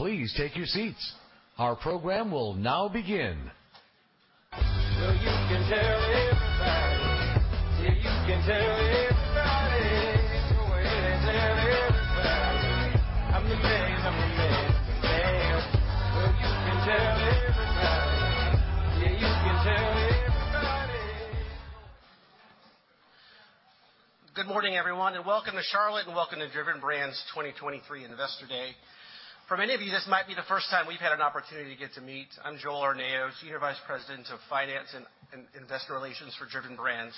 Please take your seats. Our program will now begin. Good morning, everyone, and welcome to Charlotte, and welcome to Driven Brands' 2023 Investor Day. For many of you, this might be the first time we've had an opportunity to get to meet. I'm Joel Arnao, Senior Vice President of Finance and Investor Relations for Driven Brands.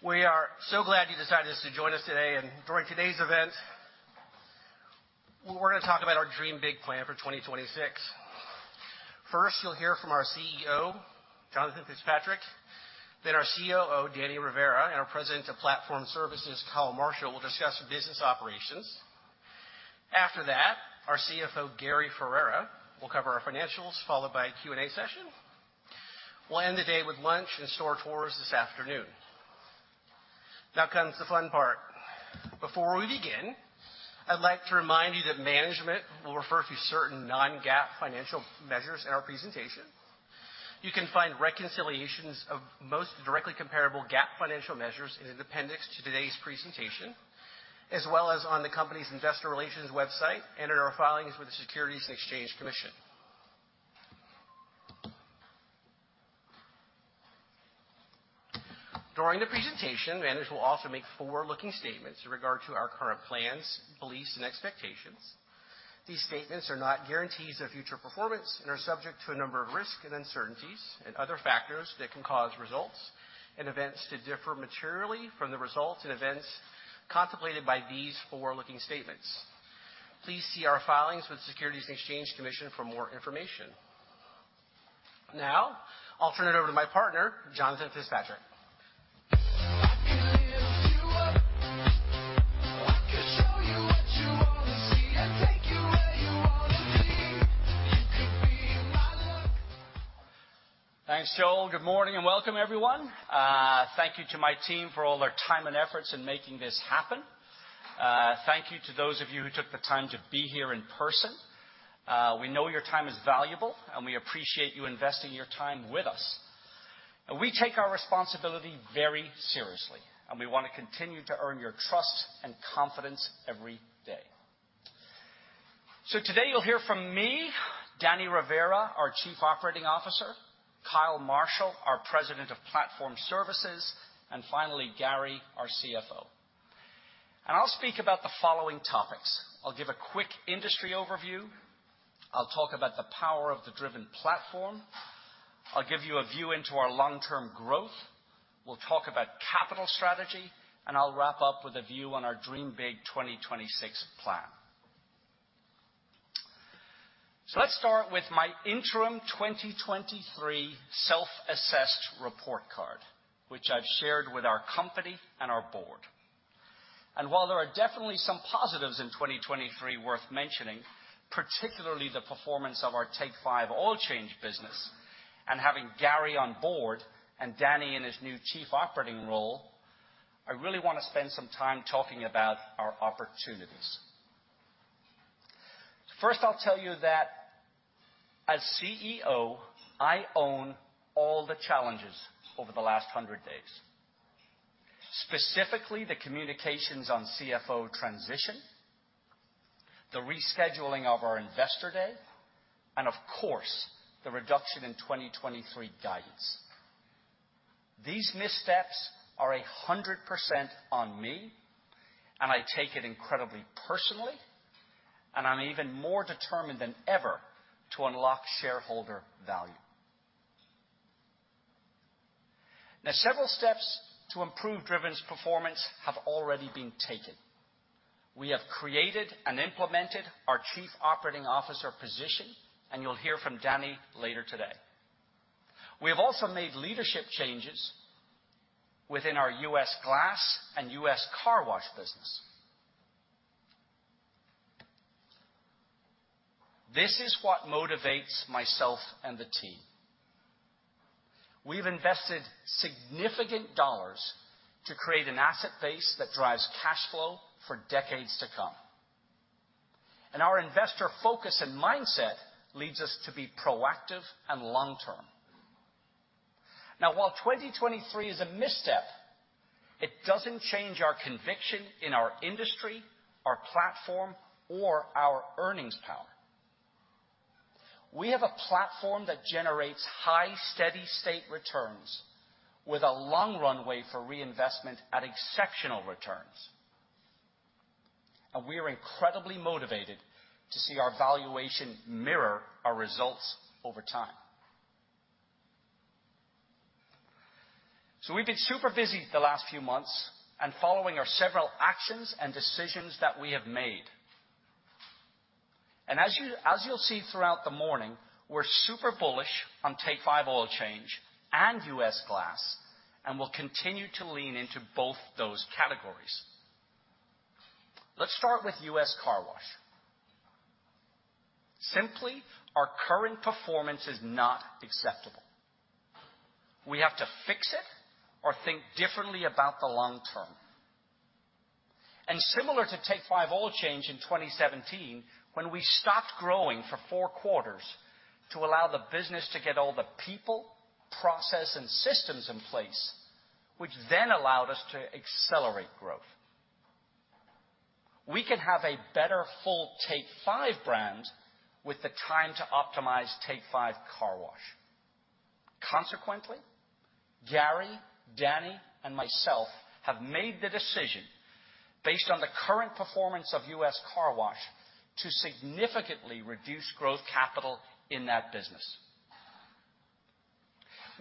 We are so glad you decided to join us today, and during today's event, we're gonna talk about our Dream Big plan for 2026. First, you'll hear from our CEO, Jonathan Fitzpatrick, then our COO, Danny Rivera, and our President of Platform Services, Kyle Marshall, will discuss business operations. After that, our CFO, Gary Ferrera, will cover our financials, followed by a Q&A session. We'll end the day with lunch and store tours this afternoon. Now comes the fun part. Before we begin, I'd like to remind you that management will refer to certain non-GAAP financial measures in our presentation. You can find reconciliations of most directly comparable GAAP financial measures in an appendix to today's presentation, as well as on the company's investor relations website and in our filings with the Securities and Exchange Commission. During the presentation, managers will also make forward-looking statements in regard to our current plans, beliefs, and expectations. These statements are not guarantees of future performance and are subject to a number of risks and uncertainties and other factors that can cause results and events to differ materially from the results and events contemplated by these forward-looking statements. Please see our filings with the Securities and Exchange Commission for more information. Now, I'll turn it over to my partner, Jonathan Fitzpatrick. Thanks, Joel. Good morning and welcome, everyone. Thank you to my team for all their time and efforts in making this happen. Thank you to those of you who took the time to be here in person. We know your time is valuable, and we appreciate you investing your time with us. And we take our responsibility very seriously, and we wanna continue to earn your trust and confidence every day. So today you'll hear from me, Danny Rivera, our Chief Operating Officer, Kyle Marshall, our President of Platform Services, and finally, Gary, our CFO. And I'll speak about the following topics: I'll give a quick industry overview, I'll talk about the power of the Driven platform, I'll give you a view into our long-term growth, we'll talk about capital strategy, and I'll wrap up with a view on our Dream Big 2026 plan. So let's start with my interim 2023 self-assessed report card, which I've shared with our company and our board. While there are definitely some positives in 2023 worth mentioning, particularly the performance of our Take 5 Oil Change business, and having Gary on board and Danny in his new chief operating role, I really wanna spend some time talking about our opportunities. First, I'll tell you that as CEO, I own all the challenges over the last 100 days, specifically the communications on CFO transition, the rescheduling of our Investor Day, and of course, the reduction in 2023 guidance. These missteps are 100% on me, and I take it incredibly personally, and I'm even more determined than ever to unlock shareholder value. Now, several steps to improve Driven's performance have already been taken. We have created and implemented our Chief Operating Officer position, and you'll hear from Danny later today. We have also made leadership changes within our U.S. glass and U.S. Car Wash business. This is what motivates myself and the team. We've invested significant dollars to create an asset base that drives cash flow for decades to come, and our investor focus and mindset leads us to be proactive and long-term. Now, while 2023 is a misstep, it doesn't change our conviction in our industry, our platform, or our earnings power. We have a platform that generates high, steady state returns with a long runway for reinvestment at exceptional returns. And we are incredibly motivated to see our valuation mirror our results over time. So we've been super busy the last few months and following are several actions and decisions that we have made. As you'll see throughout the morning, we're super bullish on Take 5 Oil Change and U.S. glass, and we'll continue to lean into both those categories. Let's start with ..Simply, our current performance is not acceptable. We have to fix it or think differently about the long term. Similar to Take 5 Oil Change in 2017, when we stopped growing for four quarters to allow the business to get all the people, process, and systems in place, which then allowed us to accelerate growth. We can have a better full Take 5 brand with the time to optimize Take 5 Car Wash. Consequently, Gary, Danny, and myself have made the decision, based on the current performance of Take 5 Car Wash, to significantly reduce growth capital in that business.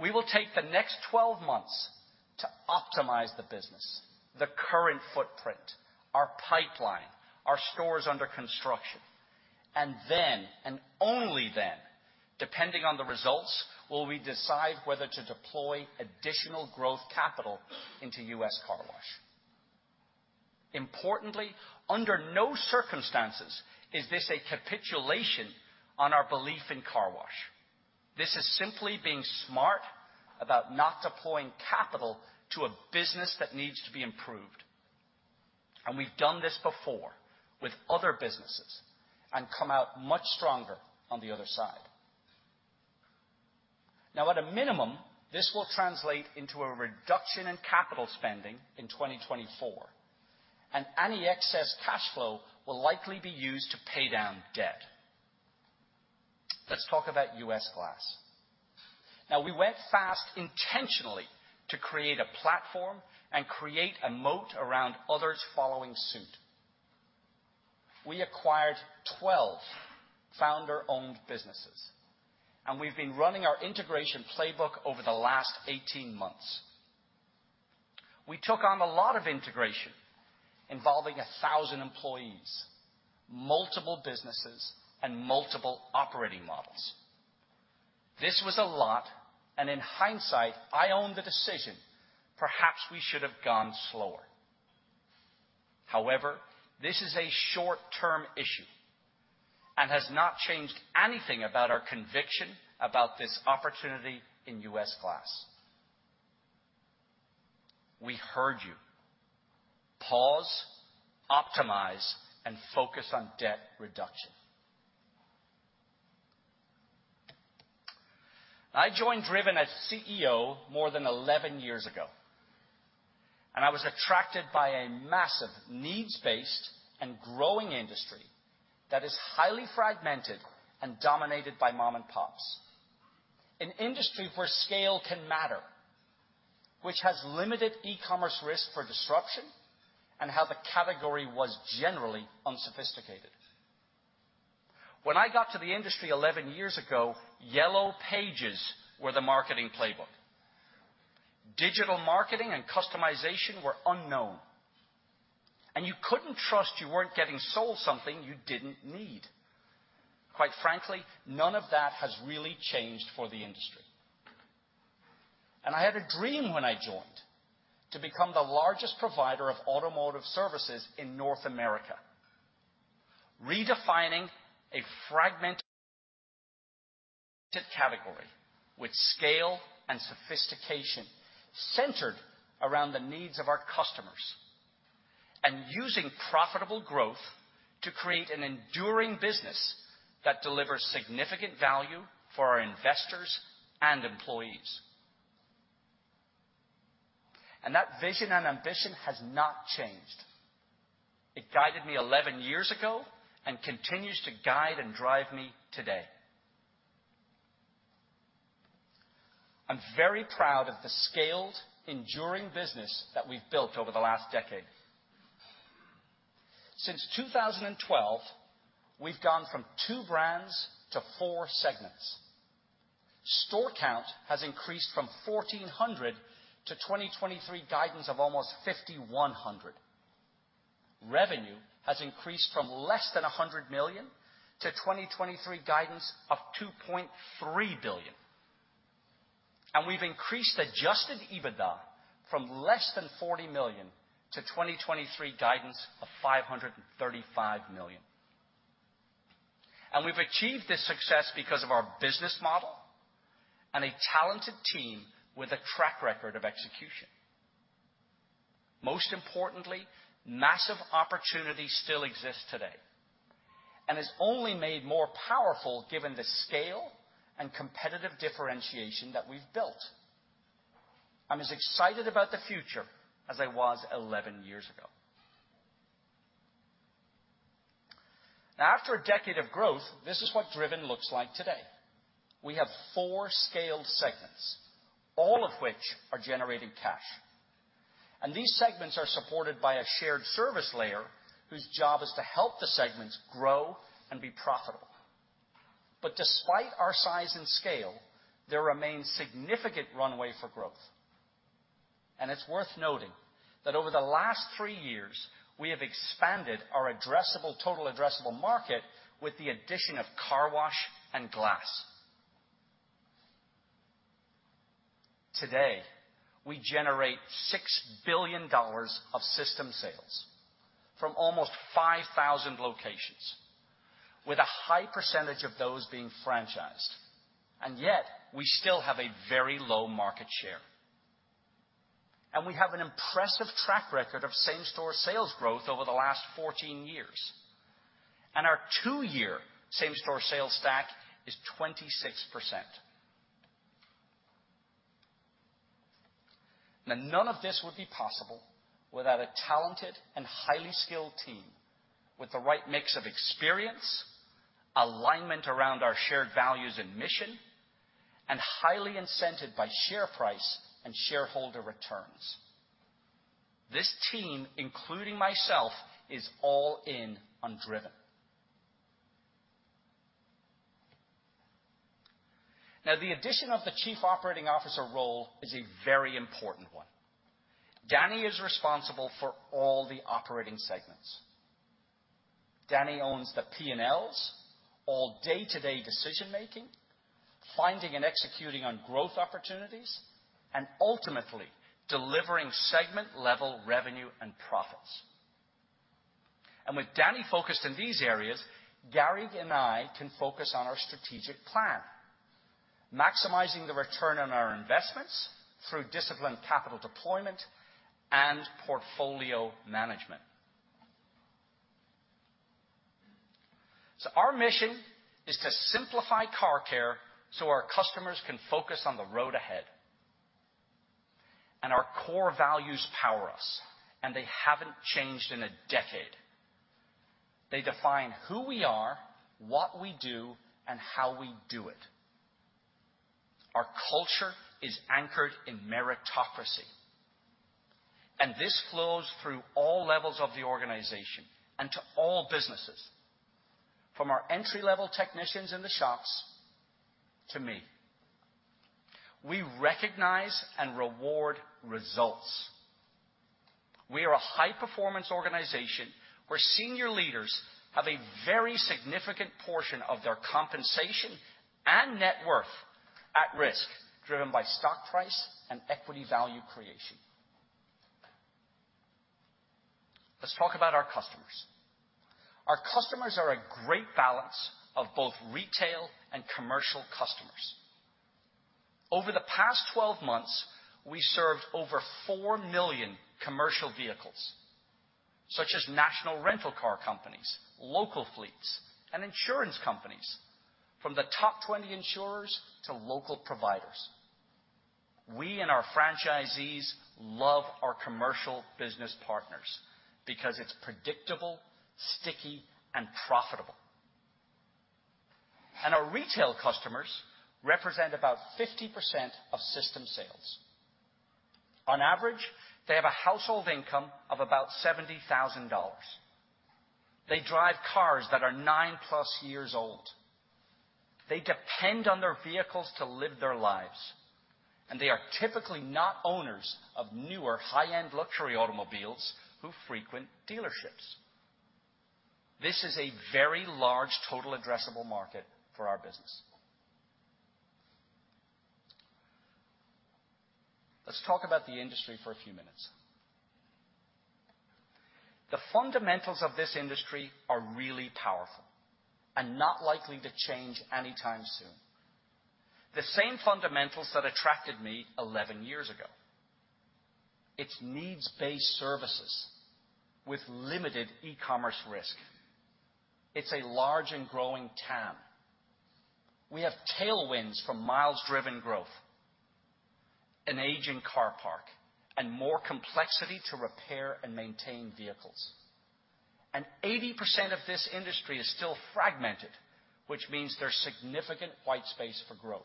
We will take the next 12 months to optimize the business, the current footprint, our pipeline, our stores under construction, and then, and only then, depending on the results, will we decide whether to deploy additional growth capital into U.S. Car Wash. Importantly, under no circumstances is this a capitulation on our belief in car wash. This is simply being smart about not deploying capital to a business that needs to be improved, and we've done this before with other businesses and come out much stronger on the other side. Now, at a minimum, this will translate into a reduction in capital spending in 2024, and any excess cash flow will likely be used to pay down debt. Let's talk about U.S. glass. Now, we went fast intentionally to create a platform and create a moat around others following suit. We acquired 12 founder-owned businesses, and we've been running our integration playbook over the last 18 months. We took on a lot of integration involving 1,000 employees, multiple businesses, and multiple operating models. This was a lot, and in hindsight, I own the decision, perhaps we should have gone slower. However, this is a short-term issue and has not changed anything about our conviction about this opportunity in U.S. glass. We heard you. Pause, optimize, and focus on debt reduction. I joined Driven as CEO more than 11 years ago, and I was attracted by a massive needs-based and growing industry that is highly fragmented and dominated by mom-and-pops. An industry where scale can matter, which has limited e-commerce risk for disruption, and how the category was generally unsophisticated. When I got to the industry 11 years ago, Yellow Pages were the marketing playbook. Digital marketing and customization were unknown, and you couldn't trust you weren't getting sold something you didn't need. Quite frankly, none of that has really changed for the industry. I had a dream when I joined to become the largest provider of automotive services in North America, redefining a fragmented category with scale and sophistication centered around the needs of our customers, and using profitable growth to create an enduring business that delivers significant value for our investors and employees. That vision and ambition has not changed. It guided me 11 years ago and continues to guide and drive me today. I'm very proud of the scaled, enduring business that we've built over the last decade. Since 2012, we've gone from two brands to four segments. Store count has increased from 1,400 to 2023 guidance of almost 5,100. Revenue has increased from less than $100 million to 2023 guidance of $2.3 billion. We've increased adjusted EBITDA from less than $40 million to 2023 guidance of $535 million. We've achieved this success because of our business model and a talented team with a track record of execution. Most importantly, massive opportunity still exists today and is only made more powerful given the scale and competitive differentiation that we've built. I'm as excited about the future as I was 11 years ago. Now, after a decade of growth, this is what Driven looks like today. We have four scaled segments, all of which are generating cash, and these segments are supported by a shared service layer, whose job is to help the segments grow and be profitable. But despite our size and scale, there remains significant runway for growth, and it's worth noting that over the last three years, we have expanded our addressable, total addressable market with the addition of car wash and glass. Today, we generate $6 billion of system sales from almost 5,000 locations, with a high percentage of those being franchised, and yet we still have a very low market share. And we have an impressive track record of same-store sales growth over the last 14 years, and our two-year same-store sales stack is 26%. Now, none of this would be possible without a talented and highly skilled team with the right mix of experience, alignment around our shared values and mission, and highly incented by share price and shareholder returns. This team, including myself, is all in on Driven. Now, the addition of the Chief Operating Officer role is a very important one. Danny is responsible for all the operating segments. Danny owns the P&Ls, all day-to-day decision making, finding and executing on growth opportunities, and ultimately, delivering segment-level revenue and profits. With Danny focused in these areas, Gary and I can focus on our strategic plan, maximizing the return on our investments through disciplined capital deployment and portfolio management. Our mission is to simplify car care so our customers can focus on the road ahead. Our core values power us, and they haven't changed in a decade. They define who we are, what we do, and how we do it. Our culture is anchored in meritocracy, and this flows through all levels of the organization and to all businesses, from our entry-level technicians in the shops to me. We recognize and reward results. We are a high-performance organization, where senior leaders have a very significant portion of their compensation and net worth at risk, driven by stock price and equity value creation. Let's talk about our customers. Our customers are a great balance of both retail and commercial customers. Over the past 12 months, we served over 4 million commercial vehicles, such as national rental car companies, local fleets, and insurance companies, from the top 20 insurers to local providers. We and our franchisees love our commercial business partners because it's predictable, sticky, and profitable. Our retail customers represent about 50% of system sales. On average, they have a household income of about $70,000. They drive cars that are 9+ years old. They depend on their vehicles to live their lives, and they are typically not owners of newer, high-end luxury automobiles who frequent dealerships. This is a very large total addressable market for our business. Let's talk about the industry for a few minutes. The fundamentals of this industry are really powerful and not likely to change anytime soon, the same fundamentals that attracted me 11 years ago. It's needs-based services with limited e-commerce risk. It's a large and growing TAM. We have tailwinds from miles-driven growth, an aging car park, and more complexity to repair and maintain vehicles. 80% of this industry is still fragmented, which means there's significant white space for growth.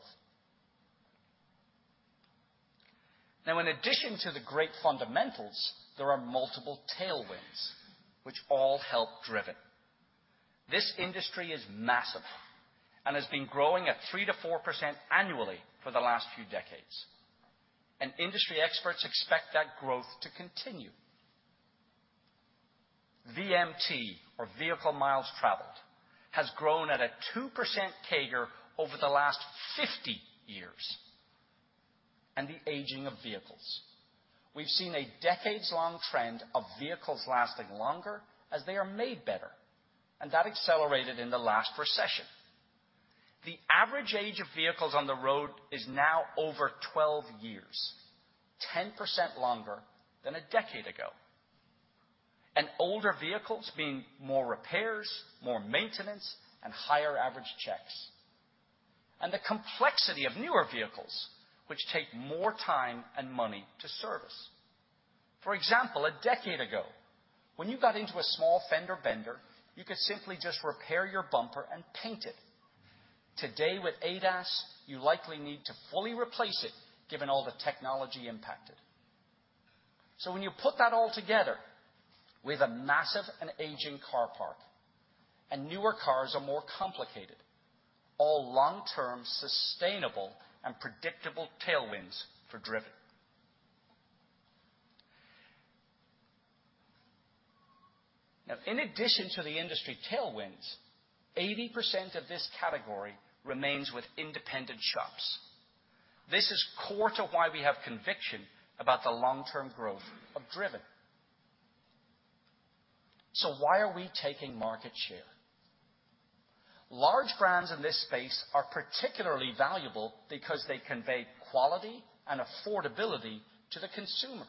Now, in addition to the great fundamentals, there are multiple tailwinds, which all help Driven. This industry is massive and has been growing at 3%-4% annually for the last few decades, and industry experts expect that growth to continue. VMT, or vehicle miles traveled, has grown at a 2% CAGR over the last 50 years. The aging of vehicles. We've seen a decades-long trend of vehicles lasting longer as they are made better, and that accelerated in the last recession. The average age of vehicles on the road is now over 12 years, 10% longer than a decade ago, and older vehicles mean more repairs, more maintenance, and higher average checks. The complexity of newer vehicles, which take more time and money to service. For example, a decade ago, when you got into a small fender bender, you could simply just repair your bumper and paint it. Today, with ADAS, you likely need to fully replace it, given all the technology impacted. So when you put that all together, we have a massive and aging car park, and newer cars are more complicated, all long-term, sustainable, and predictable tailwinds for Driven. Now, in addition to the industry tailwinds, 80% of this category remains with independent shops. This is core to why we have conviction about the long-term growth of Driven. So why are we taking market share? Large brands in this space are particularly valuable because they convey quality and affordability to the consumer.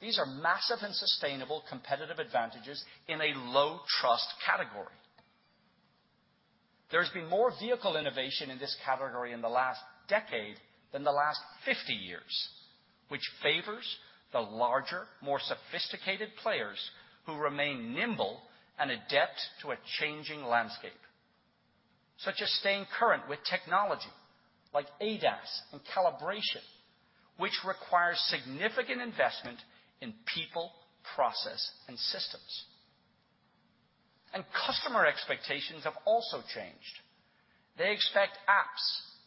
These are massive and sustainable competitive advantages in a low trust category. There's been more vehicle innovation in this category in the last decade than the last 50 years, which favors the larger, more sophisticated players, who remain nimble and adept to a changing landscape, such as staying current with technology, like ADAS and calibration, which requires significant investment in people, process, and systems. Customer expectations have also changed. They expect apps,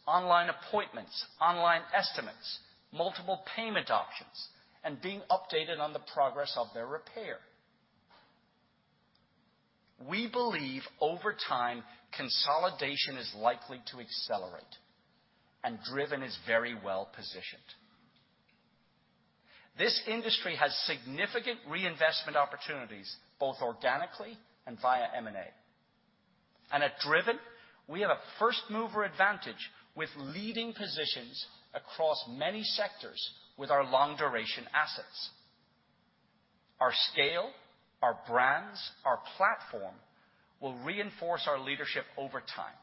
online appointments, online estimates, multiple payment options, and being updated on the progress of their repair. We believe over time, consolidation is likely to accelerate, and Driven is very well positioned. This industry has significant reinvestment opportunities, both organically and via M&A. At Driven, we have a first-mover advantage with leading positions across many sectors with our long-duration assets. Our scale, our brands, our platform, will reinforce our leadership over time.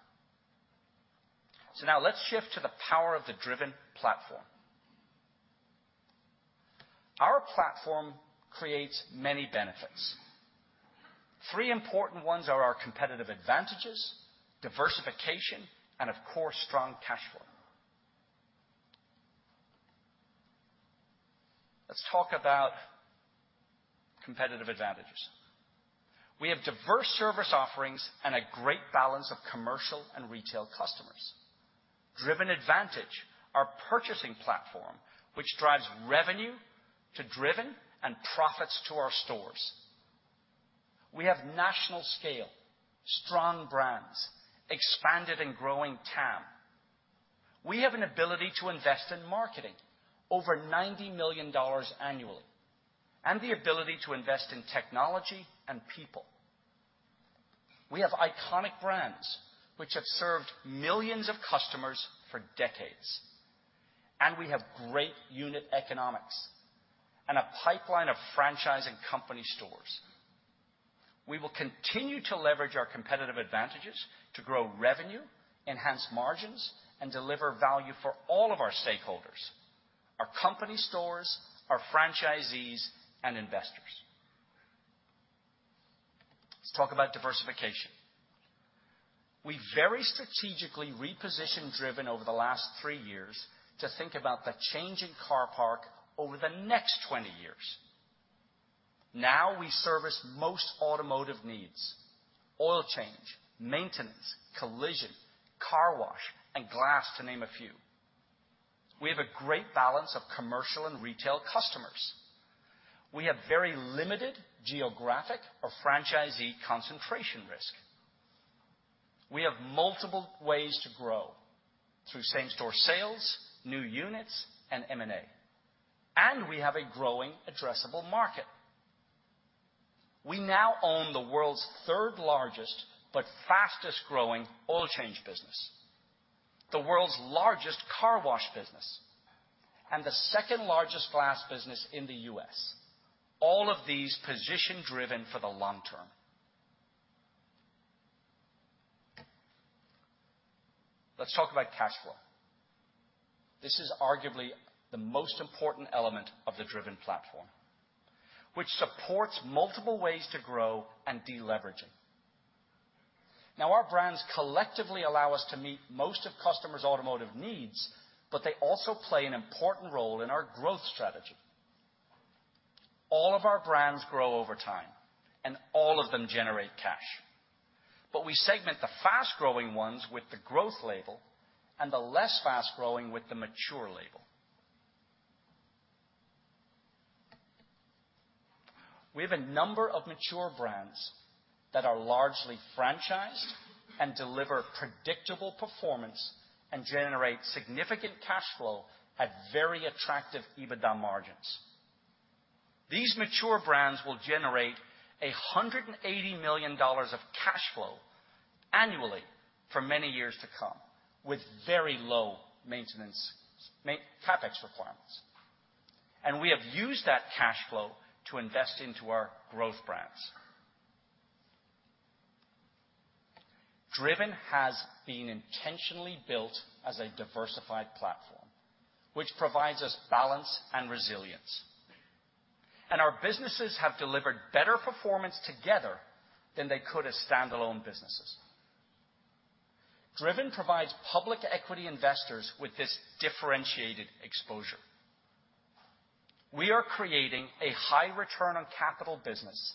Now let's shift to the power of the Driven platform. Our platform creates many benefits. Three important ones are our competitive advantages, diversification, and, of course, strong cash flow. Let's talk about competitive advantages. We have diverse service offerings and a great balance of commercial and retail customers. Driven Advantage, our purchasing platform, which drives revenue to Driven and profits to our stores. We have national scale, strong brands, expanded and growing TAM. We have an ability to invest in marketing, over $90 million annually, and the ability to invest in technology and people. We have iconic brands, which have served millions of customers for decades, and we have great unit economics and a pipeline of franchise and company stores. We will continue to leverage our competitive advantages to grow revenue, enhance margins, and deliver value for all of our stakeholders, our company stores, our franchisees, and investors. Let's talk about diversification. We very strategically repositioned Driven over the last three years to think about the changing car park over the next 20 years. Now, we service most automotive needs, oil change, maintenance, collision, car wash, and glass, to name a few. We have a great balance of commercial and retail customers. We have very limited geographic or franchisee concentration risk. We have multiple ways to grow through same-store sales, new units, and M&A, and we have a growing addressable market. We now own the world's third-largest but fastest-growing oil change business, the world's largest car wash business, and the second-largest glass business in the U.S. All of these position Driven for the long term. Let's talk about cash flow. This is arguably the most important element of the Driven platform, which supports multiple ways to grow and deleveraging. Now, our brands collectively allow us to meet most of customers' automotive needs, but they also play an important role in our growth strategy. All of our brands grow over time, and all of them generate cash. But we segment the fast-growing ones with the growth label and the less fast-growing with the mature label. We have a number of mature brands that are largely franchised and deliver predictable performance and generate significant cash flow at very attractive EBITDA margins. These mature brands will generate $180 million of cash flow annually for many years to come, with very low maintenance CapEx requirements, and we have used that cash flow to invest into our growth brands. Driven has been intentionally built as a diversified platform, which provides us balance and resilience, and our businesses have delivered better performance together than they could as standalone businesses. Driven provides public equity investors with this differentiated exposure. We are creating a high return on capital business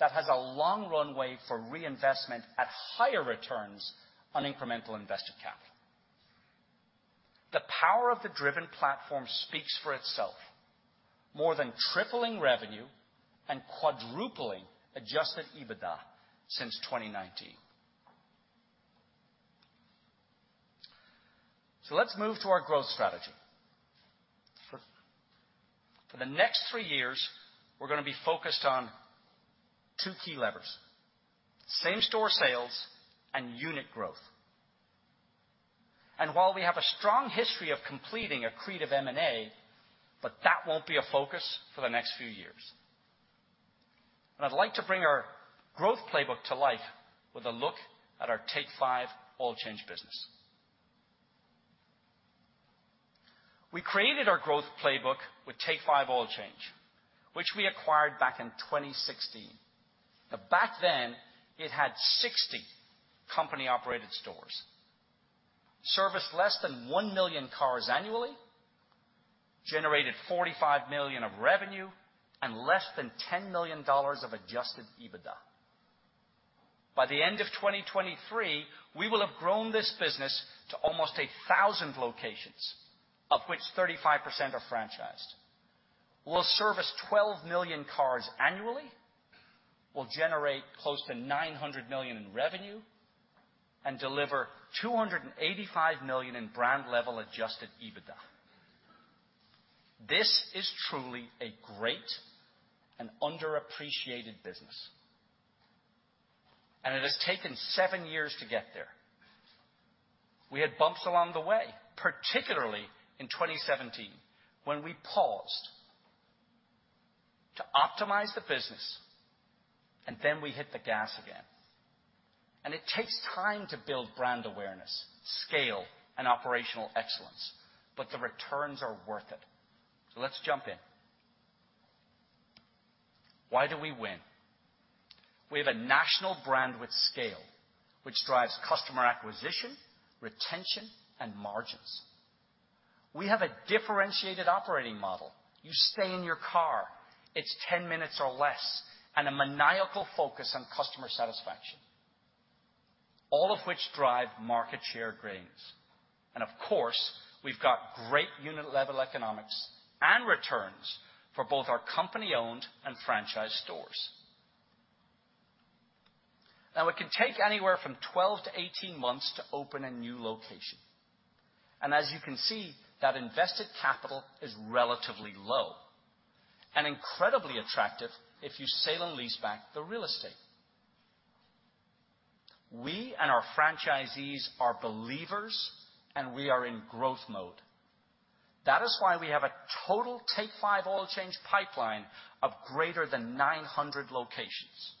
that has a long runway for reinvestment at higher returns on incremental invested capital. The power of the Driven platform speaks for itself, more than tripling revenue and quadrupling adjusted EBITDA since 2019. So let's move to our growth strategy. For the next three years, we're gonna be focused on two key levers, same-store sales and unit growth. While we have a strong history of completing accretive M&A, but that won't be a focus for the next few years. I'd like to bring our growth playbook to life with a look at our Take 5 Oil Change business. We created our growth playbook with Take 5 Oil Change, which we acquired back in 2016. Now back then, it had 60 company-operated stores, serviced less than 1 million cars annually, generated $45 million of revenue, and less than $10 million of adjusted EBITDA. By the end of 2023, we will have grown this business to almost 1,000 locations, of which 35% are franchised. We'll service 12 million cars annually, we'll generate close to $900 million in revenue, and deliver $285 million in brand-level adjusted EBITDA. This is truly a great and underappreciated business, and it has taken seven years to get there. We had bumps along the way, particularly in 2017, when we paused to optimize the business, and then we hit the gas again. It takes time to build brand awareness, scale, and operational excellence, but the returns are worth it. Let's jump in. Why do we win? We have a national brand with scale, which drives customer acquisition, retention, and margins. We have a differentiated operating model. You stay in your car, it's 10 minutes or less, and a maniacal focus on customer satisfaction, all of which drive market share gains. Of course, we've got great unit-level economics and returns for both our company-owned and franchise stores. Now, it can take anywhere from 12-18 months to open a new location, and as you can see, that invested capital is relatively low and incredibly attractive if you sell and lease back the real estate. We and our franchisees are believers, and we are in growth mode. That is why we have a total Take 5 Oil Change pipeline of greater than 900 locations.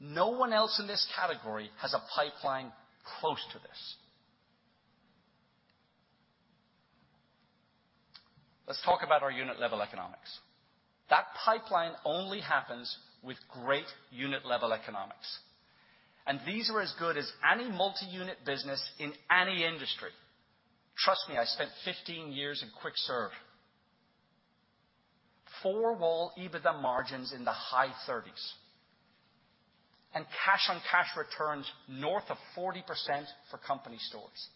No one else in this category has a pipeline close to this. Let's talk about our unit-level economics. That pipeline only happens with great unit-level economics, and these are as good as any multi-unit business in any industry. Trust me, I spent 15 years in quick serve. Four-Wall EBITDA margins in the high 30s, and cash-on-cash returns north of 40% for company stores.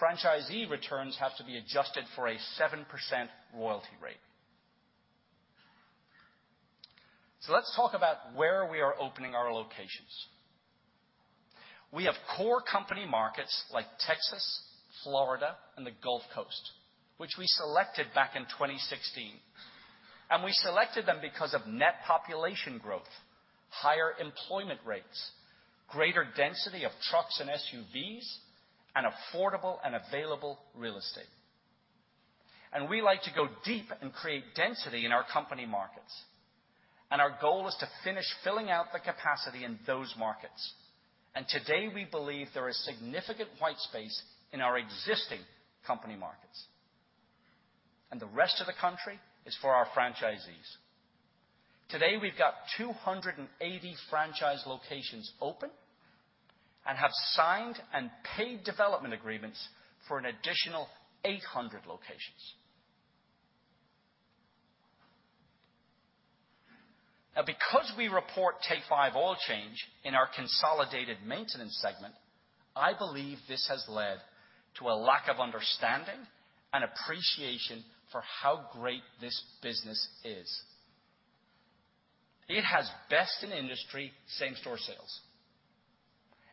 Franchisee returns have to be adjusted for a 7% royalty rate. So let's talk about where we are opening our locations. We have core company markets like Texas, Florida, and the Gulf Coast, which we selected back in 2016, and we selected them because of net population growth, higher employment rates, greater density of trucks and SUVs, and affordable and available real estate. And we like to go deep and create density in our company markets, and our goal is to finish filling out the capacity in those markets. And today, we believe there is significant white space in our existing company markets, and the rest of the country is for our franchisees. Today, we've got 280 franchise locations open and have signed and paid development agreements for an additional 800 locations. Now, because we report Take 5 Oil Change in our consolidated maintenance segment, I believe this has led to a lack of understanding and appreciation for how great this business is. It has best-in-industry same-store sales,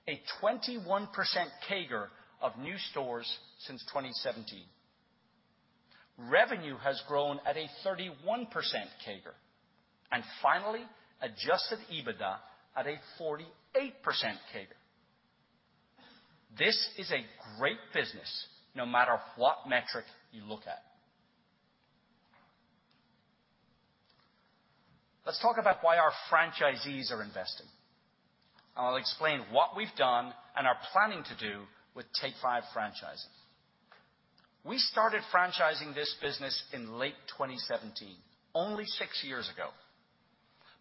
a 21% CAGR of new stores since 2017. Revenue has grown at a 31% CAGR, and finally, adjusted EBITDA at a 48% CAGR. This is a great business, no matter what metric you look at. Let's talk about why our franchisees are investing. I'll explain what we've done and are planning to do with Take 5 franchising. We started franchising this business in late 2017, only six years ago,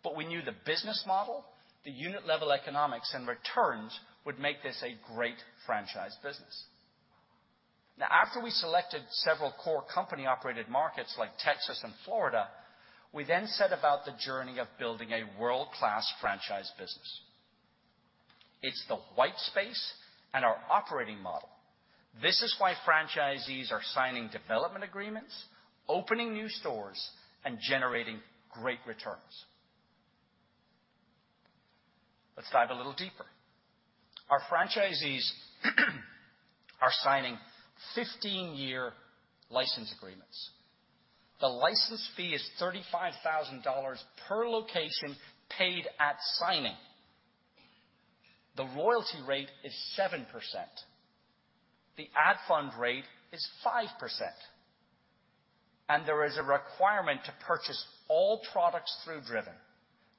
but we knew the business model, the unit-level economics, and returns would make this a great franchise business. Now, after we selected several core company-operated markets like Texas and Florida, we then set about the journey of building a world-class franchise business. It's the white space and our operating model. This is why franchisees are signing development agreements, opening new stores, and generating great returns. Let's dive a little deeper. Our franchisees are signing 15-year license agreements. The license fee is $35,000 per location, paid at signing. The royalty rate is 7%. The ad fund rate is 5%, and there is a requirement to purchase all products through Driven,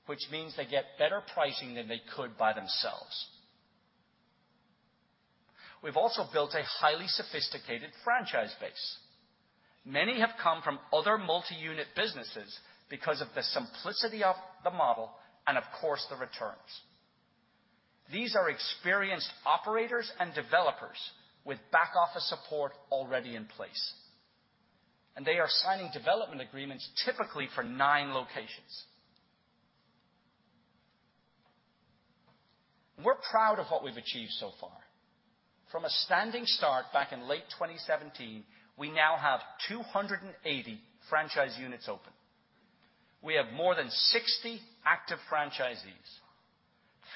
which means they get better pricing than they could by themselves. We've also built a highly sophisticated franchise base. Many have come from other multi-unit businesses because of the simplicity of the model and, of course, the returns. These are experienced operators and developers with back office support already in place, and they are signing development agreements typically for nine locations. We're proud of what we've achieved so far. From a standing start back in late 2017, we now have 280 franchise units open. We have more than 60 active franchisees.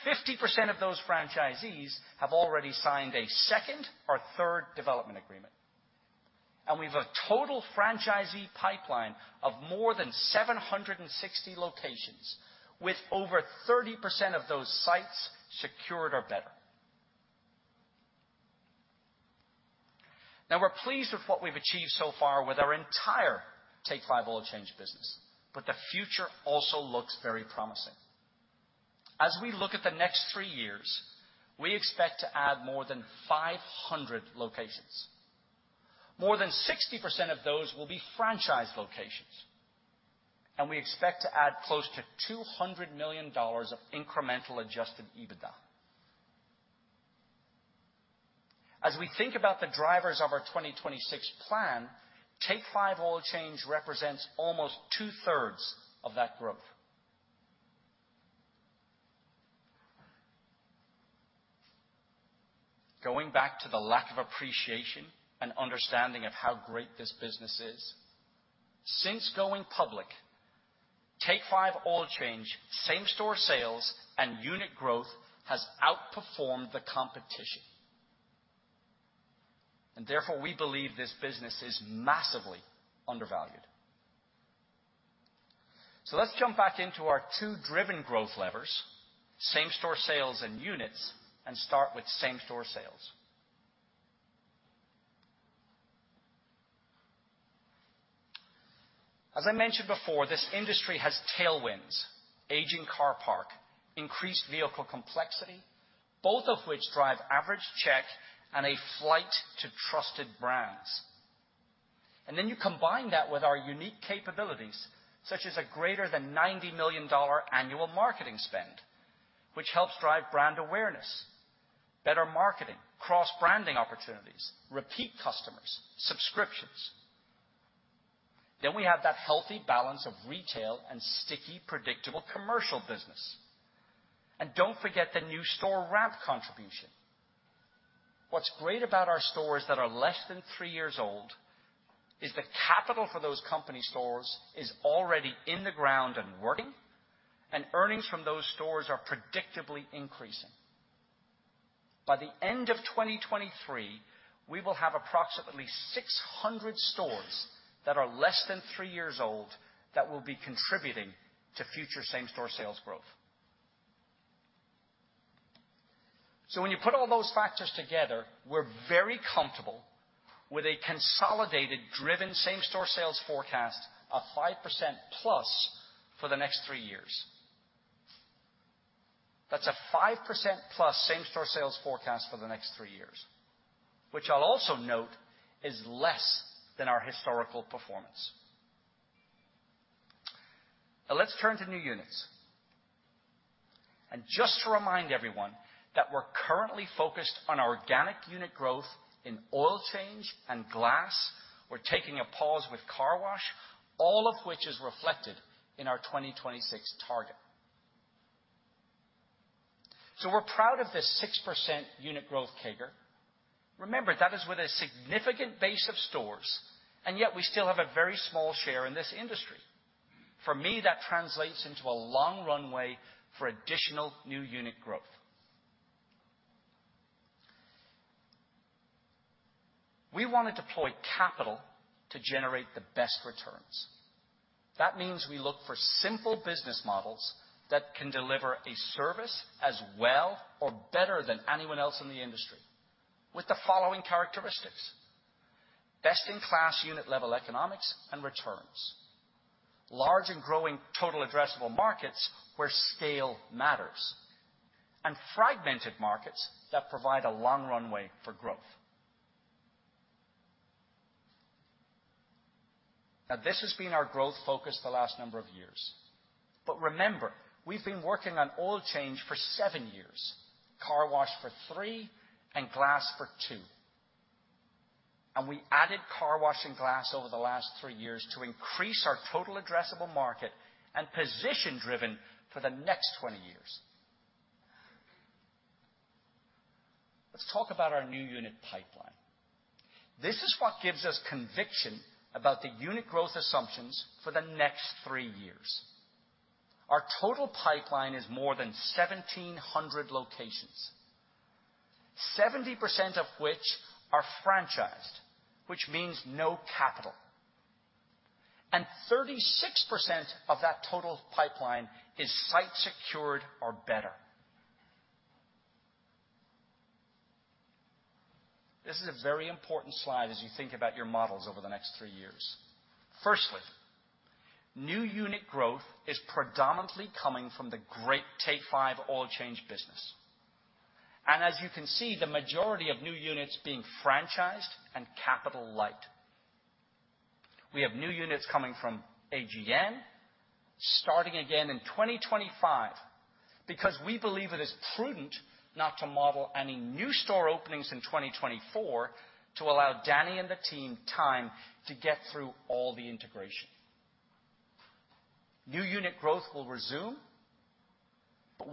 50% of those franchisees have already signed a second or third development agreement, and we have a total franchisee pipeline of more than 760 locations, with over 30% of those sites secured or better. Now, we're pleased with what we've achieved so far with our entire Take 5 Oil Change business, but the future also looks very promising. As we look at the next three years, we expect to add more than 500 locations. More than 60% of those will be franchise locations, and we expect to add close to $200 million of incremental adjusted EBITDA. As we think about the drivers of our 2026 plan, Take 5 Oil Change represents almost 2/3 of that growth. Going back to the lack of appreciation and understanding of how great this business is, since going public, Take 5 Oil Change, same-store sales and unit growth has outperformed the competition. Therefore, we believe this business is massively undervalued. Let's jump back into our two Driven growth levers, same-store sales and units, and start with same-store sales. As I mentioned before, this industry has tailwinds, aging car park, increased vehicle complexity, both of which drive average check and a flight to trusted brands. Then you combine that with our unique capabilities, such as a greater than $90 million annual marketing spend, which helps drive brand awareness, better marketing, cross-branding opportunities, repeat customers, subscriptions. We have that healthy balance of retail and sticky, predictable commercial business. Don't forget the new store ramp contribution. What's great about our stores that are less than three years old is the capital for those company stores is already in the ground and working, and earnings from those stores are predictably increasing. By the end of 2023, we will have approximately 600 stores that are less than three years old that will be contributing to future same-store sales growth. When you put all those factors together, we're very comfortable with a consolidated Driven same-store sales forecast of 5%+ for the next three years. That's a 5%+ same-store sales forecast for the next three years, which I'll also note is less than our historical performance. Now, let's turn to new units. Just to remind everyone that we're currently focused on organic unit growth in oil change and glass. We're taking a pause with car wash, all of which is reflected in our 2026 target. We're proud of this 6% unit growth CAGR. Remember, that is with a significant base of stores, and yet we still have a very small share in this industry. For me, that translates into a long runway for additional new unit growth. We want to deploy capital to generate the best returns. That means we look for simple business models that can deliver a service as well or better than anyone else in the industry with the following characteristics: best-in-class unit-level economics and returns, large and growing total addressable markets where scale matters, and fragmented markets that provide a long runway for growth. Now, this has been our growth focus the last number of years, but remember, we've been working on oil change for seven years, car wash for three, and glass for two. We added car wash and glass over the last three years to increase our total addressable market and position Driven for the next 20 years. Let's talk about our new unit pipeline. This is what gives us conviction about the unit growth assumptions for the next three years. Our total pipeline is more than 1,700 locations, 70% of which are franchised, which means no capital, and 36% of that total pipeline is site secured or better. This is a very important slide as you think about your models over the next three years. Firstly, new unit growth is predominantly coming from the great Take 5 Oil Change business. As you can see, the majority of new units being franchised and capital light. We have new units coming from AGN, starting again in 2025, because we believe it is prudent not to model any new store openings in 2024 to allow Danny and the team time to get through all the integration. New unit growth will resume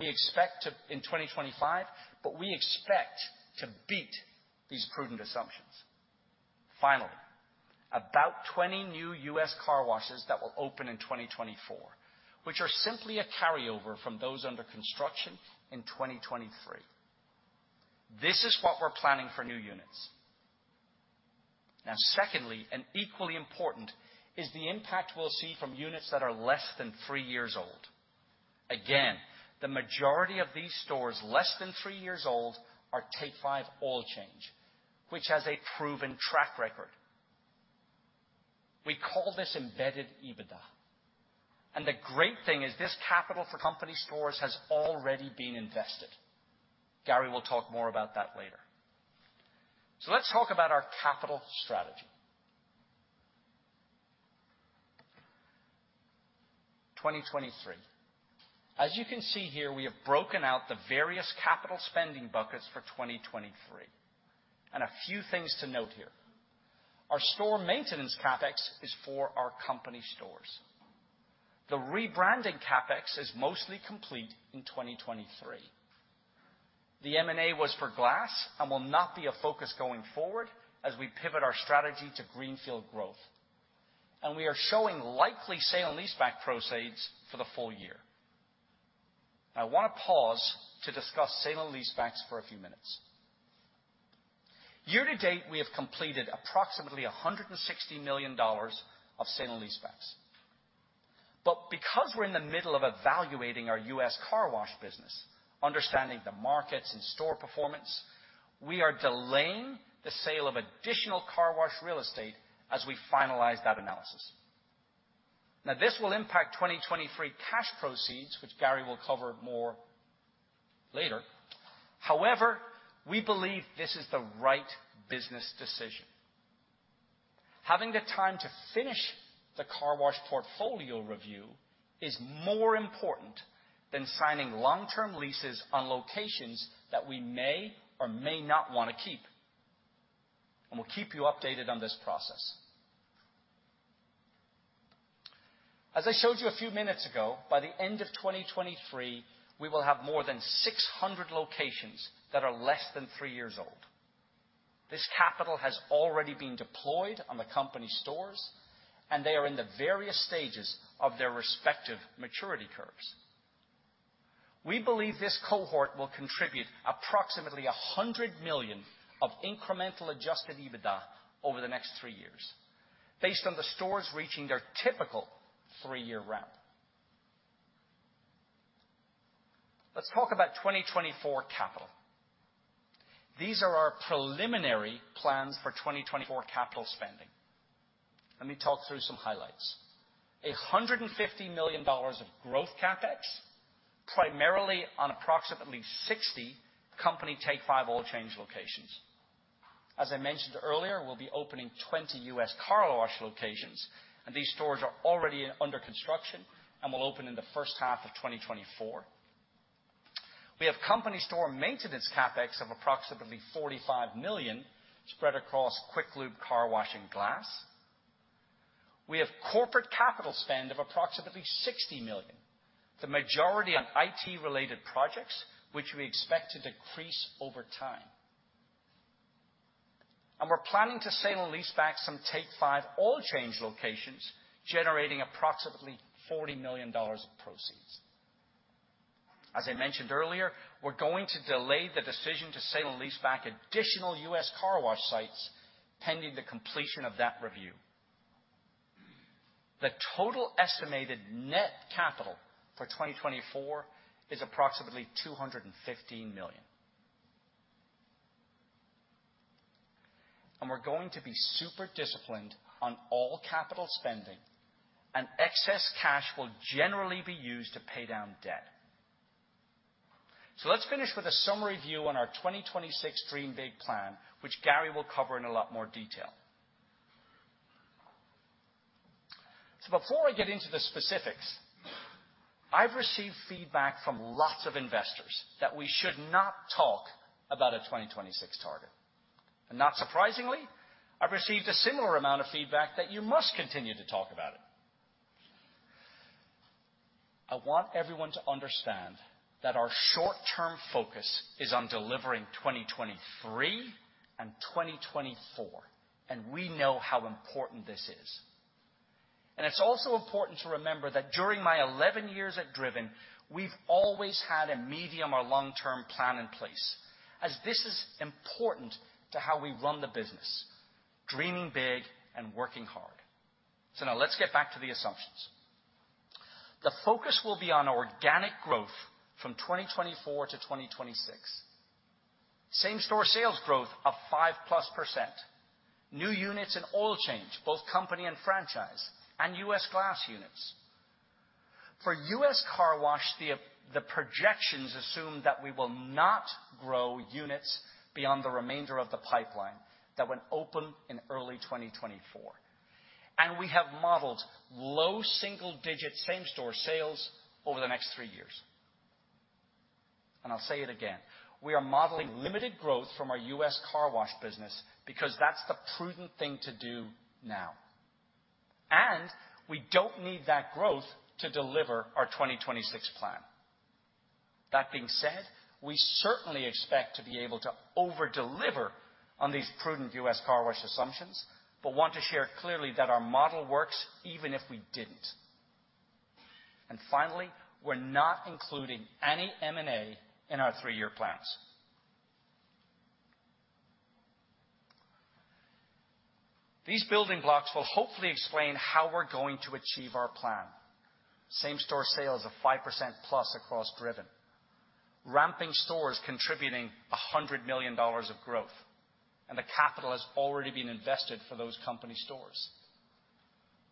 in 2025, but we expect to beat these prudent assumptions. Finally, about 20 new U.S. Car Washes that will open in 2024, which are simply a carryover from those under construction in 2023. This is what we're planning for new units. Now, secondly, and equally important, is the impact we'll see from units that are less than three years old. Again, the majority of these stores, less than three years old, are Take 5 Oil Change, which has a proven track record. We call this embedded EBITDA, and the great thing is this capital for company stores has already been invested. Gary will talk more about that later. So let's talk about our capital strategy. 2023. As you can see here, we have broken out the various capital spending buckets for 2023. And a few things to note here. Our store maintenance CapEx is for our company stores. The rebranding CapEx is mostly complete in 2023. The M&A was for glass and will not be a focus going forward as we pivot our strategy to greenfield growth. We are showing likely sale and leaseback proceeds for the full year. I want to pause to discuss sale and leasebacks for a few minutes. Year-to-date, we have completed approximately $160 million of sale and leasebacks. But because we're in the middle of evaluating our U.S. Car Wash business, understanding the markets and store performance, we are delaying the sale of additional car wash real estate as we finalize that analysis. Now, this will impact 2023 cash proceeds, which Gary will cover more later. However, we believe this is the right business decision. Having the time to finish the car wash portfolio review is more important than signing long-term leases on locations that we may or may not want to keep, and we'll keep you updated on this process. As I showed you a few minutes ago, by the end of 2023, we will have more than 600 locations that are less than three years old. This capital has already been deployed on the company stores, and they are in the various stages of their respective maturity curves. We believe this cohort will contribute approximately $100 million of incremental adjusted EBITDA over the next three years, based on the stores reaching their typical three-year ramp. Let's talk about 2024 capital. These are our preliminary plans for 2024 capital spending. Let me talk through some highlights. $150 million of growth CapEx, primarily on approximately 60 company Take 5 Oil Change locations. As I mentioned earlier, we'll be opening 20 U.S. Car Wash locations, and these stores are already under construction and will open in the first half of 2024. We have company store maintenance CapEx of approximately $45 million, spread across Quick Lube, Car Wash, and Glass. We have corporate capital spend of approximately $60 million, the majority on IT-related projects, which we expect to decrease over time. We're planning to sell and leaseback some Take 5 Oil Change locations, generating approximately $40 million of proceeds. As I mentioned earlier, we're going to delay the decision to sell and leaseback additional U.S. Car Wash sites, pending the completion of that review. The total estimated net capital for 2024 is approximately $215 million. And we're going to be super disciplined on all capital spending, and excess cash will generally be used to pay down debt. So let's finish with a summary view on our 2026 Dream Big plan, which Gary will cover in a lot more detail. So before I get into the specifics, I've received feedback from lots of investors that we should not talk about a 2026 target. And not surprisingly, I've received a similar amount of feedback that you must continue to talk about it. I want everyone to understand that our short-term focus is on delivering 2023 and 2024, and we know how important this is. And it's also important to remember that during my 11 years at Driven, we've always had a medium or long-term plan in place, as this is important to how we run the business, dreaming big and working hard. So now let's get back to the assumptions. The focus will be on organic growth from 2024 to 2026. Same-store sales growth of 5%+, new units in oil change, both company and franchise, andU.S. glass units. For U.S. Car Wash, the projections assume that we will not grow units beyond the remainder of the pipeline that will open in early 2024, and we have modeled low single-digit same-store sales over the next three years. And I'll say it again, we are modeling limited growth from our U.S. Car Wash business because that's the prudent thing to do now, and we don't need that growth to deliver our 2026 plan. That being said, we certainly expect to be able to over-deliver on these prudent U.S. Car Wash assumptions, but want to share clearly that our model works even if we didn't. Finally, we're not including any M&A in our three-year plans. These building blocks will hopefully explain how we're going to achieve our plan. Same-store sales of 5%+ across Driven, ramping stores contributing $100 million of growth, and the capital has already been invested for those company stores.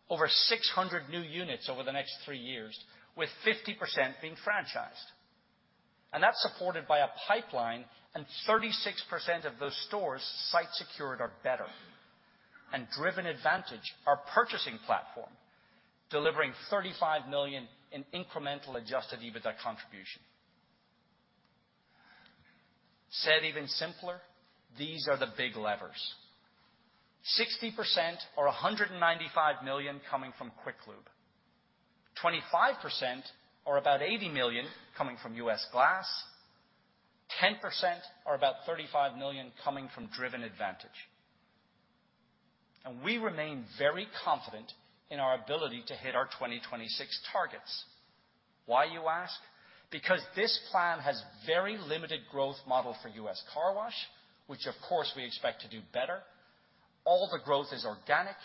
Over 600 new units over the next three years, with 50% being franchised, and that's supported by a pipeline, and 36% of those stores site secured are better. Driven Advantage, our purchasing platform, delivering $35 million in incremental adjusted EBITDA contribution. Said even simpler, these are the big levers: 60% or $195 million coming from Quick Lube, 25% or about $80 million coming from U.S. glass, 10% or about $35 million coming from Driven Advantage. We remain very confident in our ability to hit our 2026 targets. Why, you ask? Because this plan has very limited growth model for U.S. Car Wash, which of course, we expect to do better. All the growth is organic,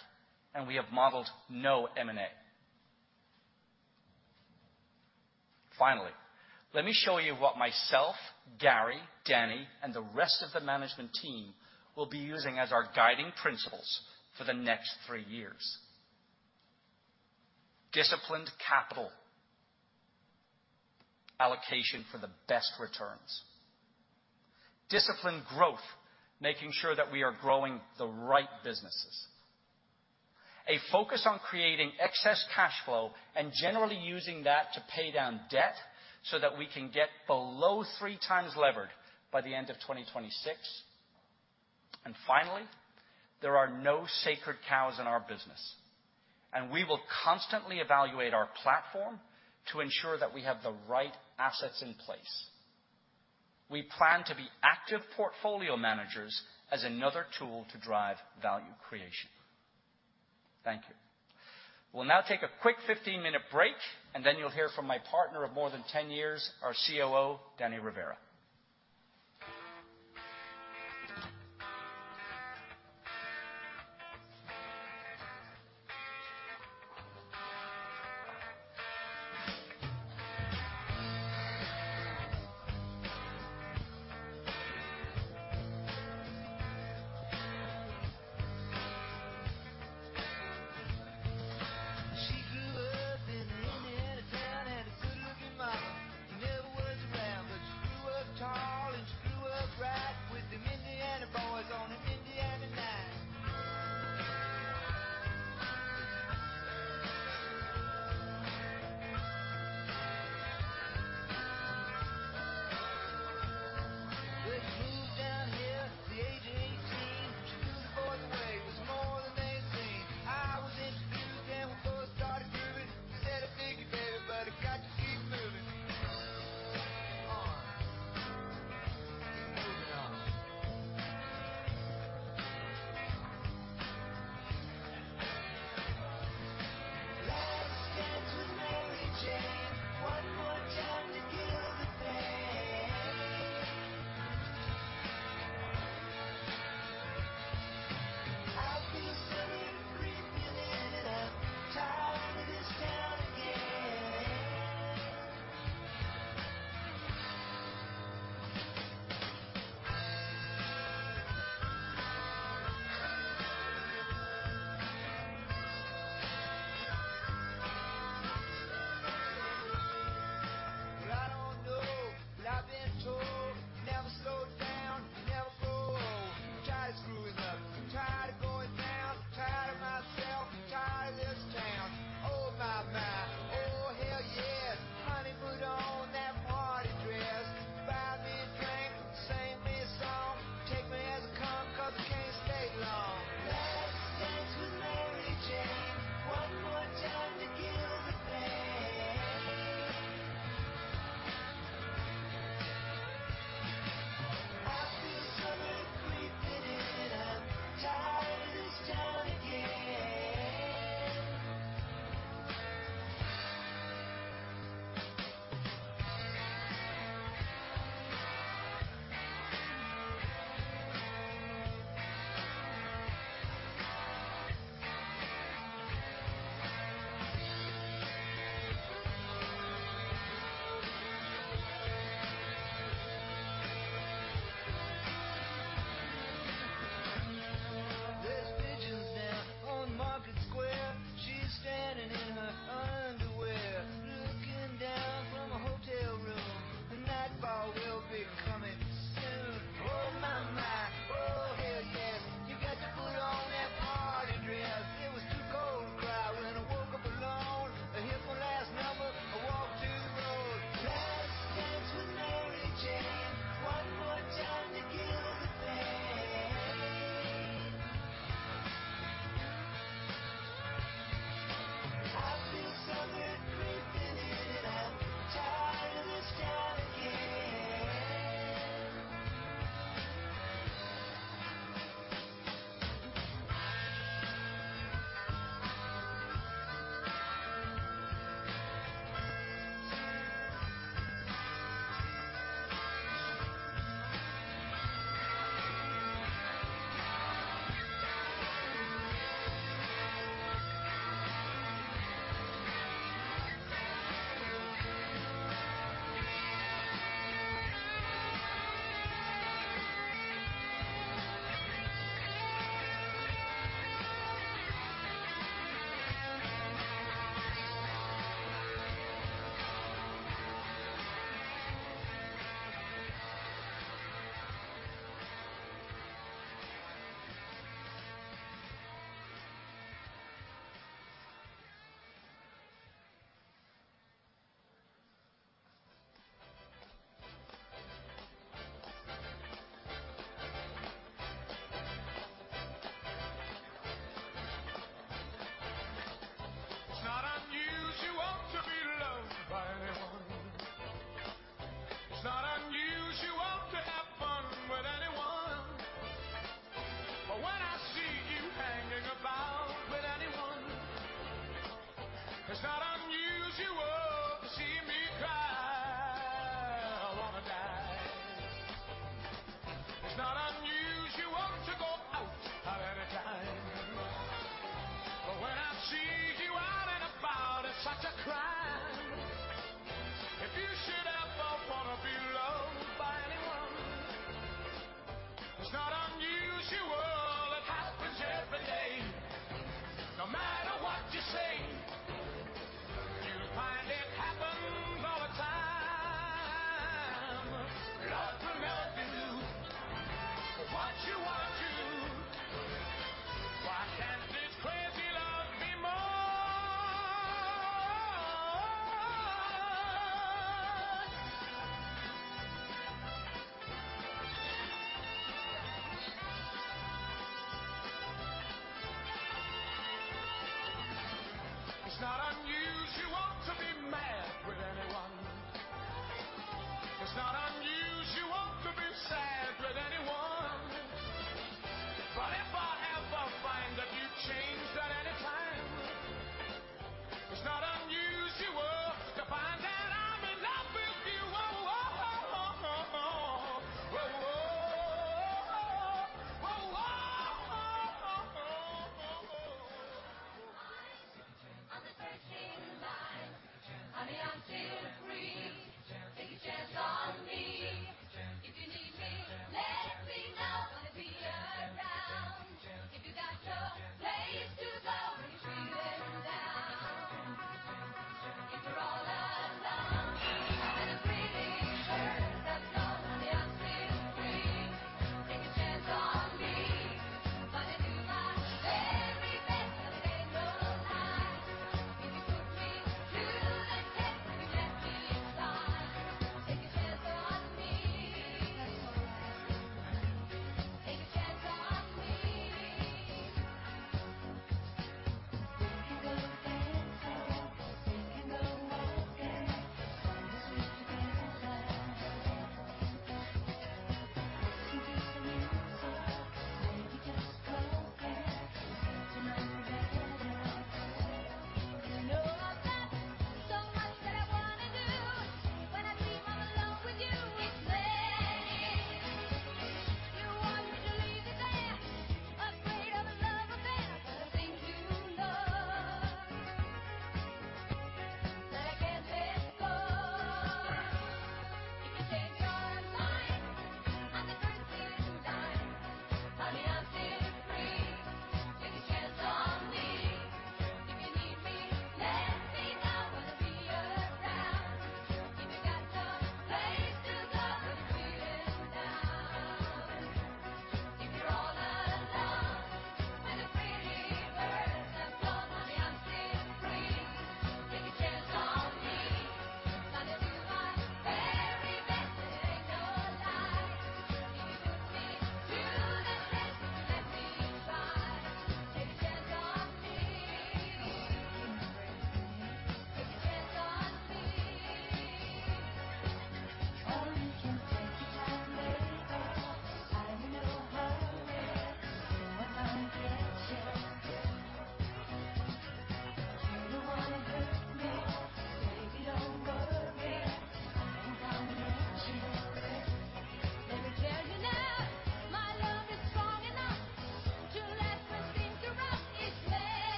and we have modeled no M&A. Finally, let me show you what myself, Gary, Danny, and the rest of the management team will be using as our guiding principles for the next three years. Disciplined capital allocation for the best returns. Disciplined growth, making sure that we are growing the right businesses. A focus on creating excess cash flow and generally using that to pay down debt so that we can get below 3x levered by the end of 2026. And finally, there are no sacred cows in our business, and we will constantly evaluate our platform to ensure that we have the right assets in place. We plan to be active portfolio managers as another tool to drive value creation. Thank you. We'll now take a quick 15-minute break, and then you'll hear from my partner of more than 10 years, our COO, Danny Rivera.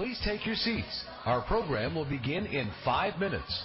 Please take your seats. Our program will begin in five minutes.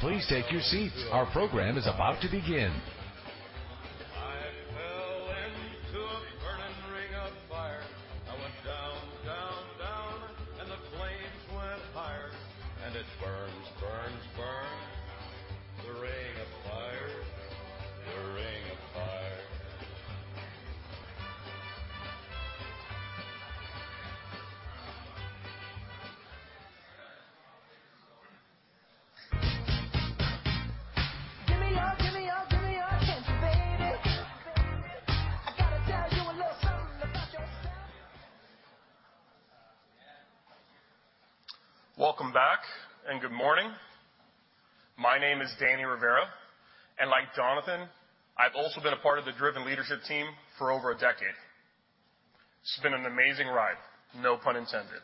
Please take your seats. Our program is about to begin. Welcome back, and good morning. My name is Danny Rivera, and like Jonathan, I've also been a part of the Driven leadership team for over a decade. It's been an amazing ride, no pun intended.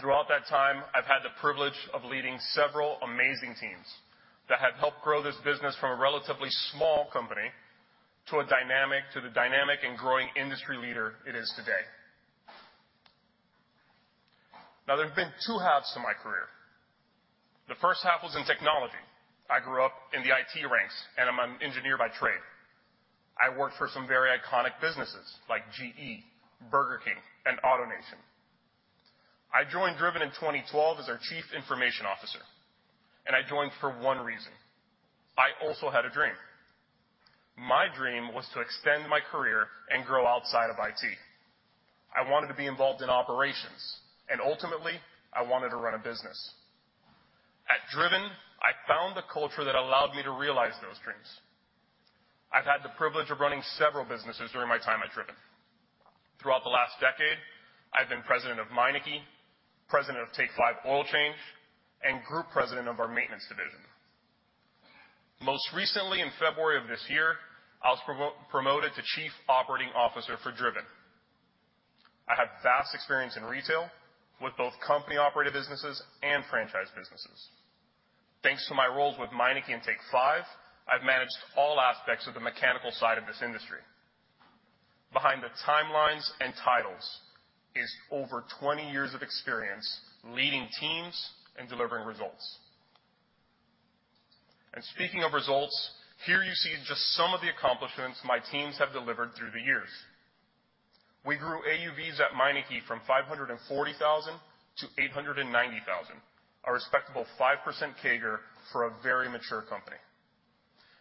Throughout that time, I've had the privilege of leading several amazing teams that have helped grow this business from a relatively small company to a dynamic, to the dynamic and growing industry leader it is today. Now, there have been 2/2 to my career. The first half was in technology. I grew up in the IT ranks, and I'm an engineer by trade. I worked for some very iconic businesses like GE, Burger King, and AutoNation. I joined Driven in 2012 as their Chief Information Officer, and I joined for one reason. I also had a dream. My dream was to extend my career and grow outside of IT. I wanted to be involved in operations, and ultimately, I wanted to run a business. At Driven, I found the culture that allowed me to realize those dreams. I've had the privilege of running several businesses during my time at Driven. Throughout the last decade, I've been President of Meineke, President of Take 5 Oil Change, and Group President of our Maintenance Division. Most recently, in February of this year, I was promoted to Chief Operating Officer for Driven. I have vast experience in retail with both company-operated businesses and franchise businesses. Thanks to my roles with Meineke and Take 5, I've managed all aspects of the mechanical side of this industry. Behind the timelines and titles is over 20 years of experience leading teams and delivering results. And speaking of results, here you see just some of the accomplishments my teams have delivered through the years. We grew AUVs at Meineke from 540,000 to 890,000, a respectable 5% CAGR for a very mature company.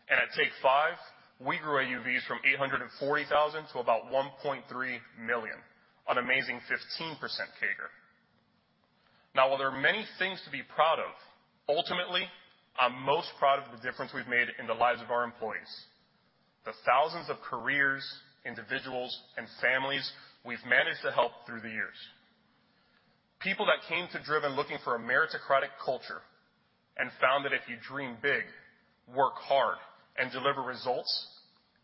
And at Take 5, we grew AUVs from 840,000 to about 1.3 million, an amazing 15% CAGR. Now, while there are many things to be proud of, ultimately, I'm most proud of the difference we've made in the lives of our employees, the thousands of careers, individuals, and families we've managed to help through the years. People that came to Driven looking for a meritocratic culture and found that if you dream big, work hard, and deliver results,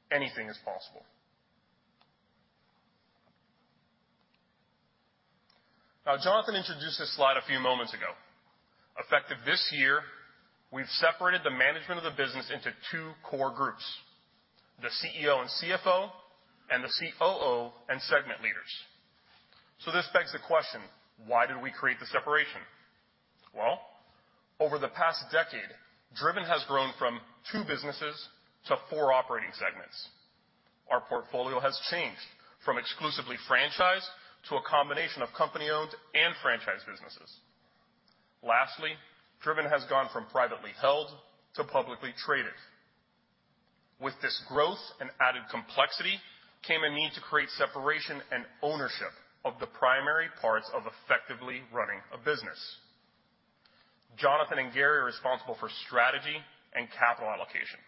anything is possible. Now, Jonathan introduced this slide a few moments ago. Effective this year, we've separated the management of the business into two core groups, the CEO and CFO, and the COO and segment leaders. This begs the question: Why did we create the separation? Well, over the past decade, Driven has grown from two businesses to four operating segments. Our portfolio has changed from exclusively franchise to a combination of company-owned and franchise businesses. Lastly, Driven has gone from privately held to publicly traded. With this growth and added complexity came a need to create separation and ownership of the primary parts of effectively running a business. Jonathan and Gary are responsible for strategy and capital allocation.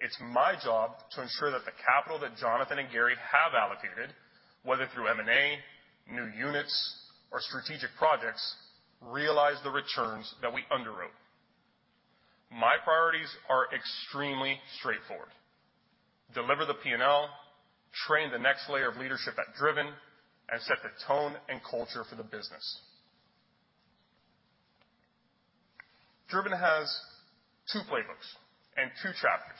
It's my job to ensure that the capital that Jonathan and Gary have allocated, whether through M&A, new units, or strategic projects, realize the returns that we underwrote. My priorities are extremely straightforward: deliver the P&L, train the next layer of leadership at Driven, and set the tone and culture for the business. Driven has two playbooks and two chapters,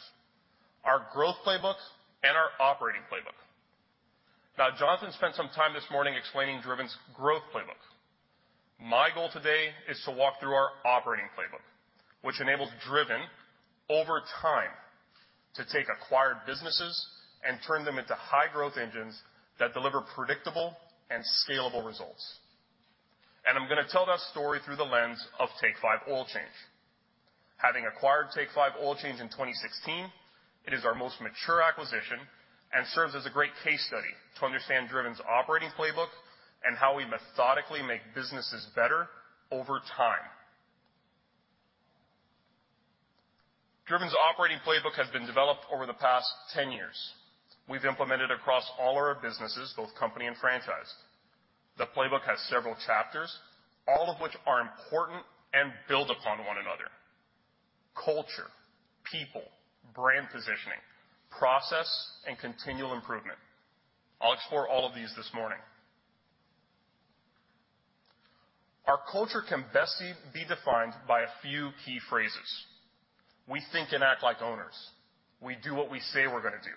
our growth playbook and our operating playbook. Jonathan spent some time this morning explaining Driven's growth playbook. My goal today is to walk through our operating playbook, which enables Driven, over time, to take acquired businesses and turn them into high-growth engines that deliver predictable and scalable results. I'm gonna tell that story through the lens of Take 5 Oil Change. Having acquired Take 5 Oil Change in 2016, it is our most mature acquisition and serves as a great case study to understand Driven's operating playbook and how we methodically make businesses better over time. Driven's operating playbook has been developed over the past 10 years. We've implemented across all our businesses, both company and franchise. The playbook has several chapters, all of which are important and build upon one another. Culture, people, brand positioning, process, and continual improvement. I'll explore all of these this morning. Our culture can best be defined by a few key phrases. We think and act like owners. We do what we say we're gonna do.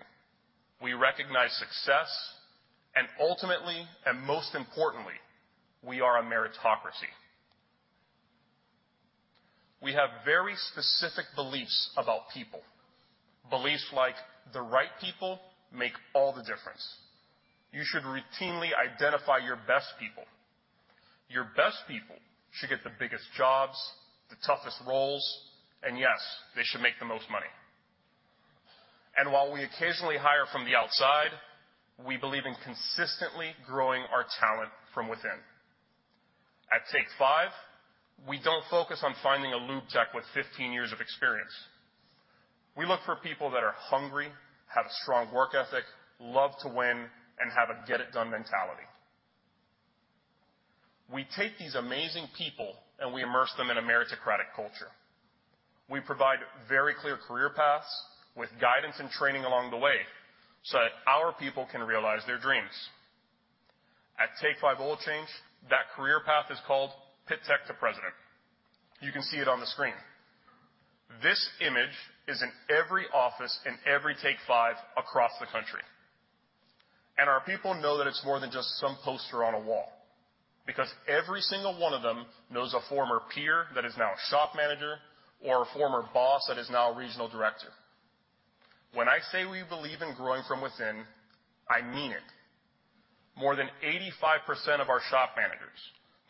We recognize success, and ultimately, and most importantly, we are a meritocracy. We have very specific beliefs about people, beliefs like the right people make all the difference. You should routinely identify your best people. Your best people should get the biggest jobs, the toughest roles, and yes, they should make the most money. While we occasionally hire from the outside, we believe in consistently growing our talent from within. At Take 5, we don't focus on finding a lube tech with 15 years of experience. We look for people that are hungry, have a strong work ethic, love to win, and have a get-it-done mentality. We take these amazing people, and we immerse them in a meritocratic culture. We provide very clear career paths with guidance and training along the way, so that our people can realize their dreams. At Take 5 Oil Change, that career path is called Pit Tech to President. You can see it on the screen. This image is in every office, in every Take 5 across the country, and our people know that it's more than just some poster on a wall, because every single one of them knows a former peer that is now a shop manager or a former boss that is now a regional director. When I say we believe in growing from within, I mean it. More than 85% of our shop managers,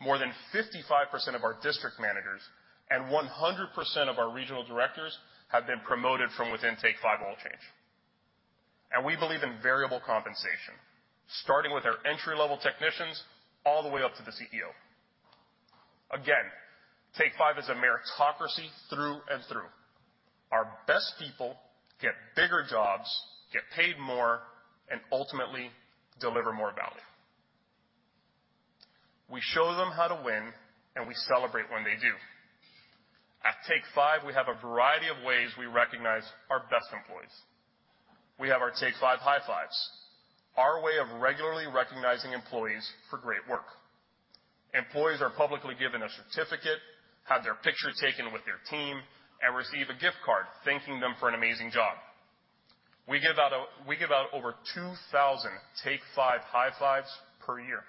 more than 55% of our district managers, and 100% of our regional directors have been promoted from within Take 5 Oil Change. We believe in variable compensation, starting with our entry-level technicians all the way up to the CEO. Take 5 is a meritocracy through and through. Our best people get bigger jobs, get paid more, and ultimately deliver more value. We show them how to win, and we celebrate when they do. At Take 5, we have a variety of ways we recognize our best employees. We have our Take 5 High Fives, our way of regularly recognizing employees for great work. Employees are publicly given a certificate, have their picture taken with their team, and receive a gift card, thanking them for an amazing job. We give out over 2,000 Take 5 High Fives per year.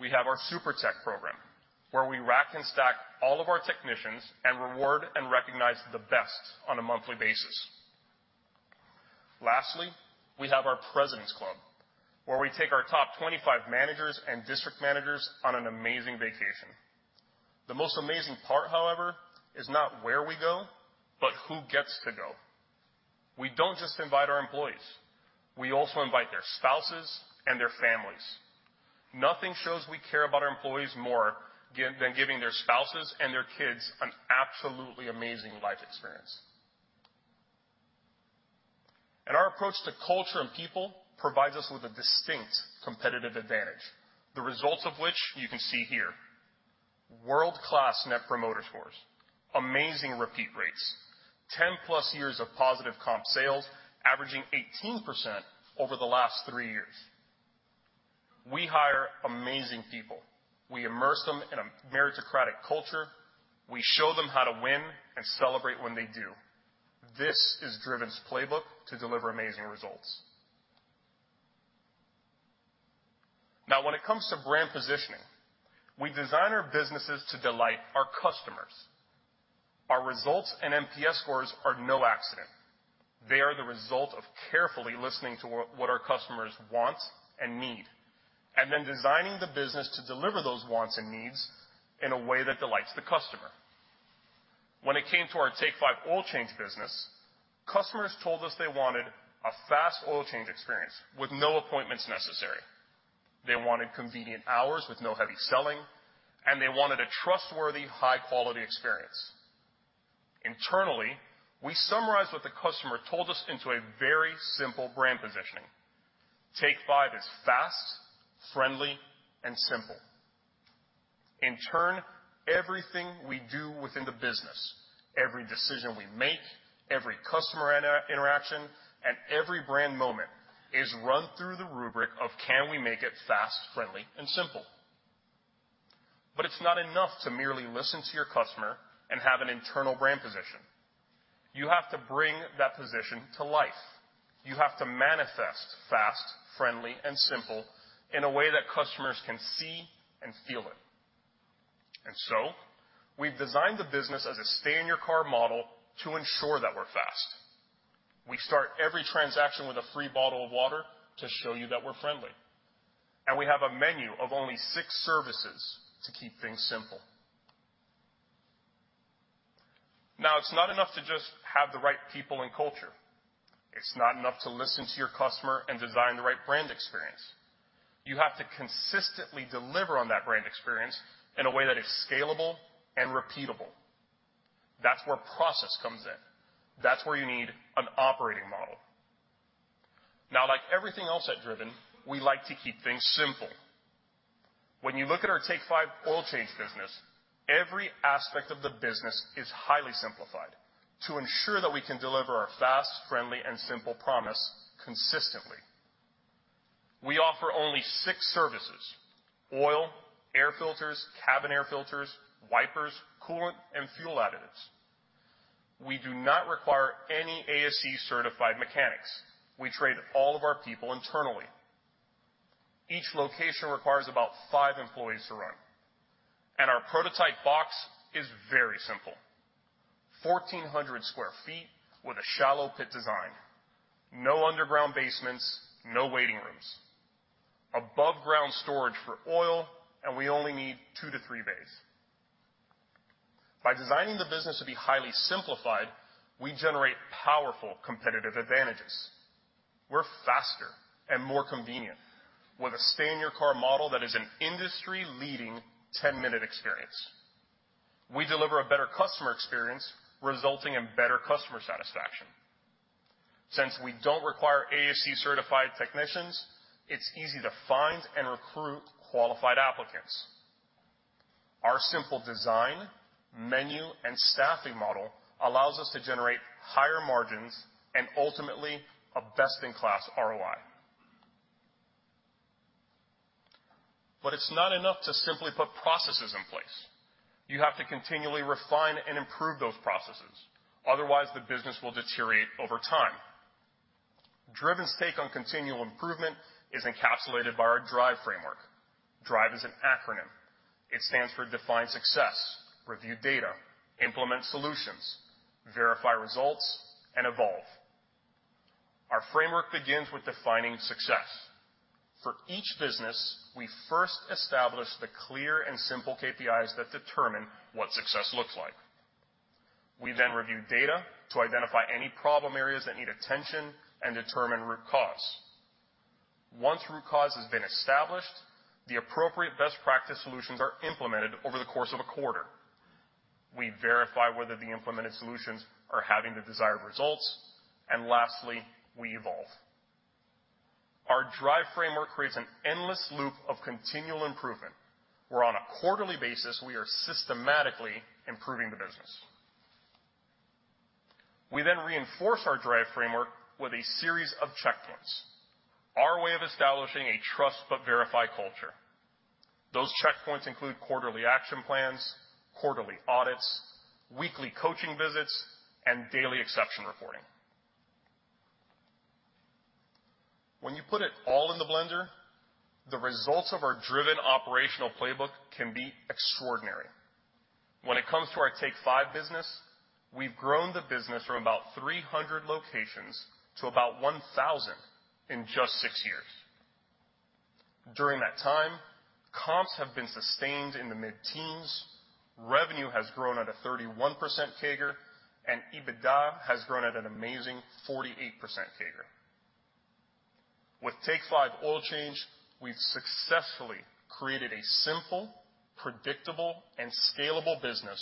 We have our Super Tech program, where we rack and stack all of our technicians and reward and recognize the best on a monthly basis. Lastly, we have our President's Club, where we take our top 25 managers and district managers on an amazing vacation. The most amazing part, however, is not where we go, but who gets to go. We don't just invite our employees. We also invite their spouses and their families. Nothing shows we care about our employees more than giving their spouses and their kids an absolutely amazing life experience. Our approach to culture and people provides us with a distinct competitive advantage, the results of which you can see here. World-class Net Promoter scores, amazing repeat rates, 10+ years of positive comp sales, averaging 18% over the last three years. We hire amazing people. We immerse them in a meritocratic culture. We show them how to win and celebrate when they do. This is Driven's playbook to deliver amazing results. Now, when it comes to brand positioning, we design our businesses to delight our customers. Our results and NPS scores are no accident. They are the result of carefully listening to what, what our customers want and need, and then designing the business to deliver those wants and needs in a way that delights the customer. When it came to our Take 5 Oil Change business, customers told us they wanted a fast oil change experience with no appointments necessary. They wanted convenient hours with no heavy selling, and they wanted a trustworthy, high-quality experience. Internally, we summarized what the customer told us into a very simple brand positioning. Take 5 is fast, friendly, and simple. In turn, everything we do within the business, every decision we make, every customer interaction, and every brand moment is run through the rubric of can we make it fast, friendly, and simple? But it's not enough to merely listen to your customer and have an internal brand position. You have to bring that position to life. You have to manifest fast, friendly, and simple in a way that customers can see and feel it. And so we've designed the business as a stay-in-your-car model to ensure that we're fast. We start every transaction with a free bottle of water to show you that we're friendly, and we have a menu of only six services to keep things simple. Now, it's not enough to just have the right people and culture. It's not enough to listen to your customer and design the right brand experience. You have to consistently deliver on that brand experience in a way that is scalable and repeatable. That's where process comes in. That's where you need an operating model. Now, like everything else at Driven, we like to keep things simple. When you look at our Take 5 Oil Change business, every aspect of the business is highly simplified to ensure that we can deliver our fast, friendly, and simple promise consistently. We offer only six services: oil, air filters, cabin air filters, wipers, coolant, and fuel additives. We do not require any ASE-certified mechanics. We train all of our people internally. Each location requires about five employees to run, and our prototype box is very simple. 1,400 sq ft with a shallow pit design, no underground basements, no waiting rooms. Above-ground storage for oil, and we only need two to three bays. By designing the business to be highly simplified, we generate powerful competitive advantages. We're faster and more convenient, with a stay-in-your-car model that is an industry-leading 10-minute experience. We deliver a better customer experience, resulting in better customer satisfaction. Since we don't require ASE-certified technicians, it's easy to find and recruit qualified applicants. Our simple design, menu, and staffing model allows us to generate higher margins and ultimately, a best-in-class ROI. But it's not enough to simply put processes in place. You have to continually refine and improve those processes, otherwise, the business will deteriorate over time. Driven's take on continual improvement is encapsulated by our DRIVE framework. DRIVE is an acronym. It stands for Define success, Review data, Implement solutions, Verify results, and Evolve. Our framework begins with defining success. For each business, we first establish the clear and simple KPIs that determine what success looks like. We then review data to identify any problem areas that need attention and determine root cause. Once root cause has been established, the appropriate best practice solutions are implemented over the course of a quarter. We verify whether the implemented solutions are having the desired results, and lastly, we evolve. Our DRIVE framework creates an endless loop of continual improvement, where on a quarterly basis, we are systematically improving the business. We then reinforce our DRIVE framework with a series of checkpoints, our way of establishing a trust but verify culture. Those checkpoints include quarterly action plans, quarterly audits, weekly coaching visits, and daily exception reporting. When you put it all in the blender, the results of our Driven operational playbook can be extraordinary. When it comes to our Take 5 business, we've grown the business from about 300 locations to about 1,000 in just six years. During that time, comps have been sustained in the mid-teens, revenue has grown at a 31% CAGR, and EBITDA has grown at an amazing 48% CAGR. With Take 5 Oil Change, we've successfully created a simple, predictable, and scalable business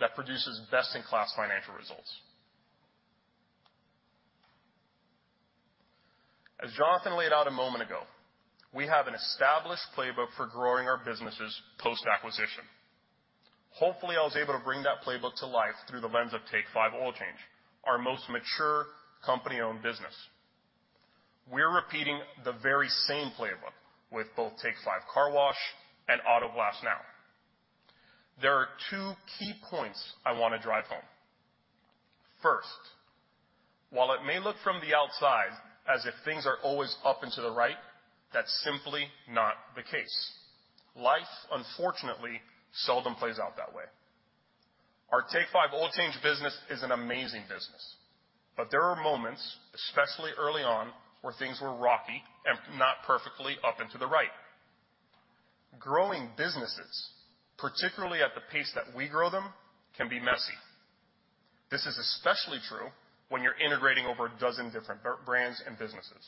that produces best-in-class financial results. As Jonathan laid out a moment ago, we have an established playbook for growing our businesses post-acquisition. Hopefully, I was able to bring that playbook to life through the lens of Take 5 Oil Change, our most mature company-owned business. We're repeating the very same playbook with both Take 5 Car Wash and Auto Glass Now. There are two key points I wanna drive home. First, while it may look from the outside as if things are always up into the right, that's simply not the case. Life, unfortunately, seldom plays out that way. Our Take 5 Oil Change business is an amazing business, but there are moments, especially early on, where things were rocky and not perfectly up into the right. Growing businesses, particularly at the pace that we grow them, can be messy. This is especially true when you're integrating over a dozen different brands and businesses.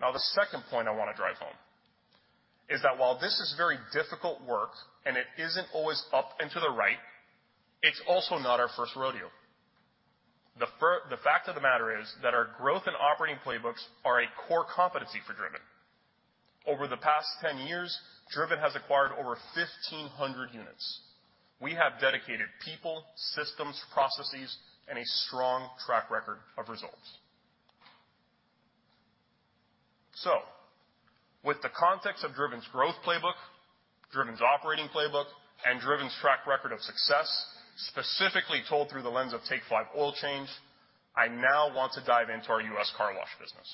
Now, the second point I wanna drive home is that while this is very difficult work and it isn't always up and to the right, it's also not our first rodeo. The fact of the matter is that our growth and operating playbooks are a core competency for Driven. Over the past 10 years, Driven has acquired over 1,500 units. We have dedicated people, systems, processes, and a strong track record of results. So with the context of Driven's growth playbook, Driven's operating playbook, and Driven's track record of success, specifically told through the lens of Take 5 Oil Change, I now want to dive into our U.S. Car Wash business.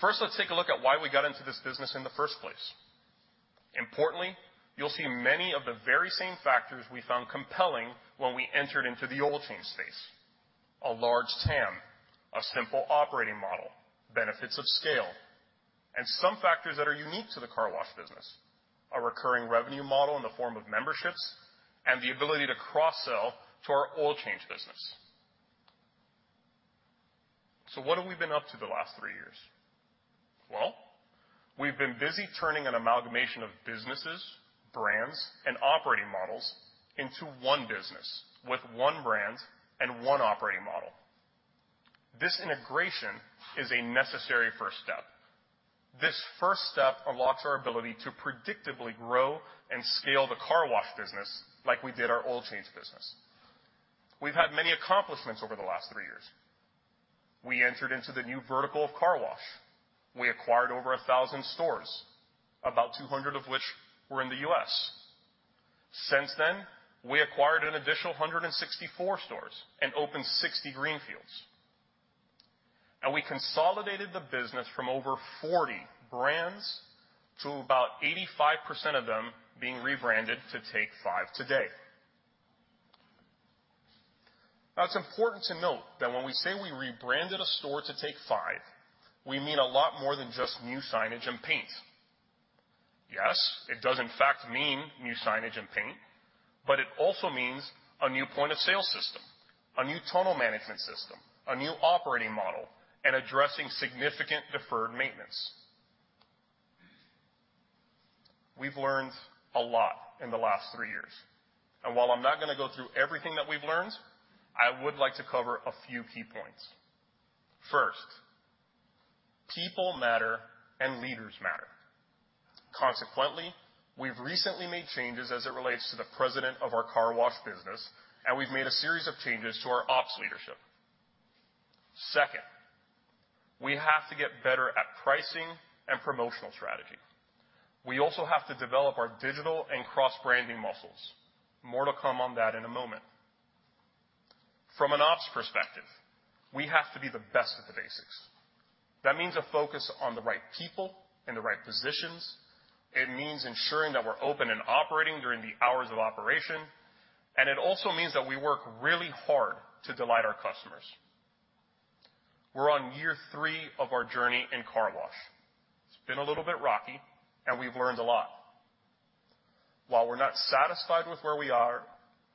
First, let's take a look at why we got into this business in the first place. Importantly, you'll see many of the very same factors we found compelling when we entered into the oil change space: a large TAM, a simple operating model, benefits of scale, and some factors that are unique to the car wash business, a recurring revenue model in the form of memberships, and the ability to cross-sell to our oil change business. So what have we been up to the last three years? Well, we've been busy turning an amalgamation of businesses, brands, and operating models into one business with one brand and one operating model. This integration is a necessary first step. This first step unlocks our ability to predictably grow and scale the car wash business like we did our oil change business. We've had many accomplishments over the last three years. We entered into the new vertical of car wash. We acquired over 1,000 stores, about 200 of which were in the U.S. Since then, we acquired an additional 164 stores and opened 60 greenfields, and we consolidated the business from over 40 brands to about 85% of them being rebranded to Take 5 today. Now, it's important to note that when we say we rebranded a store to Take 5, we mean a lot more than just new signage and paint. Yes, it does in fact mean new signage and paint, but it also means a new point-of-sale system, a new tunnel management system, a new operating model, and addressing significant deferred maintenance. We've learned a lot in the last three years, and while I'm not gonna go through everything that we've learned, I would like to cover a few key points. First, people matter and leaders matter. Consequently, we've recently made changes as it relates to the president of our car wash business, and we've made a series of changes to our ops leadership. Second, we have to get better at pricing and promotional strategy. We also have to develop our digital and cross-branding muscles. More to come on that in a moment. From an ops perspective, we have to be the best at the basics. That means a focus on the right people in the right positions. It means ensuring that we're open and operating during the hours of operation, and it also means that we work really hard to delight our customers. We're on year three of our journey in car wash. It's been a little bit rocky, and we've learned a lot. While we're not satisfied with where we are,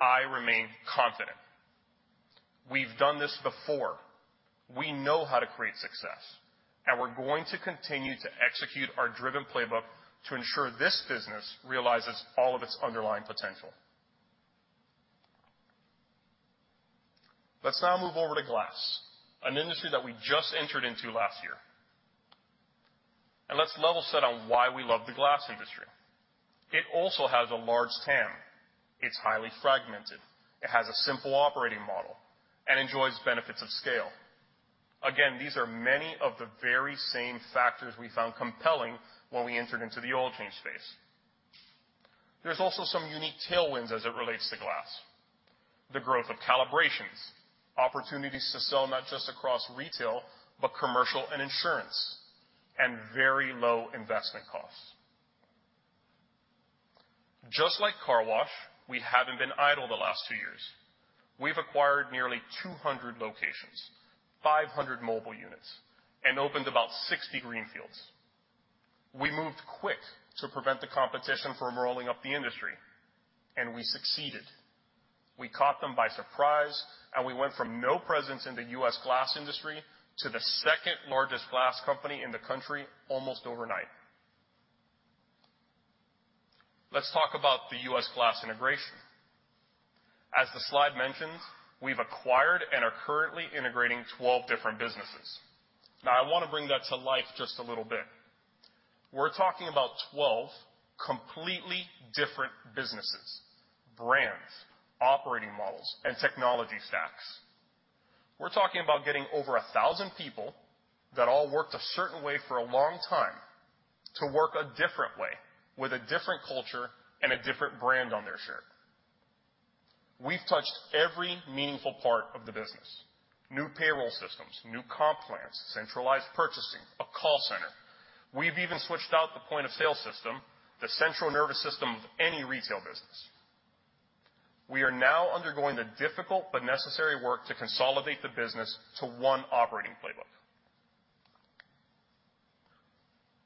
I remain confident. We've done this before. We know how to create success, and we're going to continue to execute our Driven playbook to ensure this business realizes all of its underlying potential. Let's now move over to glass, an industry that we just entered into last year. Let's level set on why we love the glass industry. It also has a large TAM, it's highly fragmented, it has a simple operating model, and enjoys benefits of scale. Again, these are many of the very same factors we found compelling when we entered into the oil change space. There's also some unique tailwinds as it relates to glass: the growth of calibrations, opportunities to sell not just across retail, but commercial and insurance, and very low investment costs. Just like car wash, we haven't been idle the last two years. We've acquired nearly 200 locations, 500 mobile units, and opened about 60 greenfields. We moved quick to prevent the competition from rolling up the industry, and we succeeded. We caught them by surprise, and we went from no presence in the U.S. glass industry to the second-largest glass company in the country almost overnight. Let's talk about the U.S. glass integration. As the slide mentions, we've acquired and are currently integrating 12 different businesses. Now, I wanna bring that to life just a little bit. We're talking about 12 completely different businesses, brands, operating models, and technology stacks. We're talking about getting over 1,000 people that all worked a certain way for a long time to work a different way, with a different culture and a different brand on their shirt. We've touched every meaningful part of the business, new payroll systems, new comp plans, centralized purchasing, a call center. We've even switched out the point-of-sale system, the central nervous system of any retail business. We are now undergoing the difficult but necessary work to consolidate the business to one operating playbook.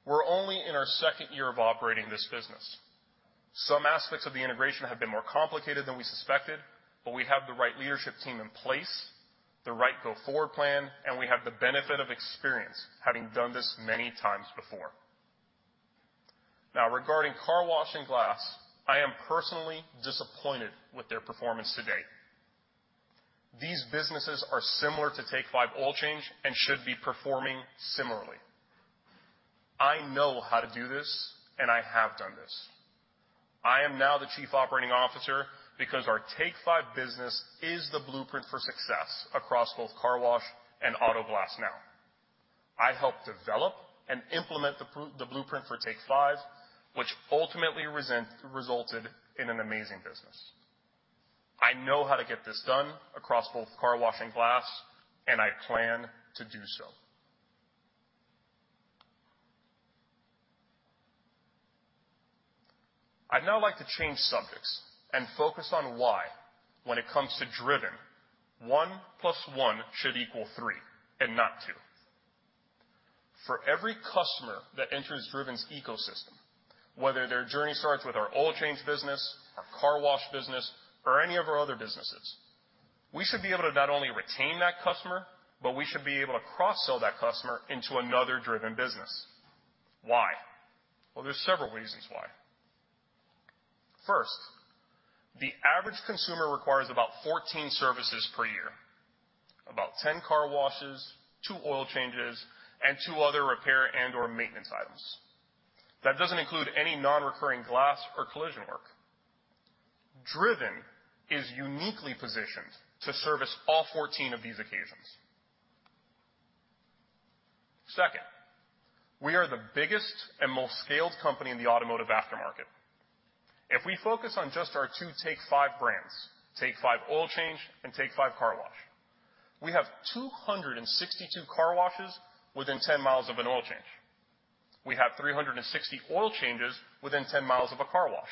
We're only in our second year of operating this business. Some aspects of the integration have been more complicated than we suspected, but we have the right leadership team in place, the right go-forward plan, and we have the benefit of experience, having done this many times before. Now, regarding car wash and glass, I am personally disappointed with their performance to date. These businesses are similar to Take 5 Oil Change and should be performing similarly. I know how to do this, and I have done this. I am now the Chief Operating Officer because our Take 5 business is the blueprint for success across both car wash and Auto Glass Now. I helped develop and implement the blueprint for Take 5, which ultimately resulted in an amazing business. I know how to get this done across both car wash and glass, and I plan to do so. I'd now like to change subjects and focus on why, when it comes to Driven, one plus one should equal three and not two. For every customer that enters Driven's ecosystem, whether their journey starts with our oil change business, our car wash business, or any of our other businesses, we should be able to not only retain that customer, but we should be able to cross-sell that customer into another Driven business. Why? Well, there's several reasons why. First, the average consumer requires about 14 services per year, about 10 car washes, two oil changes, and two other repair and/or maintenance items. That doesn't include any non-recurring glass or collision work. Driven is uniquely positioned to service all 14 of these occasions. Second, we are the biggest and most scaled company in the automotive aftermarket. If we focus on just our two Take 5 brands, Take 5 Oil Change and Take 5 Car Wash, we have 262 car washes within 10 miles of an oil change. We have 360 oil changes within 10 miles of a car wash.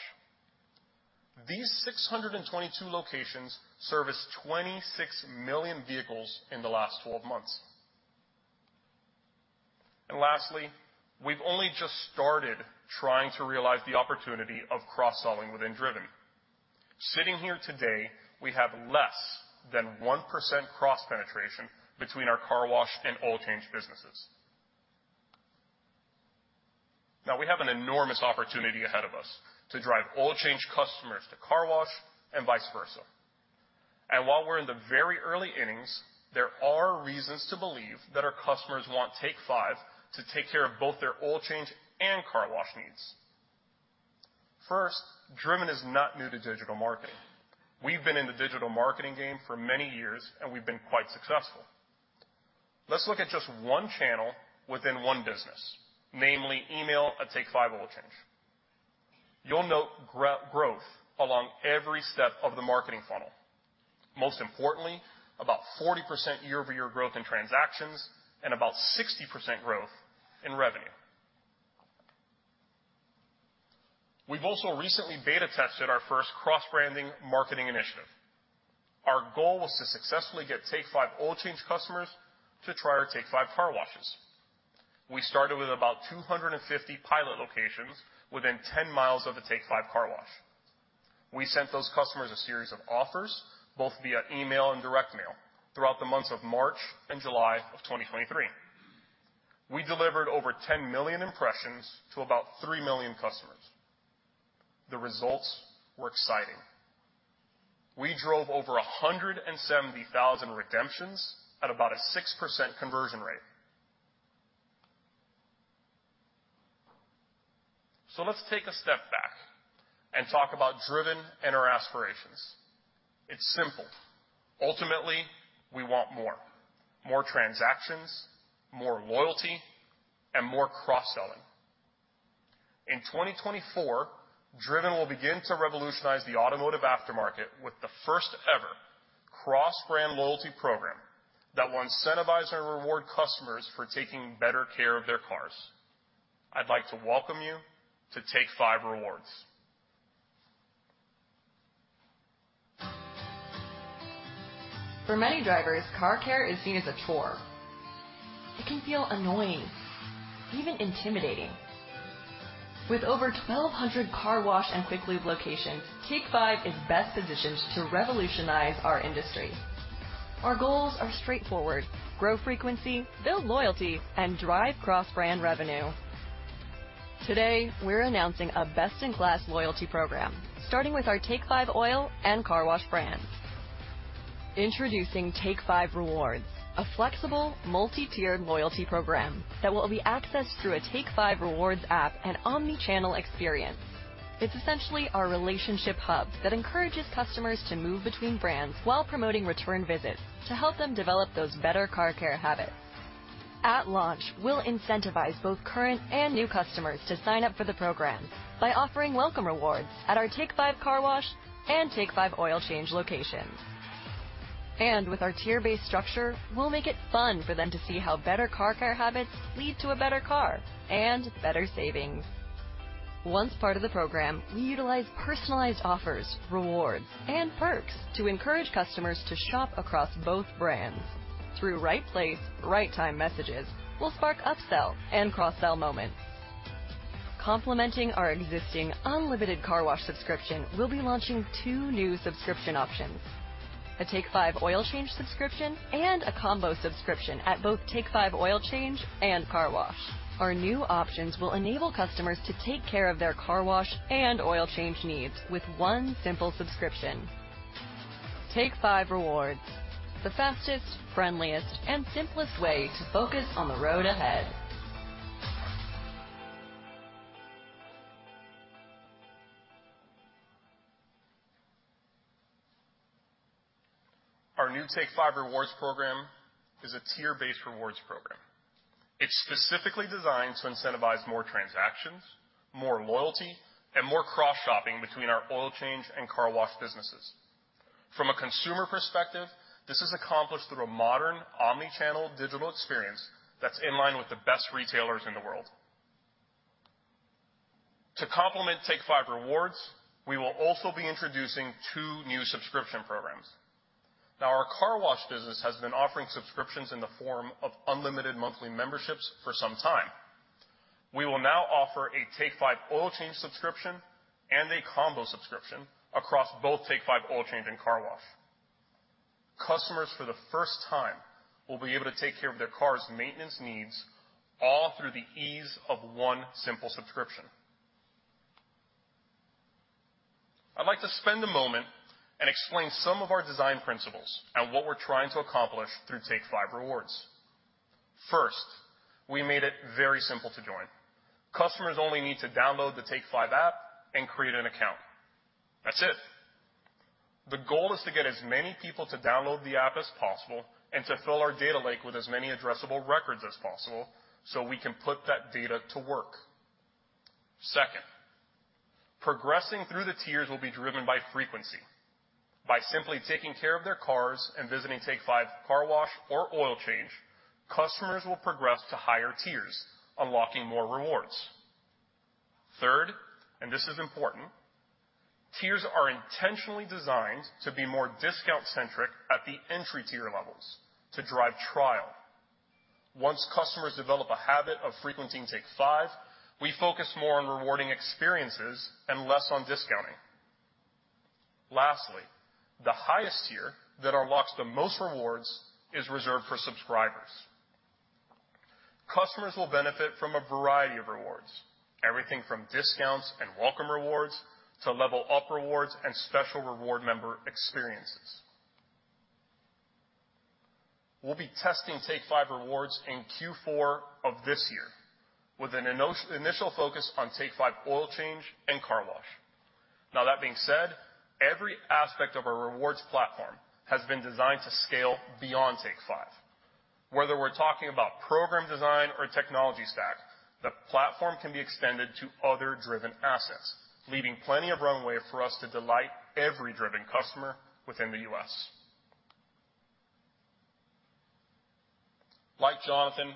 These 622 locations serviced 26 million vehicles in the last 12 months. And lastly, we've only just started trying to realize the opportunity of cross-selling within Driven. Sitting here today, we have less than 1% cross-penetration between our car wash and oil change businesses. Now, we have an enormous opportunity ahead of us to drive oil change customers to car wash and vice versa. And while we're in the very early innings, there are reasons to believe that our customers want Take 5 to take care of both their oil change and car wash needs. First, Driven is not new to digital marketing. We've been in the digital marketing game for many years, and we've been quite successful. Let's look at just one channel within one business, namely email at Take 5 Oil Change. You'll note growth along every step of the marketing funnel. Most importantly, about 40% year-over-year growth in transactions and about 60% growth in revenue. We've also recently beta tested our first cross-branding marketing initiative. Our goal was to successfully get Take 5 Oil Change customers to try our Take 5 Car Wash. We started with about 250 pilot locations within 10 miles of the Take 5 Car Wash. We sent those customers a series of offers, both via email and direct mail, throughout the months of March and July of 2023. We delivered over 10 million impressions to about 3 million customers. The results were exciting. We drove over 170,000 redemptions at about a 6% conversion rate. So let's take a step back and talk about Driven and our aspirations. It's simple. Ultimately, we want more. More transactions, more loyalty, and more cross-selling. In 2024, Driven will begin to revolutionize the automotive aftermarket with the first-ever cross-brand loyalty program that will incentivize and reward customers for taking better care of their cars. I'd like to welcome you to Take 5 Rewards. For many drivers, car care is seen as a chore. It can feel annoying, even intimidating. With over 1,200 car wash and quick lube locations, Take 5 is best positioned to revolutionize our industry. Our goals are straightforward: grow frequency, build loyalty, and drive cross-brand revenue. Today, we're announcing a best-in-class loyalty program, starting with our Take 5 Oil and Car Wash brands. Introducing Take 5 Rewards, a flexible, multi-tiered loyalty program that will be accessed through a Take 5 Rewards app and omni-channel experience. It's essentially our relationship hub that encourages customers to move between brands while promoting return visits to help them develop those better car care habits. At launch, we'll incentivize both current and new customers to sign up for the program by offering welcome rewards at our Take 5 Car Wash and Take 5 Oil Change locations. With our tier-based structure, we'll make it fun for them to see how better car care habits lead to a better car and better savings. Once part of the program, we utilize personalized offers, rewards, and perks to encourage customers to shop across both brands. Through right place, right time messages, we'll spark upsell and cross-sell moments. Complementing our existing unlimited car wash subscription, we'll be launching two new subscription options: a Take 5 Oil Change subscription and a combo subscription at both Take 5 Oil Change and Take 5 Car Wash. Our new options will enable customers to take care of their car wash and oil change needs with one simple subscription. Take 5 Rewards, the fastest, friendliest, and simplest way to focus on the road ahead. Our new Take 5 Rewards program is a tier-based rewards program. It's specifically designed to incentivize more transactions, more loyalty, and more cross-shopping between our oil change and car wash businesses. From a consumer perspective, this is accomplished through a modern, omni-channel digital experience that's in line with the best retailers in the world. To complement Take 5 Rewards, we will also be introducing two new subscription programs. Now, our car wash business has been offering subscriptions in the form of unlimited monthly memberships for some time. We will now offer a Take 5 Oil Change subscription and a combo subscription across both Take 5 Oil Change and Car Wash. Customers, for the first time, will be able to take care of their car's maintenance needs, all through the ease of one simple subscription. I'd like to spend a moment and explain some of our design principles and what we're trying to accomplish through Take 5 Rewards. First, we made it very simple to join. Customers only need to download the Take 5 app and create an account. That's it. The goal is to get as many people to download the app as possible and to fill our data lake with as many addressable records as possible, so we can put that data to work. Second, progressing through the tiers will be driven by frequency. By simply taking care of their cars and visiting Take 5 Car Wash or Oil Change, customers will progress to higher tiers, unlocking more rewards. Third, and this is important, tiers are intentionally designed to be more discount-centric at the entry tier levels to drive trial. Once customers develop a habit of frequenting Take 5, we focus more on rewarding experiences and less on discounting. Lastly, the highest tier that unlocks the most rewards is reserved for subscribers. Customers will benefit from a variety of rewards, everything from discounts and welcome rewards to level up rewards and special reward member experiences. We'll be testing Take 5 Rewards in Q4 of this year, with an initial focus on Take 5 Oil Change and Car Wash. Now, that being said, every aspect of our rewards platform has been designed to scale beyond Take 5. Whether we're talking about program design or technology stack, the platform can be extended to other Driven assets, leaving plenty of runway for us to delight every Driven customer within the U.S. Like Jonathan,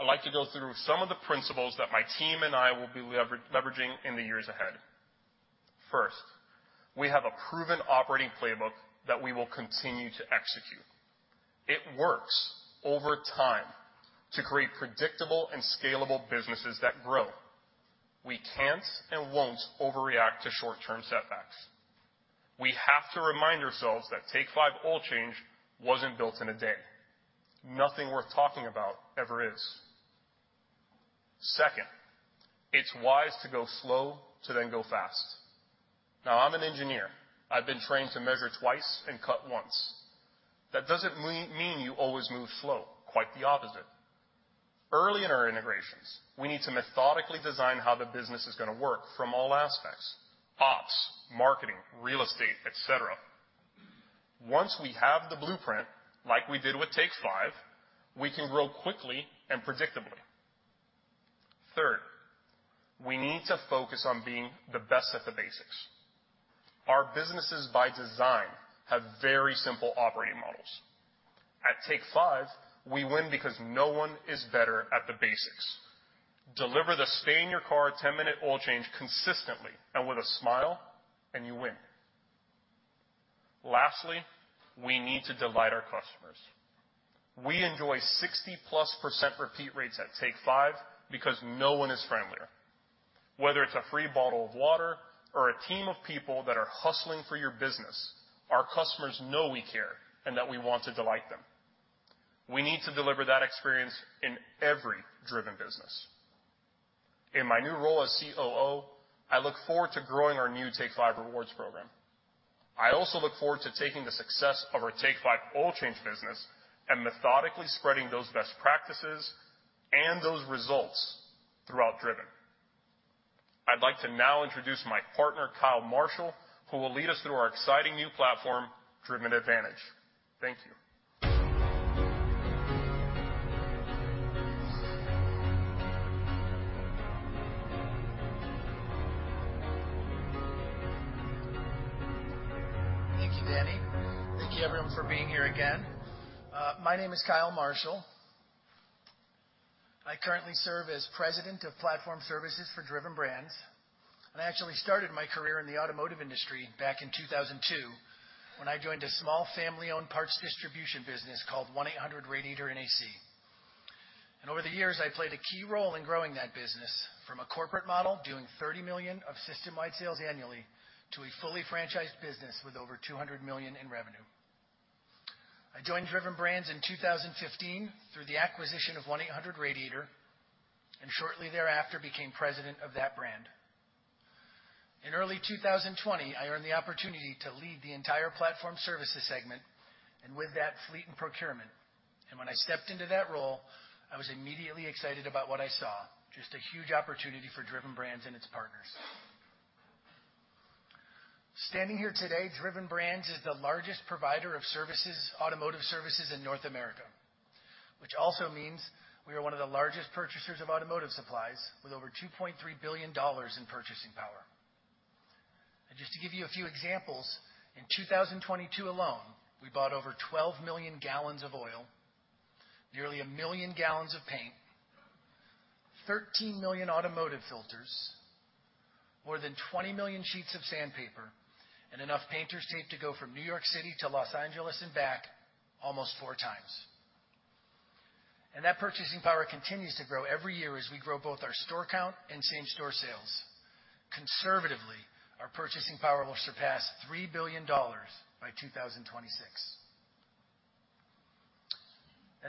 I'd like to go through some of the principles that my team and I will be leveraging in the years ahead. First, we have a proven operating playbook that we will continue to execute. It works over time to create predictable and scalable businesses that grow. We can't and won't overreact to short-term setbacks. We have to remind ourselves that Take 5 Oil Change wasn't built in a day. Nothing worth talking about ever is. Second, it's wise to go slow to then go fast. Now, I'm an engineer. I've been trained to measure twice and cut once. That doesn't mean you always move slow, quite the opposite. Early in our integrations, we need to methodically design how the business is gonna work from all aspects: ops, marketing, real estate, et cetera. Once we have the blueprint, like we did with Take 5, we can grow quickly and predictably. Third, we need to focus on being the best at the basics. Our businesses by design, have very simple operating models. At Take 5, we win because no one is better at the basics. Deliver the stay-in-your-car, 10-minute oil change consistently and with a smile, and you win. Lastly, we need to delight our customers. We enjoy 60%+ repeat rates at Take 5 because no one is friendlier. Whether it's a free bottle of water or a team of people that are hustling for your business, our customers know we care and that we want to delight them. We need to deliver that experience in every Driven business. In my new role as COO, I look forward to growing our new Take 5 Rewards program. I also look forward to taking the success of our Take 5 Oil Change business and methodically spreading those best practices and those results throughout Driven. I'd like to now introduce my partner, Kyle Marshall, who will lead us through our exciting new platform, Driven Advantage. Thank you. Thank you, Danny. Thank you, everyone, for being here again. My name is Kyle Marshall. I currently serve as President of Platform Services for Driven Brands, and I actually started my career in the automotive industry back in 2002, when I joined a small family-owned parts distribution business called 1-800-Radiator & A/C. Over the years, I played a key role in growing that business from a corporate model, doing $30 million of system-wide sales annually, to a fully franchised business with over $200 million in revenue. I joined Driven Brands in 2015 through the acquisition of 1-800-Radiator & A/C, and shortly thereafter, became president of that brand. In early 2020, I earned the opportunity to lead the entire platform services segment and with that, fleet and procurement. When I stepped into that role, I was immediately excited about what I saw, just a huge opportunity for Driven Brands and its partners. Standing here today, Driven Brands is the largest provider of services, automotive services in North America, which also means we are one of the largest purchasers of automotive supplies, with over $2.3 billion in purchasing power. Just to give you a few examples, in 2022 alone, we bought over 12 million gallons of oil, nearly 1 million gallons of paint, 13 million automotive filters, more than 20 million sheets of sandpaper, and enough painter's tape to go from New York City to Los Angeles and back almost 4 times. That purchasing power continues to grow every year as we grow both our store count and same-store sales. Conservatively, our purchasing power will surpass $3 billion by 2026.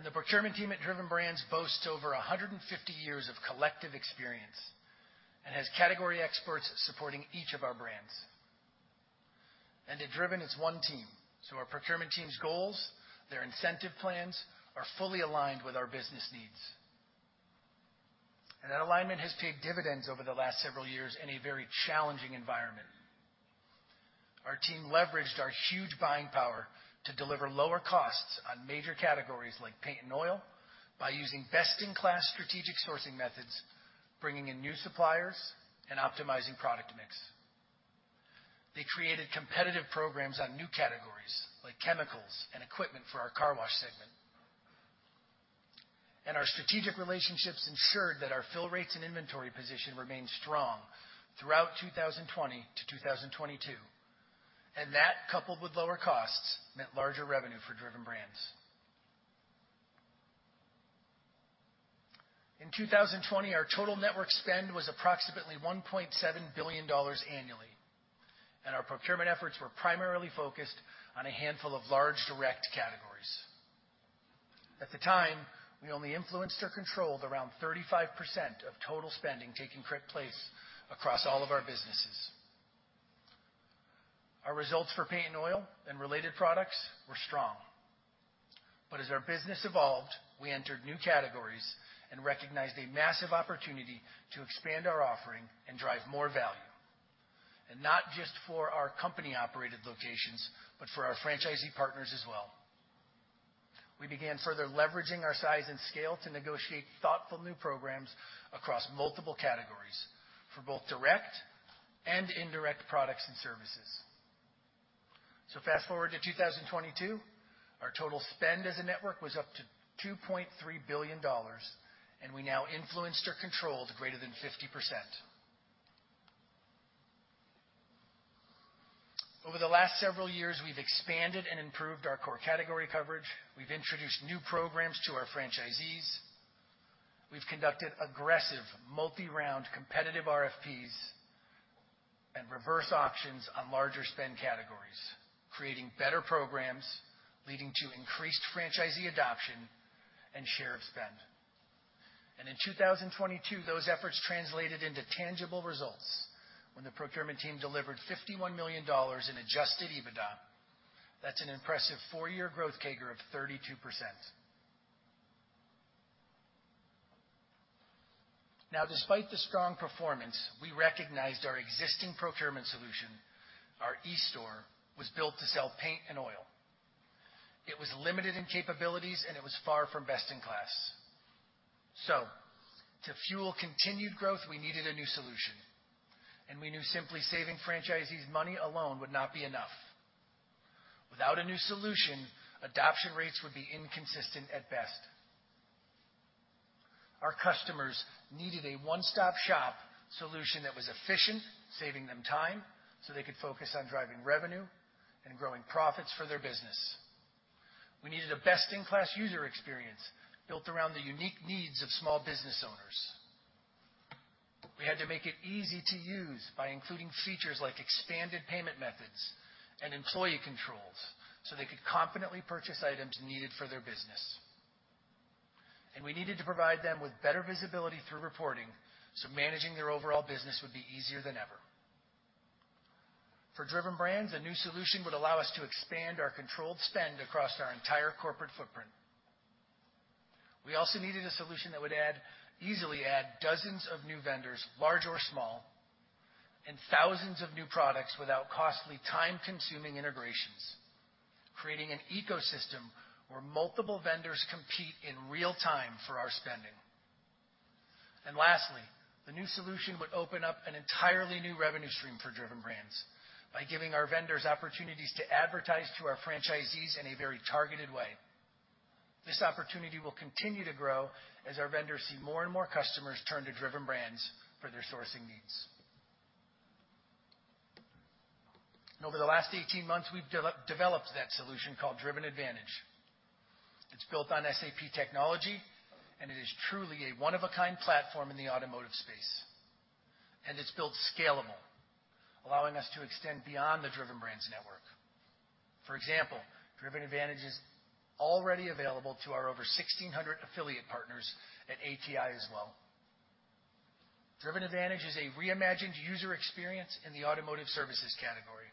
The procurement team at Driven Brands boasts over 150 years of collective experience and has category experts supporting each of our brands. At Driven, it's one team, so our procurement team's goals, their incentive plans, are fully aligned with our business needs. That alignment has paid dividends over the last several years in a very challenging environment. Our team leveraged our huge buying power to deliver lower costs on major categories like paint and oil, by using best-in-class strategic sourcing methods, bringing in new suppliers and optimizing product mix. They created competitive programs on new categories like chemicals and equipment for our car wash segment. Our strategic relationships ensured that our fill rates and inventory position remained strong throughout 2020 to 2022. That, coupled with lower costs, meant larger revenue for Driven Brands. In 2020, our total network spend was approximately $1.7 billion annually, and our procurement efforts were primarily focused on a handful of large, direct categories. At the time, we only influenced or controlled around 35% of total spending taking place across all of our businesses. Our results for paint and oil and related products were strong. But as our business evolved, we entered new categories and recognized a massive opportunity to expand our offering and drive more value, and not just for our company-operated locations, but for our franchisee partners as well. We began further leveraging our size and scale to negotiate thoughtful new programs across multiple categories for both direct and indirect products and services. So fast-forward to 2022, our total spend as a network was up to $2.3 billion, and we now influenced or controlled greater than 50%. Over the last several years, we've expanded and improved our core category coverage, we've introduced new programs to our franchisees, we've conducted aggressive, multi-round, competitive RFPs and reverse auctions on larger spend categories, creating better programs, leading to increased franchisee adoption and share of spend. In 2022, those efforts translated into tangible results when the procurement team delivered $51 million in adjusted EBITDA. That's an impressive four-year growth CAGR of 32%. Now, despite the strong performance, we recognized our existing procurement solution, our eStore, was built to sell paint and oil. It was limited in capabilities, and it was far from best in class. So to fuel continued growth, we needed a new solution, and we knew simply saving franchisees money alone would not be enough. Without a new solution, adoption rates would be inconsistent at best. Our customers needed a one-stop-shop solution that was efficient, saving them time, so they could focus on driving revenue and growing profits for their business. We needed a best-in-class user experience built around the unique needs of small business owners. We had to make it easy to use by including features like expanded payment methods and employee controls, so they could confidently purchase items needed for their business. And we needed to provide them with better visibility through reporting, so managing their overall business would be easier than ever. For Driven Brands, a new solution would allow us to expand our controlled spend across our entire corporate footprint. We also needed a solution that would easily add dozens of new vendors, large or small, and thousands of new products without costly, time-consuming integrations, creating an ecosystem where multiple vendors compete in real time for our spending. Lastly, the new solution would open up an entirely new revenue stream for Driven Brands by giving our vendors opportunities to advertise to our franchisees in a very targeted way. This opportunity will continue to grow as our vendors see more and more customers turn to Driven Brands for their sourcing needs. Over the last 18 months, we've developed that solution called Driven Advantage. It's built on SAP technology, and it is truly a one-of-a-kind platform in the automotive space, and it's built scalable, allowing us to extend beyond the Driven Brands network. For example, Driven Advantage is already available to our over 1,600 affiliate partners at ATI as well. Driven Advantage is a reimagined user experience in the automotive services category.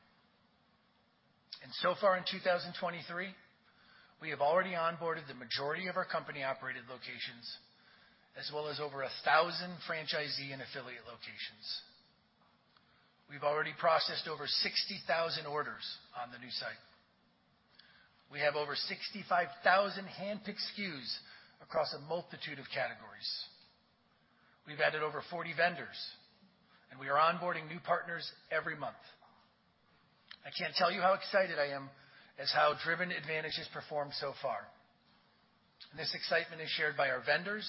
So far in 2023, we have already onboarded the majority of our company-operated locations, as well as over 1,000 franchisee and affiliate locations. We've already processed over 60,000 orders on the new site. We have over 65,000 handpicked SKUs across a multitude of categories. We've added over 40 vendors, and we are onboarding new partners every month. I can't tell you how excited I am as how Driven Advantage has performed so far. This excitement is shared by our vendors,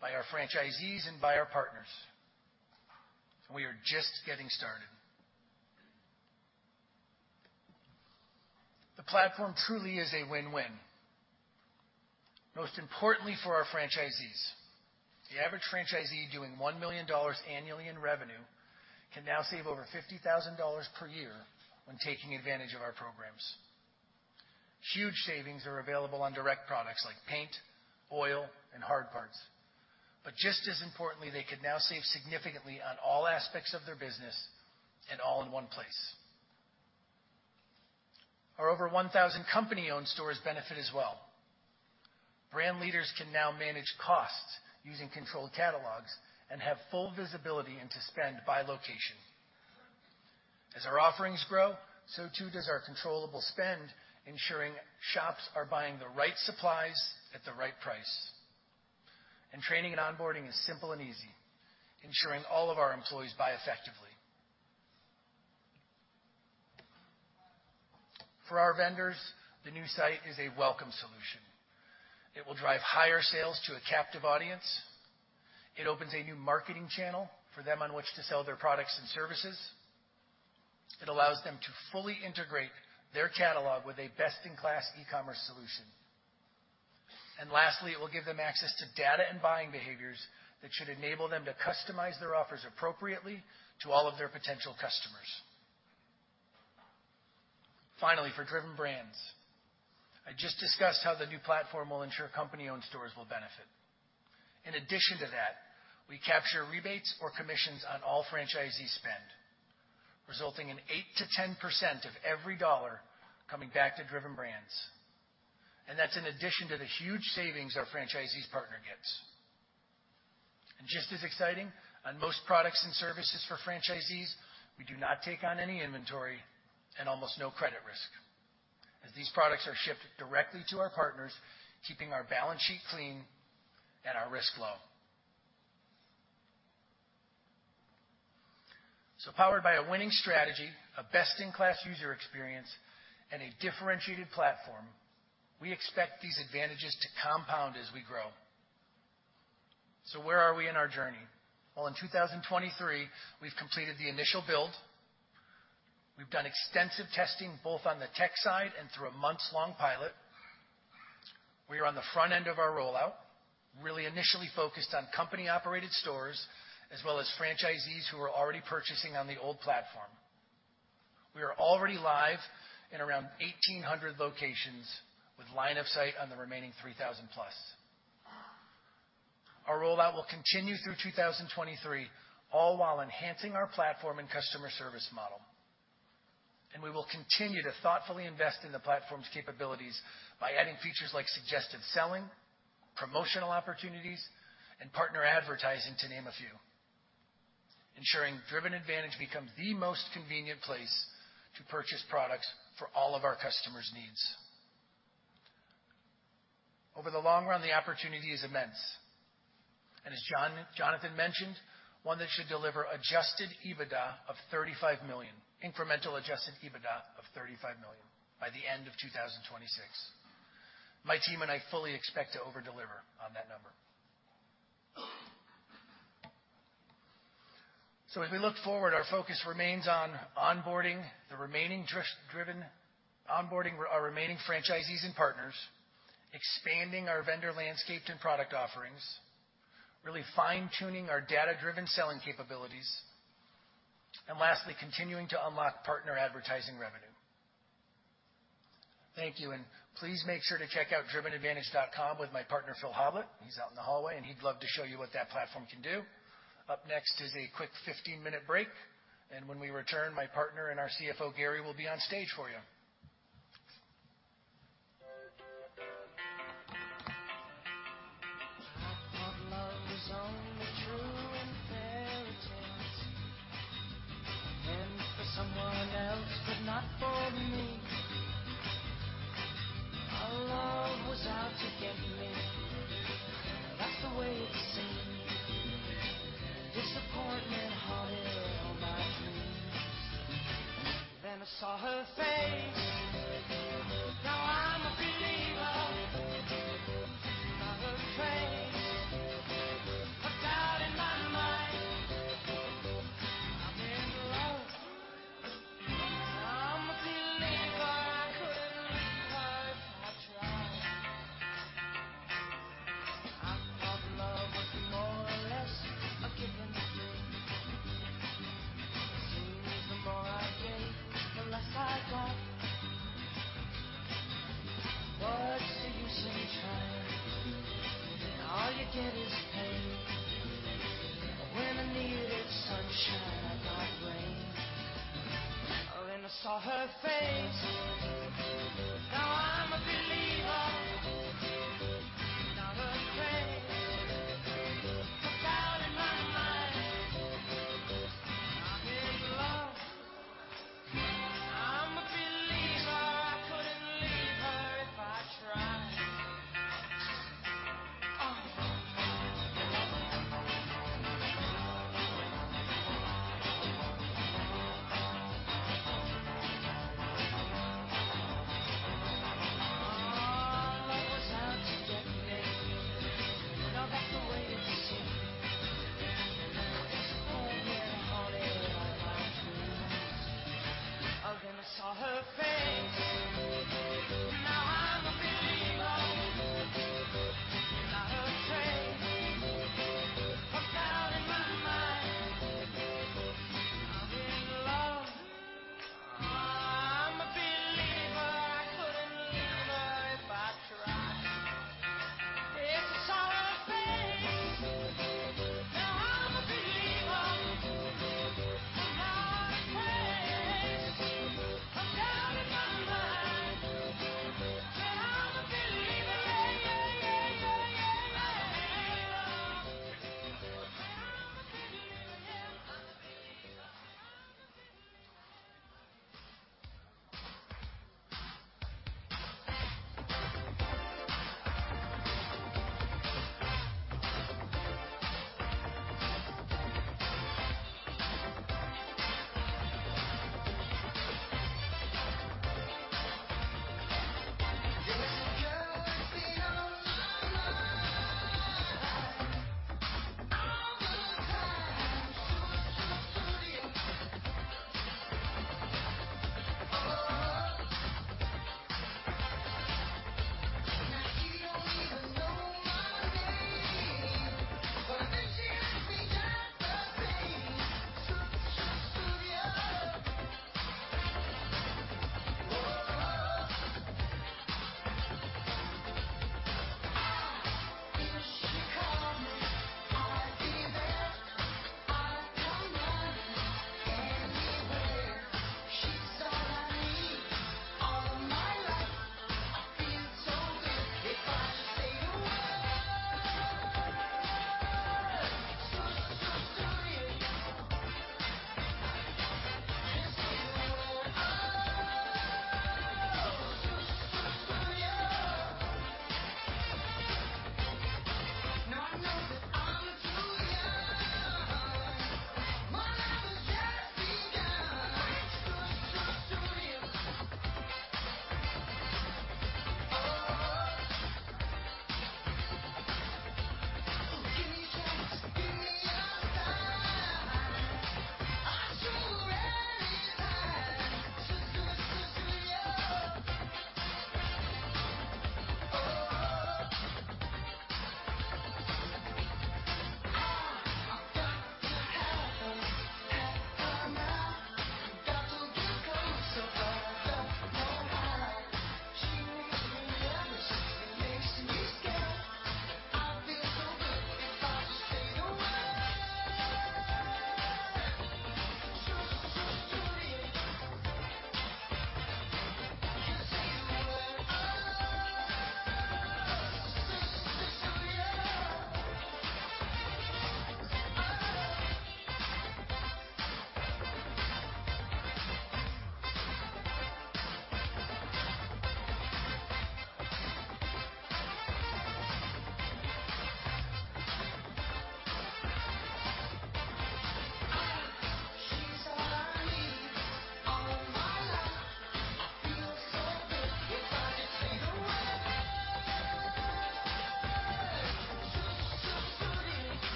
by our franchisees, and by our partners. We are just getting started. The platform truly is a win-win, most importantly for our franchisees. The average franchisee doing $1 million annually in revenue can now save over $50,000 per year when taking advantage of our programs. Huge savings are available on direct products like paint, oil, and hard parts. Just as importantly, they could now save significantly on all aspects of their business and all in one place. Our over 1,000 company-owned stores benefit as well. Brand leaders can now manage costs using controlled catalogs and have full visibility into spend by location. As our offerings grow, so too does our controllable spend, ensuring shops are buying the right supplies at the right price. Training and onboarding is simple and easy, ensuring all of our employees buy effectively. For our vendors, the new site is a welcome solution. It will drive higher sales to a captive audience. It opens a new marketing channel for them on which to sell their products and services. It allows them to fully integrate their catalog with a best-in-class e-commerce solution. Lastly, it will give them access to data and buying behaviors that should enable them to customize their offers appropriately to all of their potential customers. Finally, for Driven Brands, I just discussed how the new platform will ensure company-owned stores will benefit. In addition to that, we capture rebates or commissions on all franchisee spend, resulting in 8%-10% of every dollar coming back to Driven Brands, and that's in addition to the huge savings our franchisees partner gets. Just as exciting, on most products and services for franchisees, we do not take on any inventory and almost no credit risk, as these products are shipped directly to our partners, keeping our balance sheet clean and our risk low. Powered by a winning strategy, a best-in-class user experience, and a differentiated platform, we expect these advantages to compound as we grow. Where are we in our journey? Well, in 2023, we've completed the initial build. We've done extensive testing, both on the tech side and through a months-long pilot. We are on the front end of our rollout, really initially focused on company-operated stores, as well as franchisees who are already purchasing on the old platform. We are already live in around 1,800 locations, with line of sight on the remaining 3,000+. Our rollout will continue through 2023, all while enhancing our platform and customer service model. We will continue to thoughtfully invest in the platform's capabilities by adding features like suggested selling, promotional opportunities, and partner advertising, to name a few. Ensuring Driven Advantage becomes the most convenient place to purchase products for all of our customers' needs. Over the long run, the opportunity is immense, and as Jonathan mentioned, one that should deliver adjusted EBITDA of $35 million, incremental adjusted EBITDA of $35 million by the end of 2026. My team and I fully expect to over-deliver on that number. So as we look forward, our focus remains on onboarding our remaining franchisees and partners, expanding our vendor landscape and product offerings, really fine-tuning our data-driven selling capabilities, and lastly, continuing to unlock partner advertising revenue. Thank you, and please make sure to check out DrivenAdvantage.com with my partner, Phil Hoblit. He's out in the hallway, and he'd love to show you what that platform can do. Up next is a quick 15-minute break, and when we return, my partner and our CFO, Gary, will be on stage for you.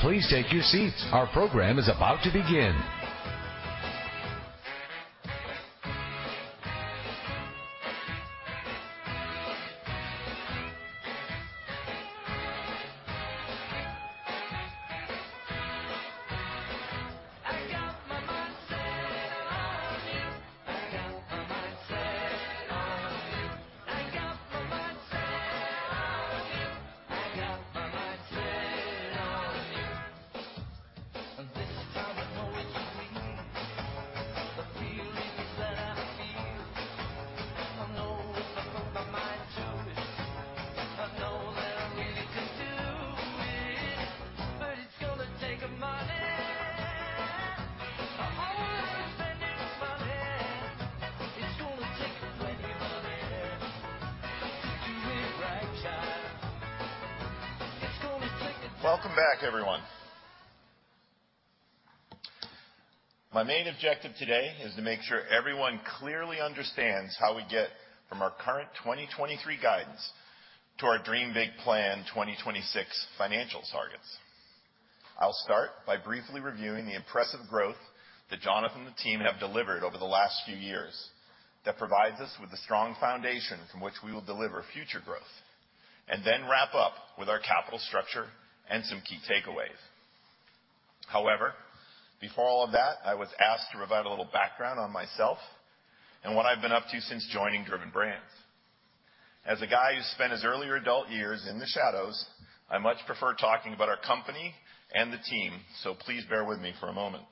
Please take your seats. Our program is about to begin Welcome back, everyone. My main objective today is to make sure everyone clearly understands how we get from our current 2023 guidance to our Dream Big Plan 2026 financial targets. I'll start by briefly reviewing the impressive growth that Jonathan and the team have delivered over the last few years. That provides us with a strong foundation from which we will deliver future growth, and then wrap up with our capital structure and some key takeaways. However, before all of that, I was asked to provide a little background on myself and what I've been up to since joining Driven Brands. As a guy who spent his earlier adult years in the shadows, I much prefer talking about our company and the team, so please bear with me for a moment.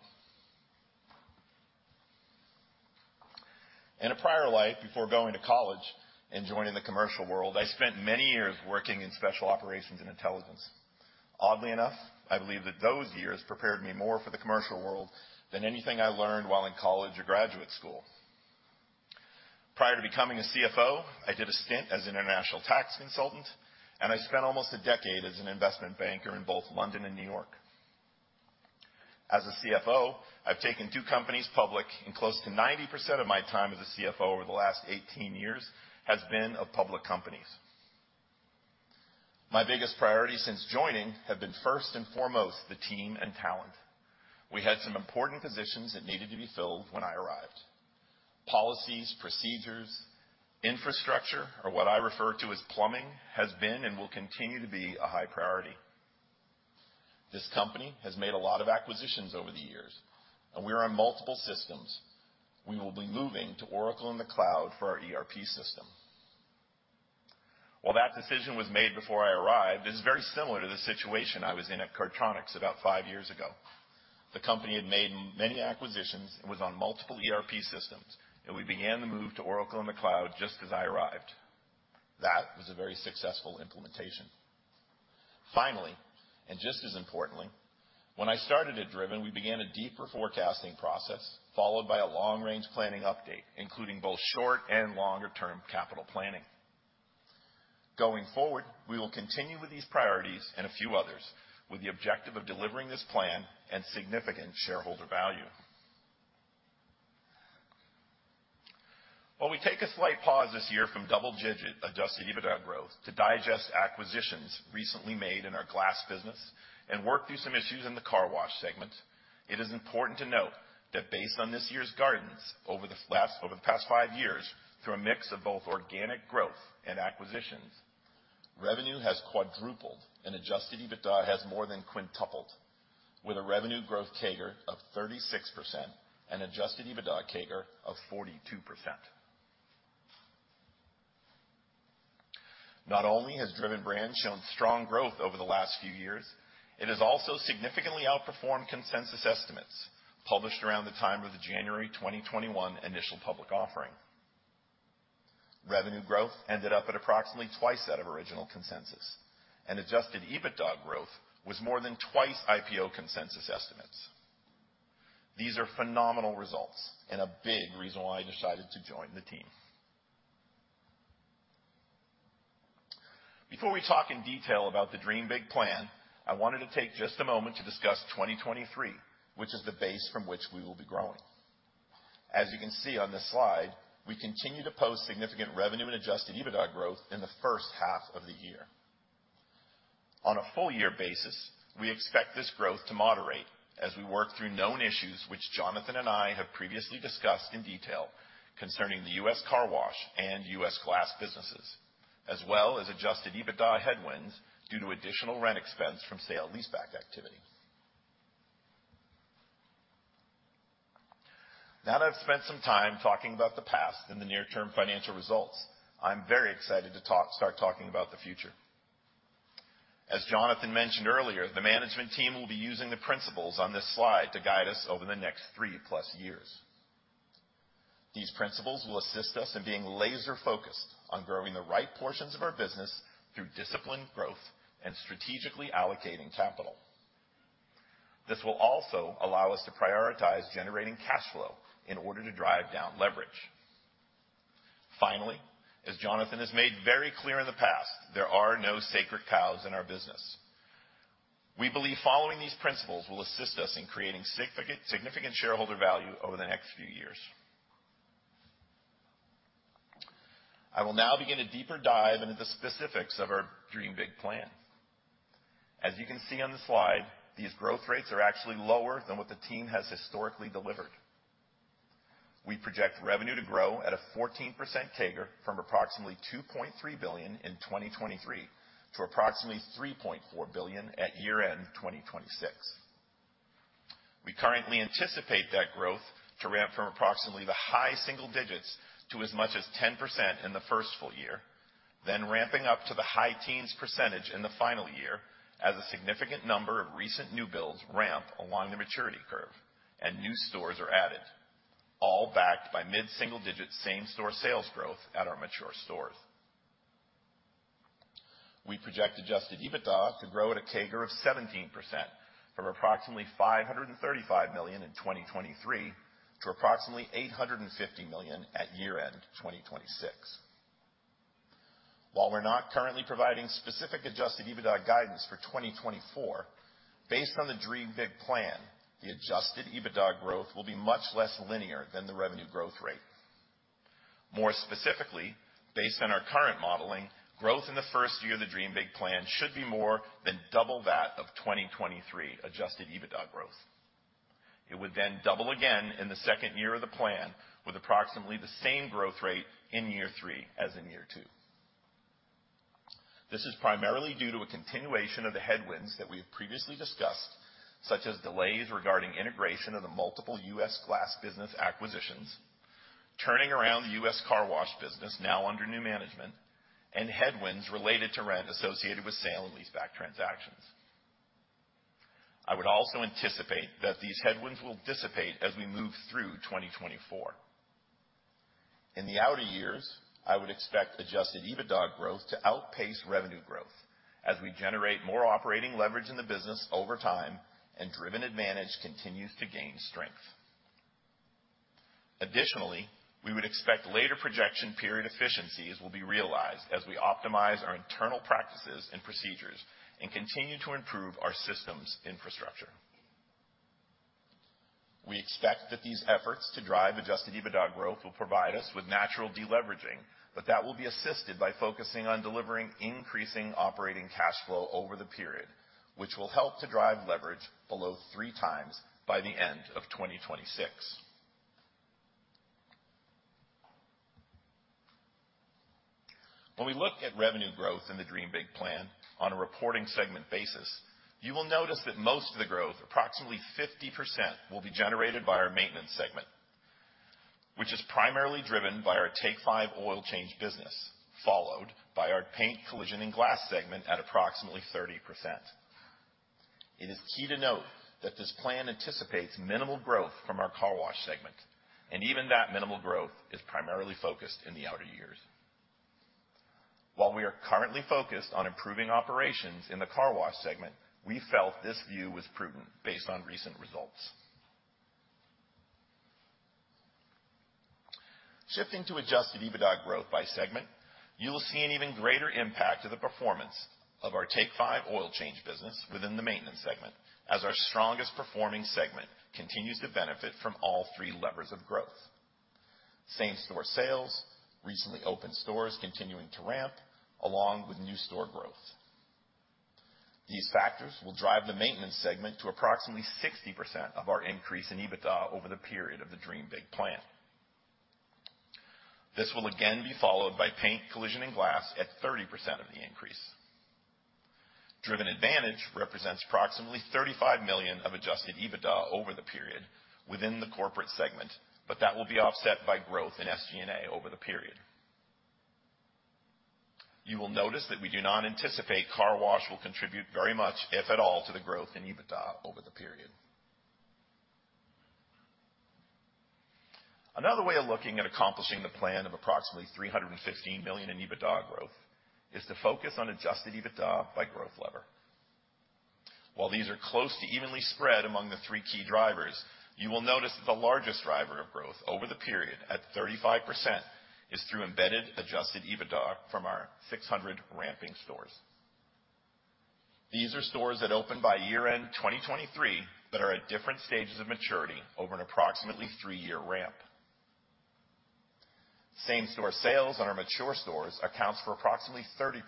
In a prior life, before going to college and joining the commercial world, I spent many years working in special operations and intelligence. Oddly enough, I believe that those years prepared me more for the commercial world than anything I learned while in college or graduate school. Prior to becoming a CFO, I did a stint as international tax consultant, and I spent almost a decade as an investment banker in both London and New York. As a CFO, I've taken two companies public, and close to 90% of my time as a CFO over the last 18 years has been of public companies. My biggest priority since joining have been, first and foremost, the team and talent. We had some important positions that needed to be filled when I arrived. Policies, procedures, infrastructure, or what I refer to as plumbing, has been and will continue to be a high priority. This company has made a lot of acquisitions over the years, and we are on multiple systems. We will be moving to Oracle in the cloud for our ERP system. While that decision was made before I arrived, it's very similar to the situation I was in at Cardtronics about five years ago. The company had made many acquisitions and was on multiple ERP systems, and we began the move to Oracle in the cloud just as I arrived. That was a very successful implementation. Finally, and just as importantly, when I started at Driven, we began a deeper forecasting process, followed by a long-range planning update, including both short- and longer-term capital planning. Going forward, we will continue with these priorities and a few others, with the objective of delivering this plan and significant shareholder value. While we take a slight pause this year from double-digit adjusted EBITDA growth to digest acquisitions recently made in our glass business and work through some issues in the car wash segment, it is important to note that based on this year's guidance over the past five years, through a mix of both organic growth and acquisitions, revenue has quadrupled, and adjusted EBITDA has more than quintupled, with a revenue growth CAGR of 36% and adjusted EBITDA CAGR of 42%. Not only has Driven Brands shown strong growth over the last few years, it has also significantly outperformed consensus estimates published around the time of the January 2021 initial public offering. Revenue growth ended up at approximately twice that of original consensus, and adjusted EBITDA growth was more than twice IPO consensus estimates. These are phenomenal results and a big reason why I decided to join the team. Before we talk in detail about the Dream Big plan, I wanted to take just a moment to discuss 2023, which is the base from which we will be growing. As you can see on this slide, we continue to post significant revenue and adjusted EBITDA growth in the first half of the year. On a full year basis, we expect this growth to moderate as we work through known issues, which Jonathan and I have previously discussed in detail concerning the U.S. Car Wash and U.S. glass businesses, as well as adjusted EBITDA headwinds due to additional rent expense from sale-leaseback activity. Now that I've spent some time talking about the past and the near-term financial results, I'm very excited to start talking about the future. As Jonathan mentioned earlier, the management team will be using the principles on this slide to guide us over the next 3+ years. These principles will assist us in being laser-focused on growing the right portions of our business through disciplined growth and strategically allocating capital. This will also allow us to prioritize generating cash flow in order to drive down leverage. Finally, as Jonathan has made very clear in the past, there are no sacred cows in our business. We believe following these principles will assist us in creating significant, significant shareholder value over the next few years. I will now begin a deeper dive into the specifics of our Dream Big plan. As you can see on the slide, these growth rates are actually lower than what the team has historically delivered. We project revenue to grow at a 14% CAGR from approximately $2.3 billion in 2023 to approximately $3.4 billion at year-end 2026. We currently anticipate that growth to ramp from approximately the high single digits to as much as 10% in the first full year, then ramping up to the high teens% in the final year as a significant number of recent new builds ramp along the maturity curve and new stores are added, all backed by mid-single-digit same-store sales growth at our mature stores. We project adjusted EBITDA to grow at a CAGR of 17% from approximately $535 million in 2023 to approximately $850 million at year-end 2026. While we're not currently providing specific adjusted EBITDA guidance for 2024, based on the Dream Big plan, the adjusted EBITDA growth will be much less linear than the revenue growth rate. More specifically, based on our current modeling, growth in the first year of the Dream Big plan should be more than double that of 2023 adjusted EBITDA growth. It would then double again in the second year of the plan, with approximately the same growth rate in year three as in year two. This is primarily due to a continuation of the headwinds that we have previously discussed, such as delays regarding integration of the multiple U.S. glass business acquisitions, turning around the U.S. Car Wash business now under new management, and headwinds related to rent associated with sale and leaseback transactions. I would also anticipate that these headwinds will dissipate as we move through 2024. In the outer years, I would expect adjusted EBITDA growth to outpace revenue growth as we generate more operating leverage in the business over time, and Driven Advantage continues to gain strength. Additionally, we would expect later projection period efficiencies will be realized as we optimize our internal practices and procedures and continue to improve our systems infrastructure. We expect that these efforts to drive adjusted EBITDA growth will provide us with natural deleveraging, but that will be assisted by focusing on delivering increasing operating cash flow over the period, which will help to drive leverage below 3x by the end of 2026. When we look at revenue growth in the Dream Big Plan on a reporting segment basis, you will notice that most of the growth, approximately 50%, will be generated by our maintenance segment, which is primarily driven by our Take 5 Oil Change business, followed by our paint, collision, and glass segment at approximately 30%. It is key to note that this plan anticipates minimal growth from our car wash segment, and even that minimal growth is primarily focused in the outer years. While we are currently focused on improving operations in the car wash segment, we felt this view was prudent based on recent results. Shifting to adjusted EBITDA growth by segment, you will see an even greater impact of the performance of our Take 5 Oil Change business within the maintenance segment, as our strongest performing segment continues to benefit from all three levers of growth. Same-store sales, recently opened stores continuing to ramp, along with new store growth. These factors will drive the maintenance segment to approximately 60% of our increase in EBITDA over the period of the Dream Big plan. This will again be followed by paint, collision, and glass at 30% of the increase. Driven Advantage represents approximately $35 million of adjusted EBITDA over the period within the corporate segment, but that will be offset by growth in SG&A over the period. You will notice that we do not anticipate car wash will contribute very much, if at all, to the growth in EBITDA over the period. Another way of looking at accomplishing the plan of approximately $315 million in EBITDA growth is to focus on adjusted EBITDA by growth lever. While these are close to evenly spread among the three key drivers, you will notice that the largest driver of growth over the period, at 35%, is through embedded adjusted EBITDA from our 600 ramping stores. These are stores that open by year-end 2023, that are at different stages of maturity over an approximately three-year ramp. Same-store sales on our mature stores accounts for approximately 30%,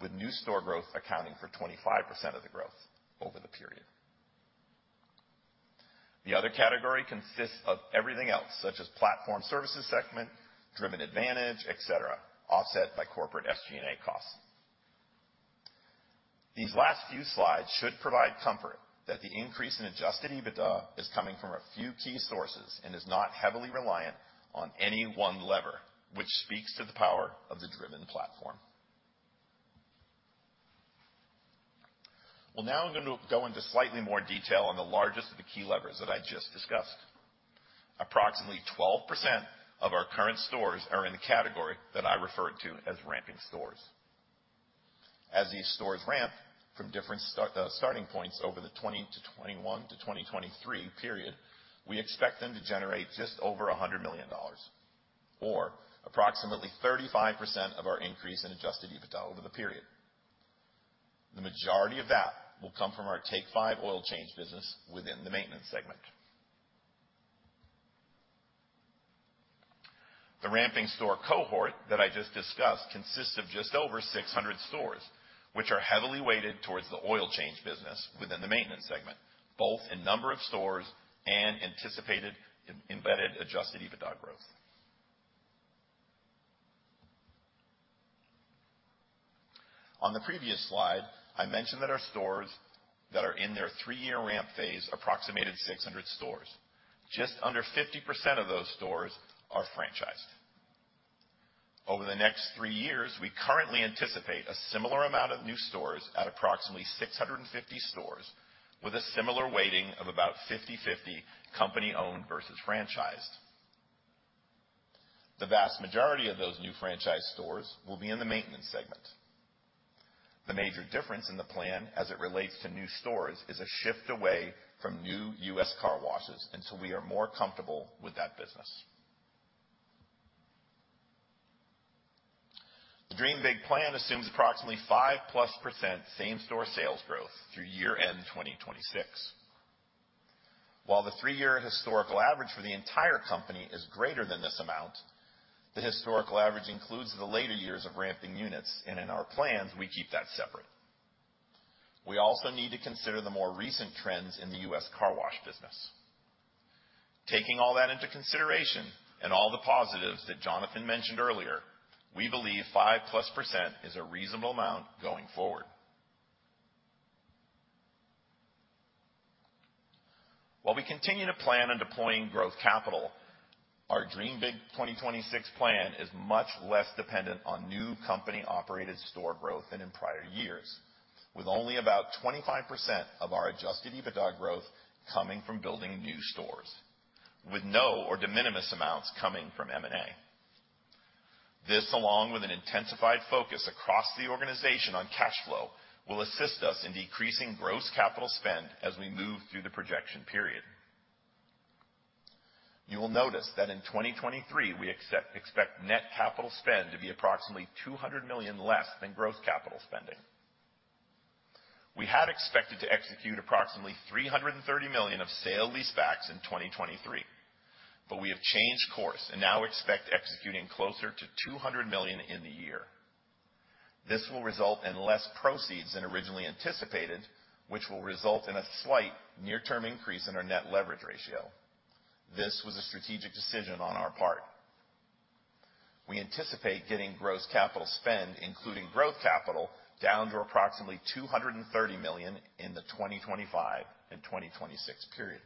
with new store growth accounting for 25% of the growth over the period. The other category consists of everything else, such as platform services segment, Driven Advantage, et cetera, offset by corporate SG&A costs. These last few slides should provide comfort that the increase in adjusted EBITDA is coming from a few key sources and is not heavily reliant on any one lever, which speaks to the power of the Driven platform. Well, now I'm gonna go into slightly more detail on the largest of the key levers that I just discussed. Approximately 12% of our current stores are in the category that I referred to as ramping stores. As these stores ramp from different starting points over the 2020 to 2021 to 2023 period, we expect them to generate just over $100 million or approximately 35% of our increase in adjusted EBITDA over the period. The majority of that will come from our Take 5 Oil Change business within the maintenance segment. The ramping store cohort that I just discussed consists of just over 600 stores, which are heavily weighted towards the oil change business within the maintenance segment, both in number of stores and anticipated embedded adjusted EBITDA growth. On the previous slide, I mentioned that our stores that are in their three-year ramp phase approximated 600 stores. Just under 50% of those stores are franchised. Over the next three years, we currently anticipate a similar amount of new stores at approximately 650 stores, with a similar weighting of about 50/50 company-owned versus franchised. The vast majority of those new franchise stores will be in the maintenance segment. The major difference in the plan as it relates to new stores is a shift away from new U.S. Car Washes, until we are more comfortable with that business. The Dream Big plan assumes approximately 5%+ same-store sales growth through year-end 2026. While the three-year historical average for the entire company is greater than this amount, the historical average includes the later years of ramping units, and in our plans, we keep that separate. We also need to consider the more recent trends in the U.S. Car Wash business. Taking all that into consideration, and all the positives that Jonathan mentioned earlier, we believe 5%+ is a reasonable amount going forward. While we continue to plan on deploying growth capital, our Dream Big 2026 plan is much less dependent on new company-operated store growth than in prior years. With only about 25% of our adjusted EBITDA growth coming from building new stores, with no or de minimis amounts coming from M&A. This, along with an intensified focus across the organization on cash flow, will assist us in decreasing gross capital spend as we move through the projection period. You will notice that in 2023, we expect net capital spend to be approximately $200 million less than gross capital spending. We had expected to execute approximately $330 million of sale-leasebacks in 2023, but we have changed course and now expect executing closer to $200 million in the year. This will result in less proceeds than originally anticipated, which will result in a slight near-term increase in our net leverage ratio. This was a strategic decision on our part. We anticipate getting gross capital spend, including growth capital, down to approximately $230 million in the 2025 and 2026 period.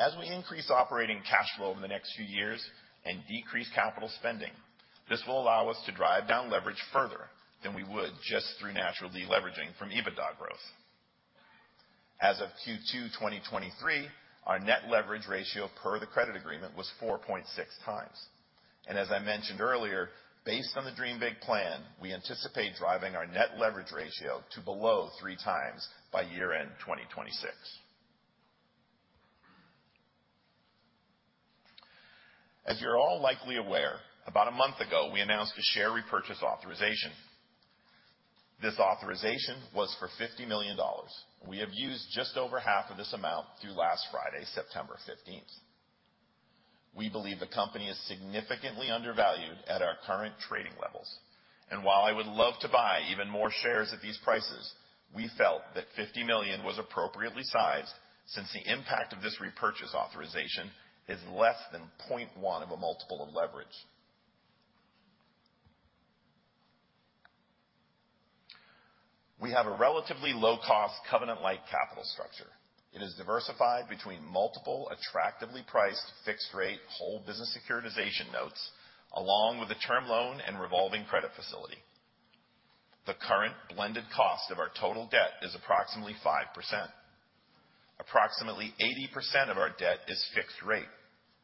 As we increase operating cash flow over the next few years and decrease capital spending, this will allow us to drive down leverage further than we would just through natural deleveraging from EBITDA growth. As of Q2 2023, our net leverage ratio per the credit agreement was 4.6x, and as I mentioned earlier, based on the Dream Big plan, we anticipate driving our net leverage ratio to below 3x by year-end 2026. As you're all likely aware, about a month ago, we announced a share repurchase authorization. This authorization was for $50 million. We have used just over half of this amount through last Friday, September fifteenth. We believe the company is significantly undervalued at our current trading levels, and while I would love to buy even more shares at these prices, we felt that $50 million was appropriately sized since the impact of this repurchase authorization is less than 0.1 of a multiple of leverage. We have a relatively low-cost, covenant-like capital structure. It is diversified between multiple attractively priced, fixed-rate, whole business securitization notes, along with a term loan and revolving credit facility. The current blended cost of our total debt is approximately 5%. Approximately 80% of our debt is fixed rate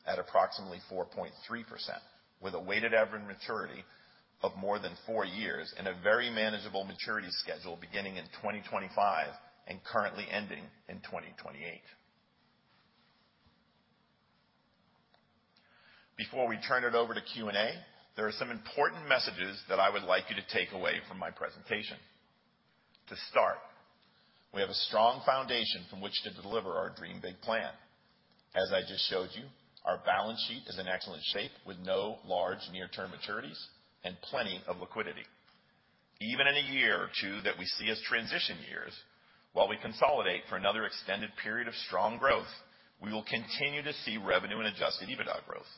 at approximately 4.3%, with a weighted average maturity of more than four years and a very manageable maturity schedule beginning in 2025 and currently ending in 2028. Before we turn it over to Q&A, there are some important messages that I would like you to take away from my presentation. To start, we have a strong foundation from which to deliver our Dream Big plan. As I just showed you, our balance sheet is in excellent shape, with no large near-term maturities and plenty of liquidity. Even in a year or two that we see as transition years, while we consolidate for another extended period of strong growth, we will continue to see revenue and adjusted EBITDA growth.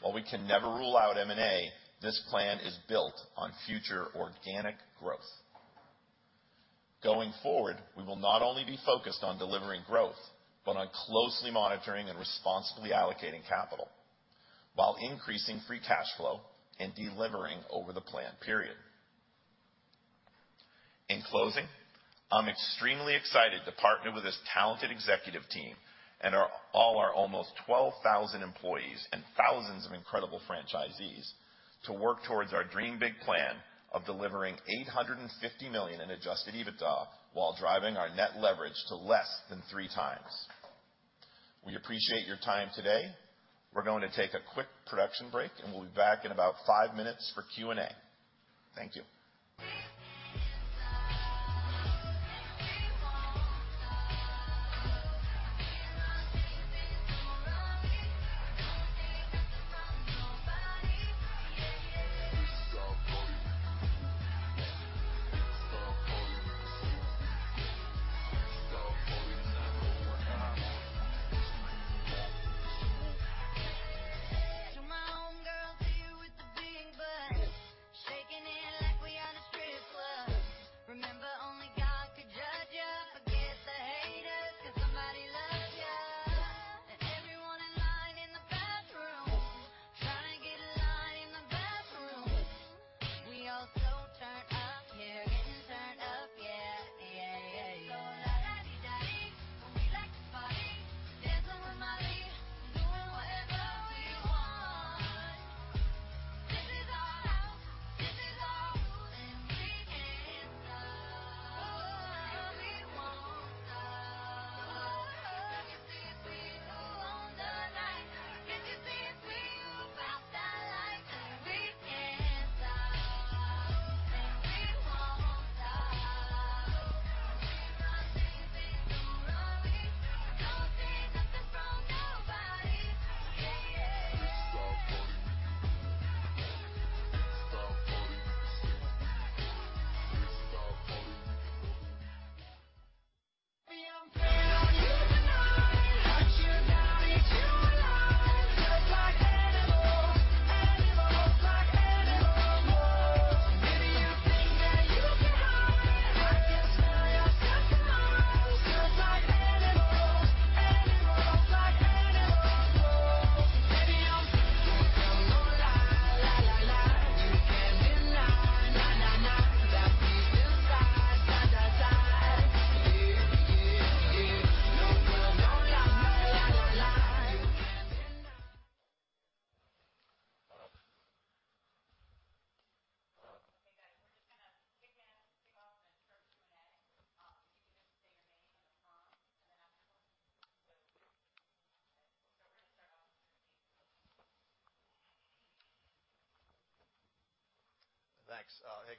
While we can never rule out M&A, this plan is built on future organic growth. Going forward, we will not only be focused on delivering growth, but on closely monitoring and responsibly allocating capital while increasing free cash flow and delivering over the plan period. In closing, I'm extremely excited to partner with this talented executive team and our, all our almost 12,000 employees and thousands of incredible franchisees to work towards our Dream Big plan of delivering $850 million in adjusted EBITDA while driving our net leverage to less than 3x. We appreciate your time today. We're going to take a quick production break, and we'll be back in about five minutes for Q&A. Thank you.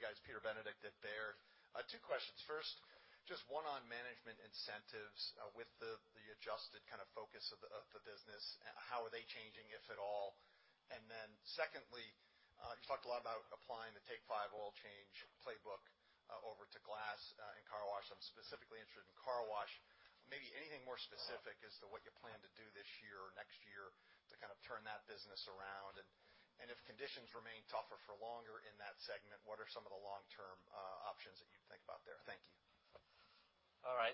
Okay, guys, we're just gonna kick in, kick off and start Q&A. If you can just say your name and the firm, and then ask your question. So we're gonna start off with Peter Benedict. Thanks. Hey, guys, Peter Benedict at Baird. Two questions. First, just one on management incentives, with the, the adjusted kind of focus of the, of the business, how are they changing, if at all? And then, secondly, you talked a lot about applying the Take 5 Oil Change playbook over to glass and car wash. I'm specifically interested in car wash. Maybe anything more specific as to what you plan to do this year or next year to kind of turn that business around? And, if conditions remain tougher for longer in that segment, what are some of the long-term options that you think about there? Thank you. All right.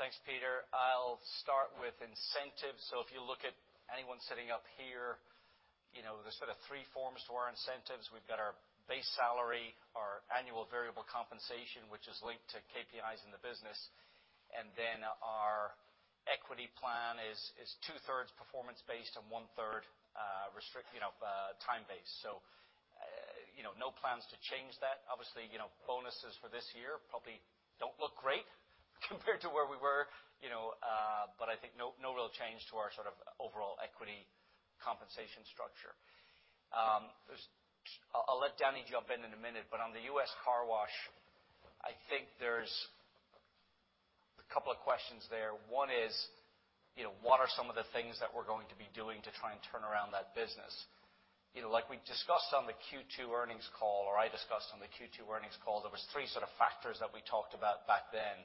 Thanks, Peter. I'll start with incentives. So if you look at anyone sitting up here, you know, there's sort of three forms to our incentives. We've got our base salary, our annual variable compensation, which is linked to KPIs in the business, and then our equity plan is, is two-thirds performance based and one-third, restricted, you know, time-based. So, you know, no plans to change that. Obviously, you know, bonuses for this year probably don't look great compared to where we were, you know, but I think no, no real change to our sort of overall equity compensation structure. There's—I'll let Danny jump in in a minute, but on the U.S. Car Wash, I think there's a couple of questions there. One is, you know, what are some of the things that we're going to be doing to try and turn around that business? You know, like we discussed on the Q2 earnings call, or I discussed on the Q2 earnings call, there were three sort of factors that we talked about back then.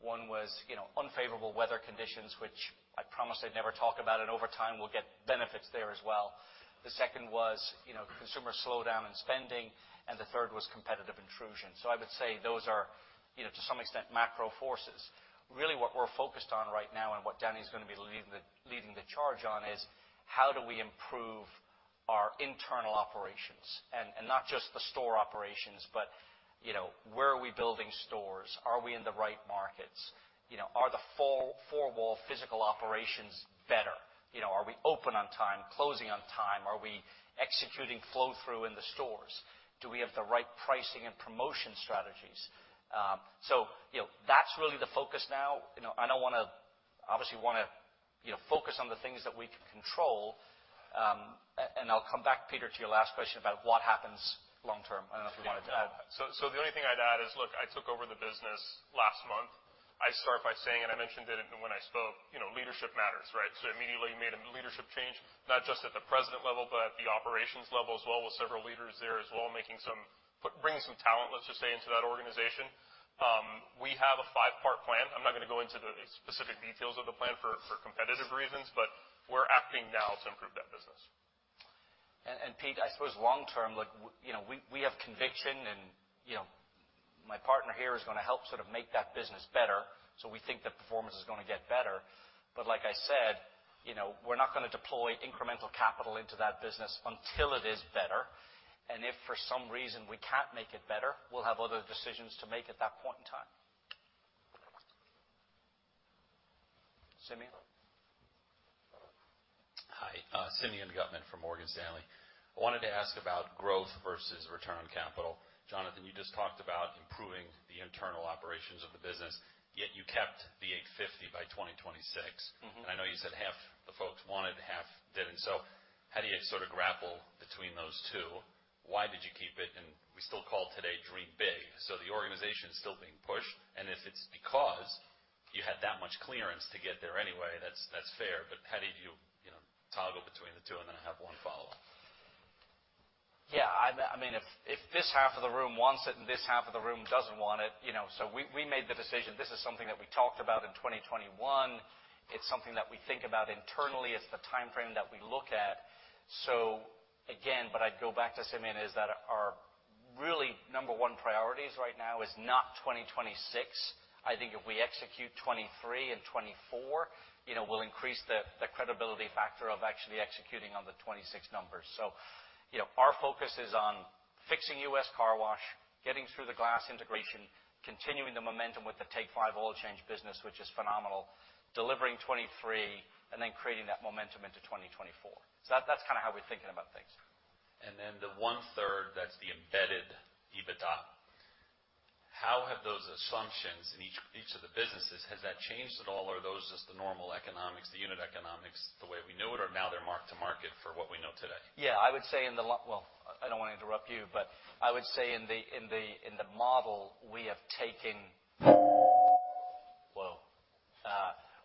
One was, you know, unfavorable weather conditions, which I promised I'd never talk about, and over time, we'll get benefits there as well. The second was, you know, consumer slowdown in spending, and the third was competitive intrusion. I would say those are, you know, to some extent, macro forces. Really, what we're focused on right now and what Danny's gonna be leading the charge on, is how do we improve our internal operations, and, and not just the store operations, but, you know, where are we building stores? Are we in the right markets? You know, are the full four-wall physical operations better? You know, are we open on time, closing on time? Are we executing flow through in the stores? Do we have the right pricing and promotion strategies? So, you know, that's really the focus now. You know, I don't wanna... obviously wanna, you know, focus on the things that we can control. And I'll come back, Peter, to your last question about what happens long term. I don't know if you wanted to add. So the only thing I'd add is, look, I took over the business last month. I start by saying, and I mentioned it when I spoke, you know, leadership matters, right? So immediately made a leadership change, not just at the president level, but at the operations level as well, with several leaders there as well, bringing some talent, let's just say, into that organization. We have a five-part plan. I'm not gonna go into the specific details of the plan for competitive reasons, but we're acting now to improve that business. Peter, I suppose long term, look, we have conviction, and, you know, my partner here is gonna help sort of make that business better, so we think the performance is gonna get better. Like I said, you know, we're not gonna deploy incremental capital into that business until it is better, and if for some reason we can't make it better, we'll have other decisions to make at that point in time. Simeon? Hi, Simeon Gutman from Morgan Stanley. I wanted to ask about growth versus return on capital. Jonathan, you just talked about improving the internal operations of the business, yet you kept the 850 by 2026. Mm-hmm. And I know you said half the folks wanted, half didn't. So how do you sort of grapple between those two? Why did you keep it? And we still call today Dream Big, so the organization is still being pushed, and if it's because you had that much clearance to get there anyway, that's, that's fair. But how did you, you know, toggle between the two? And then I have one follow-up. Yeah, I mean, if this half of the room wants it and this half of the room doesn't want it, you know, so we made the decision. This is something that we talked about in 2021. It's something that we think about internally. It's the timeframe that we look at. So again, what I'd go back to, Simeon, is that our really number one priorities right now is not 2026. I think if we execute 2023 and 2024, you know, we'll increase the, the credibility factor of actually executing on the 2026 numbers. So, you know, our focus is on fixing U.S. Car Wash, getting through the glass integration, continuing the momentum with the Take 5 Oil Change business, which is phenomenal, delivering 2023, and then creating that momentum into 2024. So that, that's kinda how we're thinking about things. And then the 2/3, that's the embedded EBITDA. How have those assumptions in each, each of the businesses, has that changed at all, or are those just the normal economics, the unit economics, the way we know it, or now they're mark to market for what we know today? Yeah, I would say in the lo-- Well, I don't want to interrupt you, but I would say in the, in the, in the model, we have taken- Whoa!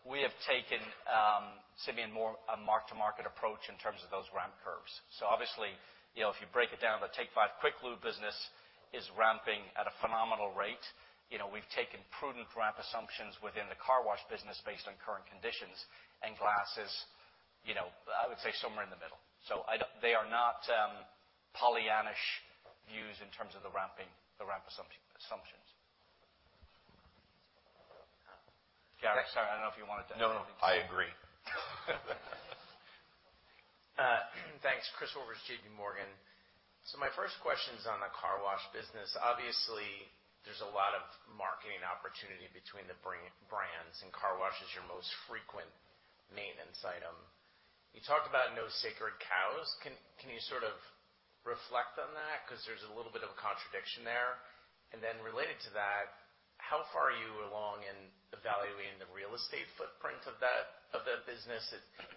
We have taken, Simeon, more a mark-to-market approach in terms of those ramp curves. Obviously, you know, if you break it down, the Take 5 quick lube business is ramping at a phenomenal rate. We've taken prudent ramp assumptions within the car wash business based on current conditions, and glass is, you know, I would say, somewhere in the middle. I don't-- they are not, you know, Pollyannish views in terms of the ramping, the ramp assumptions. Gary, sorry, I don't know if you wanted to- No, no, I agree. Thanks. Chris Horvers, J.P. Morgan. My first question is on the car wash business. Obviously, there's a lot of marketing opportunity between the brands, and car wash is your most frequent maintenance item. You talked about no sacred cows. Can you sort of reflect on that? Because there's a little bit of a contradiction there. Related to that, how far are you along in evaluating the real estate footprint of that business?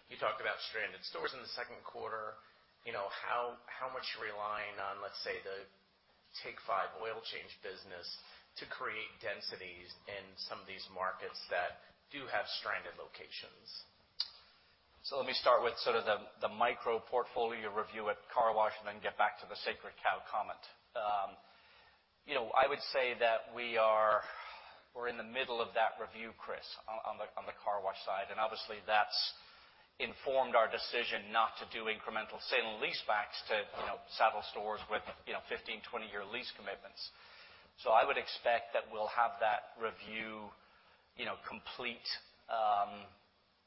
You talked about stranded stores in the second quarter. You know, how much you're relying on, let's say, the Take 5 Oil Change business to create densities in some of these markets that do have stranded locations. So let me start with sort of the micro portfolio review at car wash and then get back to the sacred cow comment. You know, I would say that we are, we're in the middle of that review, Chris, on the car wash side, and obviously, that's informed our decision not to do incremental sale-leasebacks to, you know, saddle stores with, you know, 15-, 20-year lease commitments. So I would expect that we'll have that review, you know, complete,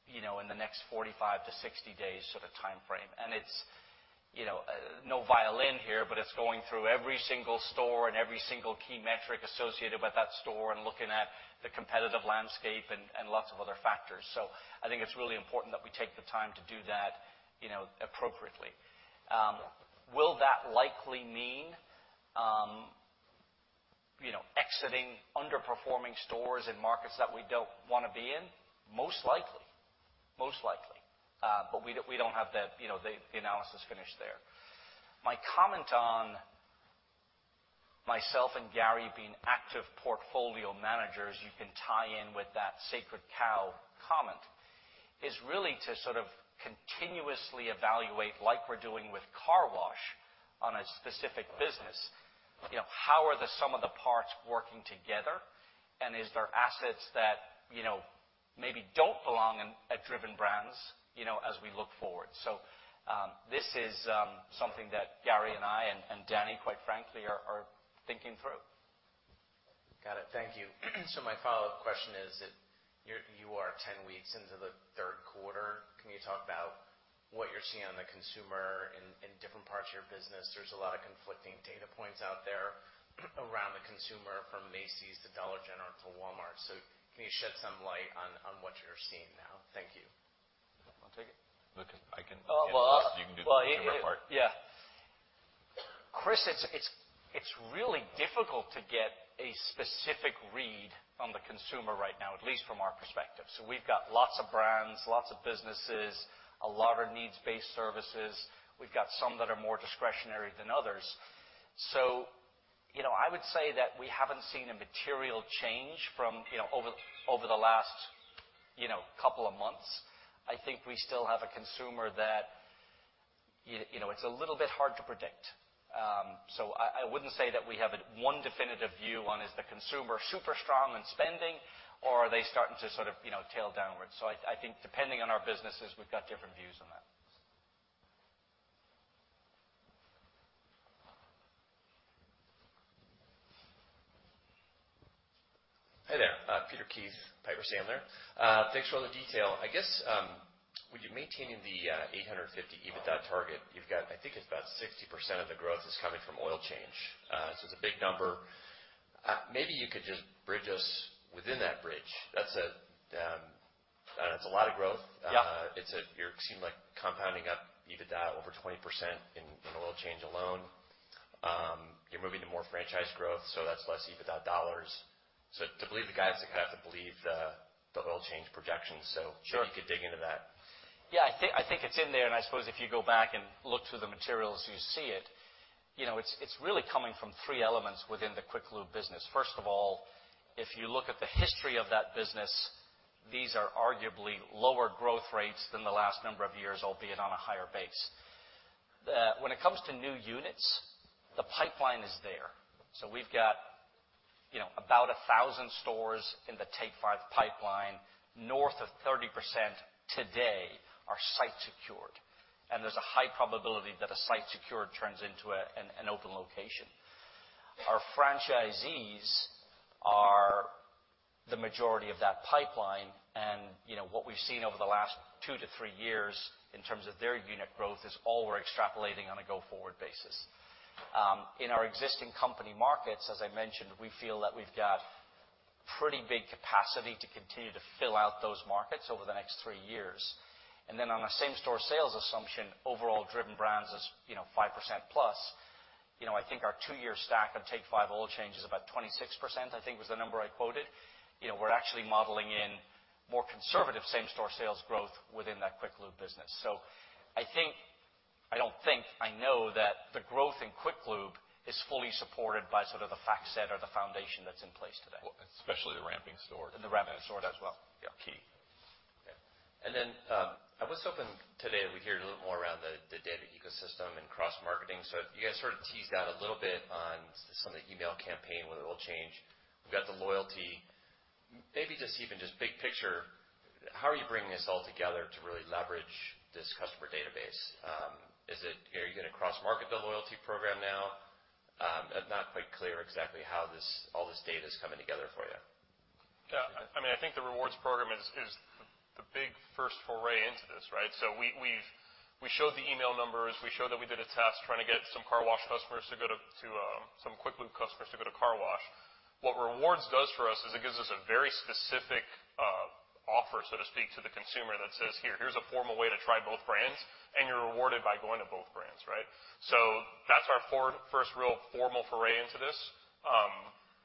you know, in the next 45-60 days sort of time frame. And it's, you know, no violin here, but it's going through every single store and every single key metric associated with that store and looking at the competitive landscape and lots of other factors. So I think it's really important that we take the time to do that, you know, appropriately. Will that likely mean, you know, exiting underperforming stores in markets that we don't want to be in? Most likely. Most likely, but we don't have the, you know, the analysis finished there. My comment on myself and Gary being active portfolio managers, you can tie in with that sacred cow comment, is really to sort of continuously evaluate, like we're doing with car wash, on a specific business. You know, how are the sum of the parts working together? And is there assets that, you know, maybe don't belong in, at Driven Brands, you know, as we look forward? So, this is something that Gary and I, and Danny, quite frankly, are thinking through. Got it. Thank you. My follow-up question is that you are 10 weeks into the third quarter. Can you talk about what you're seeing on the consumer in different parts of your business? There's a lot of conflicting data points out there around the consumer, from Macy's to Dollar General to Walmart. Can you shed some light on what you're seeing now? Thank you. Want to take it? Look, I can- Well, well, You can do the consumer part. Yeah. Chris, it's really difficult to get a specific read on the consumer right now, at least from our perspective. So we've got lots of brands, lots of businesses, a lot are needs-based services. We've got some that are more discretionary than others. So, you know, I would say that we haven't seen a material change from, you know, over the last, you know, couple of months. I think we still have a consumer that, you know, it's a little bit hard to predict. So I wouldn't say that we have a one definitive view on, is the consumer super strong in spending, or are they starting to sort of, you know, tail downwards? So I think depending on our businesses, we've got different views on that. Hi there, Peter Keith, Piper Sandler. Thanks for all the detail. I guess, when you're maintaining the 850 EBITDA target, you've got, I think it's about 60% of the growth is coming from oil change. So it's a big number. Maybe you could just bridge us within that bridge. That's a, it's a lot of growth. Yeah. It's like you seem like compounding up EBITDA over 20% in oil change alone. You're moving to more franchise growth, so that's less EBITDA dollars. So to believe the guys, you kind of have to believe the oil change projections. Sure. Maybe you could dig into that. Yeah, I think, I think it's in there, and I suppose if you go back and look through the materials, you see it. You know, it's, it's really coming from three elements within the Quick Lube business. First of all, if you look at the history of that business, these are arguably lower growth rates than the last number of years, albeit on a higher base. When it comes to new units, the pipeline is there. So we've got, you know, about 1,000 stores in the Take 5 pipeline. North of 30% today are site secured, and there's a high probability that a site secured turns into an open location. Our franchisees are the majority of that pipeline, and, you know, what we've seen over the last two to three years in terms of their unit growth is all we're extrapolating on a go-forward basis. In our existing company markets, as I mentioned, we feel that we've got pretty big capacity to continue to fill out those markets over the next three years. And then on a same-store sales assumption, overall Driven Brands is, you know, 5%+. You know, I think our two-year stack of Take 5 oil change is about 26%, I think, was the number I quoted. You know, we're actually modeling in more conservative same-store sales growth within that Quick Lube business. So I think, I don't think, I know that the growth in Quick Lube is fully supported by sort of the fact set or the foundation that's in place today. Well, especially the ramping store. The ramping store as well. Yeah. Key. Okay. I was hoping today we'd hear a little more around the data ecosystem and cross-marketing. You guys sort of teased out a little bit on some of the email campaign with oil change. We've got the loyalty- Maybe just even just big picture, how are you bringing this all together to really leverage this customer database? Is it, are you gonna cross-market the loyalty program now? I'm not quite clear exactly how this, all this data is coming together for you. Yeah, I mean, I think the rewards program is the big first foray into this, right? So we've we showed the email numbers, we showed that we did a test trying to get some car wash customers to go to to some Quick Lube customers to go to car wash. What rewards does for us is it gives us a very specific offer, so to speak, to the consumer that says, "Here, here's a formal way to try both brands, and you're rewarded by going to both brands," right? So that's our first real formal foray into this.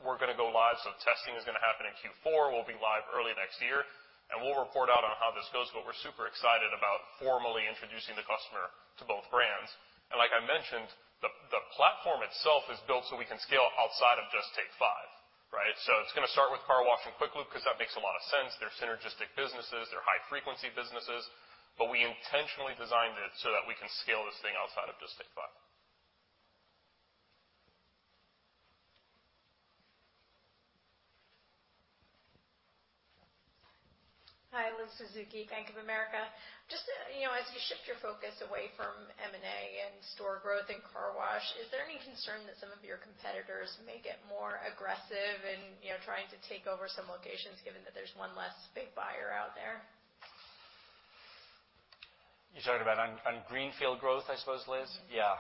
We're gonna go live, so testing is gonna happen in Q4. We'll be live early next year, and we'll report out on how this goes, but we're super excited about formally introducing the customer to both brands. And like I mentioned, the platform itself is built so we can scale outside of just Take 5, right? So it's gonna start with car wash and Quick Lube, 'cause that makes a lot of sense. They're synergistic businesses, they're high-frequency businesses, but we intentionally designed it so that we can scale this thing outside of just Take 5. Hi, Liz Suzuki, Bank of America. Just, you know, as you shift your focus away from M&A and store growth in car wash, is there any concern that some of your competitors may get more aggressive in, you know, trying to take over some locations, given that there's one less big buyer out there? You're talking about on greenfield growth, I suppose, Liz? Mm-hmm. Yeah.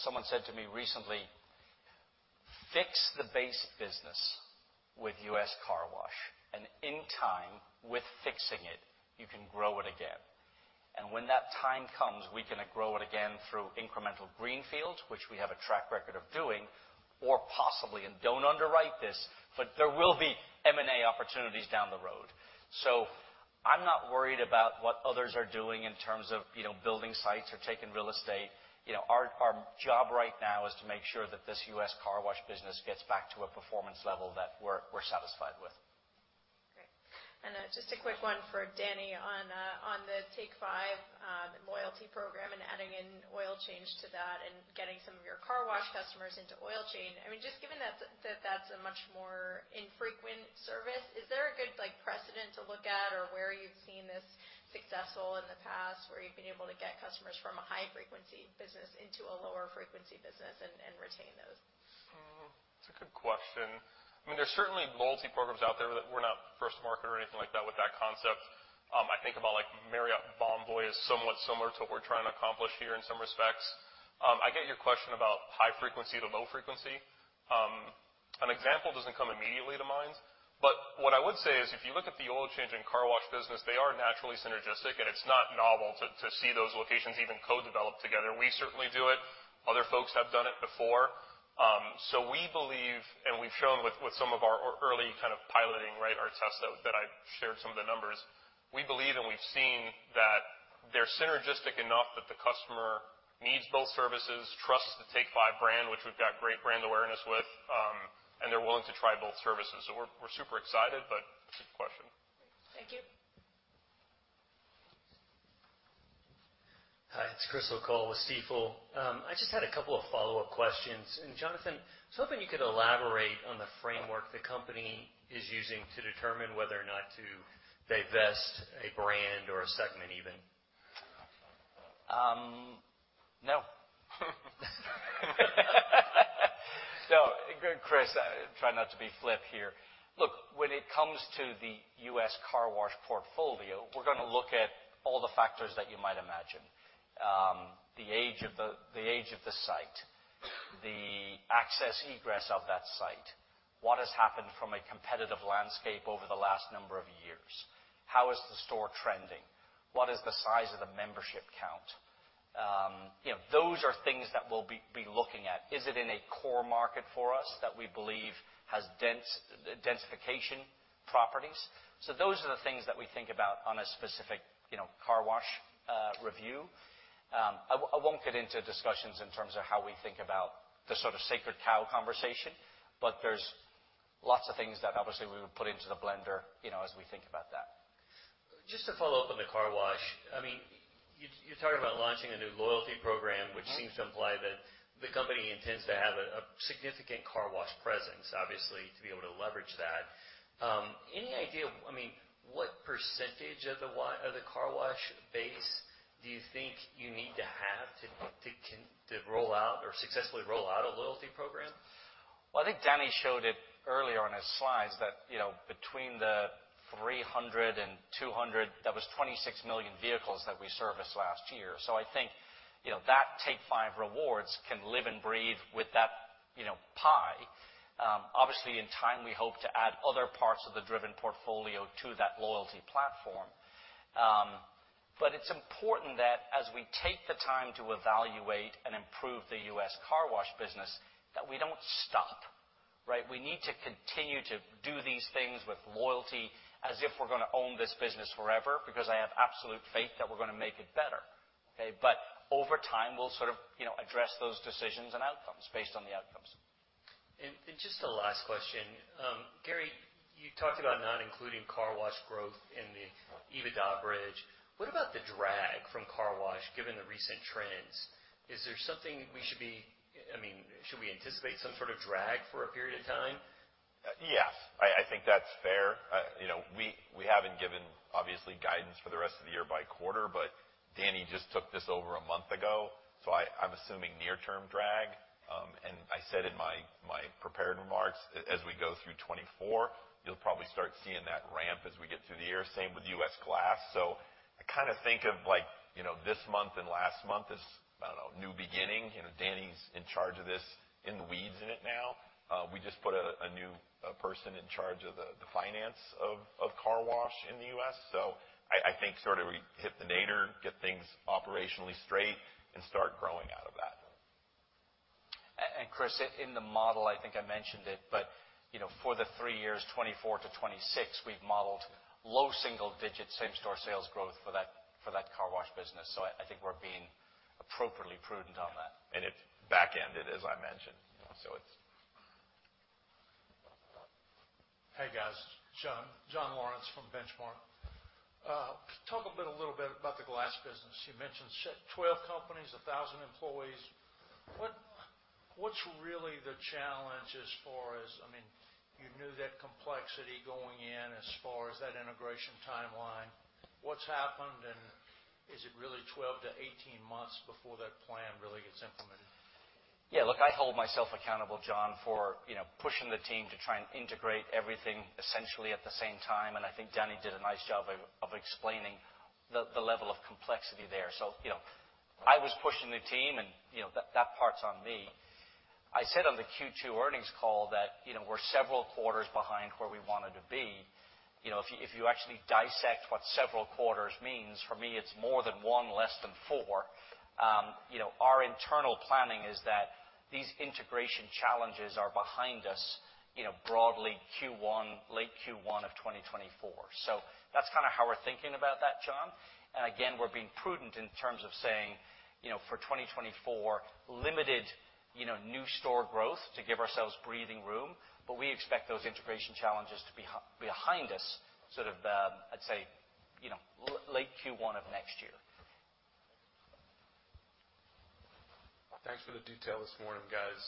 Someone said to me recently, "Fix the base business with U.S. Car Wash, and in time, with fixing it, you can grow it again." When that time comes, we're gonna grow it again through incremental greenfields, which we have a track record of doing, or possibly, and don't underwrite this, but there will be M&A opportunities down the road. So I'm not worried about what others are doing in terms of, you know, building sites or taking real estate. You know, our job right now is to make sure that this U.S. Car Wash business gets back to a performance level that we're satisfied with. Great. And, just a quick one for Danny on the Take 5, loyalty program and adding in oil change to that and getting some of your car wash customers into oil change. I mean, just given that that's a much more infrequent service, is there a good, like, precedent to look at or where you've seen this successful in the past, where you've been able to get customers from a high-frequency business into a lower frequency business and retain those? It's a good question. I mean, there's certainly loyalty programs out there that we're not first market or anything like that with that concept. I think about, like, Marriott Bonvoy is somewhat similar to what we're trying to accomplish here in some respects. I get your question about high frequency to low frequency. An example doesn't come immediately to mind, but what I would say is, if you look at the oil change in car wash business, they are naturally synergistic, and it's not novel to see those locations even co-develop together. We certainly do it. Other folks have done it before. So we believe, and we've shown with some of our early kind of piloting, right, our tests that I've shared some of the numbers, we believe, and we've seen that they're synergistic enough that the customer needs both services, trusts the Take 5 brand, which we've got great brand awareness with, and they're willing to try both services. So we're super excited, but it's a good question. Thank you. Hi, it's Chris O'Cull with Stifel. I just had a couple of follow-up questions. Jonathan, I was hoping you could elaborate on the framework the company is using to determine whether or not to divest a brand or a segment even. No. So, good, Chris, I try not to be flip here. Look, when it comes to the U.S. Car Wash portfolio, we're gonna look at all the factors that you might imagine. The age of the, the age of the site, the access egress of that site, what has happened from a competitive landscape over the last number of years? How is the store trending? What is the size of the membership count? You know, those are things that we'll be, be looking at. Is it in a core market for us that we believe has dense- densification properties? So those are the things that we think about on a specific, you know, car wash review. I won't get into discussions in terms of how we think about the sort of sacred cow conversation, but there's lots of things that obviously we would put into the blender, you know, as we think about that. Just to follow up on the car wash, I mean, you, you talked about launching a new loyalty program- Mm-hmm. -which seems to imply that the company intends to have a significant car wash presence, obviously, to be able to leverage that. Any idea... I mean, what percentage of the car wash base do you think you need to have to roll out or successfully roll out a loyalty program? Well, I think Danny showed it earlier on his slides that, you know, between the 300 and 200, that was 26 million vehicles that we serviced last year. So I think, you know, that Take 5 Rewards can live and breathe with that, you know, pie. Obviously, in time, we hope to add other parts of the Driven portfolio to that loyalty platform. But it's important that as we take the time to evaluate and improve the U.S. Car Wash business, that we don't stop, right? We need to continue to do these things with loyalty as if we're gonna own this business forever, because I have absolute faith that we're gonna make it better, okay? But over time, we'll sort of, you know, address those decisions and outcomes based on the outcomes. Just the last question. Gary, you talked about not including car wash growth in the EBITDA bridge. What about the drag from car wash, given the recent trends? Is there something we should be... I mean, should we anticipate some sort of drag for a period of time? Yes, I think that's fair. You know, we haven't given, obviously, guidance for the rest of the year by quarter, but Danny just took this over a month ago, so I'm assuming near-term drag. And I said in my prepared remarks, as we go through 2024, you'll probably start seeing that ramp as we get through the year. Same with U.S. glass. So I kind of think of, like, you know, this month and last month as, I don't know, new beginning. You know, Danny's in charge of this, in the weeds in it now. We just put a new person in charge of the finance of car wash in the U.S., so I think sort of we hit the nadir, get things operationally straight, and start growing out of that. Chris, in the model, I think I mentioned it, but you know, for the three years, 2024-2026, we've modeled low single digits same-store sales growth for that car wash business. So I think we're being appropriately prudent on that. It backended, as I mentioned. You know, so it's- Hey, guys. John, John Lawrence from Benchmark. Talk a bit, a little bit about the glass business. You mentioned 12 companies, 1,000 employees. What's really the challenge as far as... I mean, you knew that complexity going in as far as that integration timeline. What's happened, and is it really 12-18 months before that plan really gets implemented? Yeah, look, I hold myself accountable, John, for, you know, pushing the team to try and integrate everything essentially at the same time, and I think Danny did a nice job of explaining the level of complexity there. So, you know, I was pushing the team, and, you know, that part's on me. I said on the Q2 earnings call that, you know, we're several quarters behind where we wanted to be. You know, if you actually dissect what several quarters means, for me, it's more than one, less than four. You know, our internal planning is that these integration challenges are behind us, you know, broadly Q1, late Q1 of 2024. So that's kind of how we're thinking about that, John. And again, we're being prudent in terms of saying, you know, for 2024, limited, you know, new store growth to give ourselves breathing room, but we expect those integration challenges to be behind us, sort of. I'd say, you know, late Q1 of next year. Thanks for the detail this morning, guys.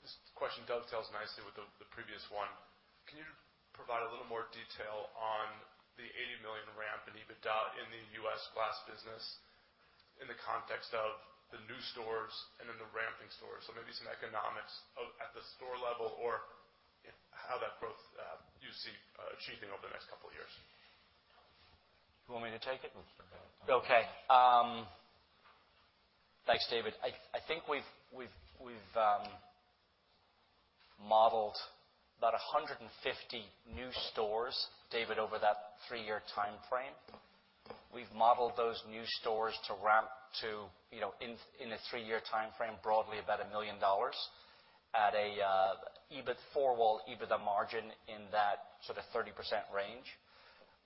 This question dovetails nicely with the previous one. Can you provide a little more detail on the $80 million ramp in EBITDA in the U.S. Glass business in the context of the new stores and then the ramping stores? So maybe some economics of at the store level or how that growth you see achieving over the next couple of years. You want me to take it? Sure, go ahead. Okay. Thanks, David. I think we've modeled about 150 new stores, David, over that three-year timeframe. We've modeled those new stores to ramp to, you know, in a three-year timeframe, broadly about $1 million at a, EBITDA, four-wall EBITDA margin in that sort of 30% range.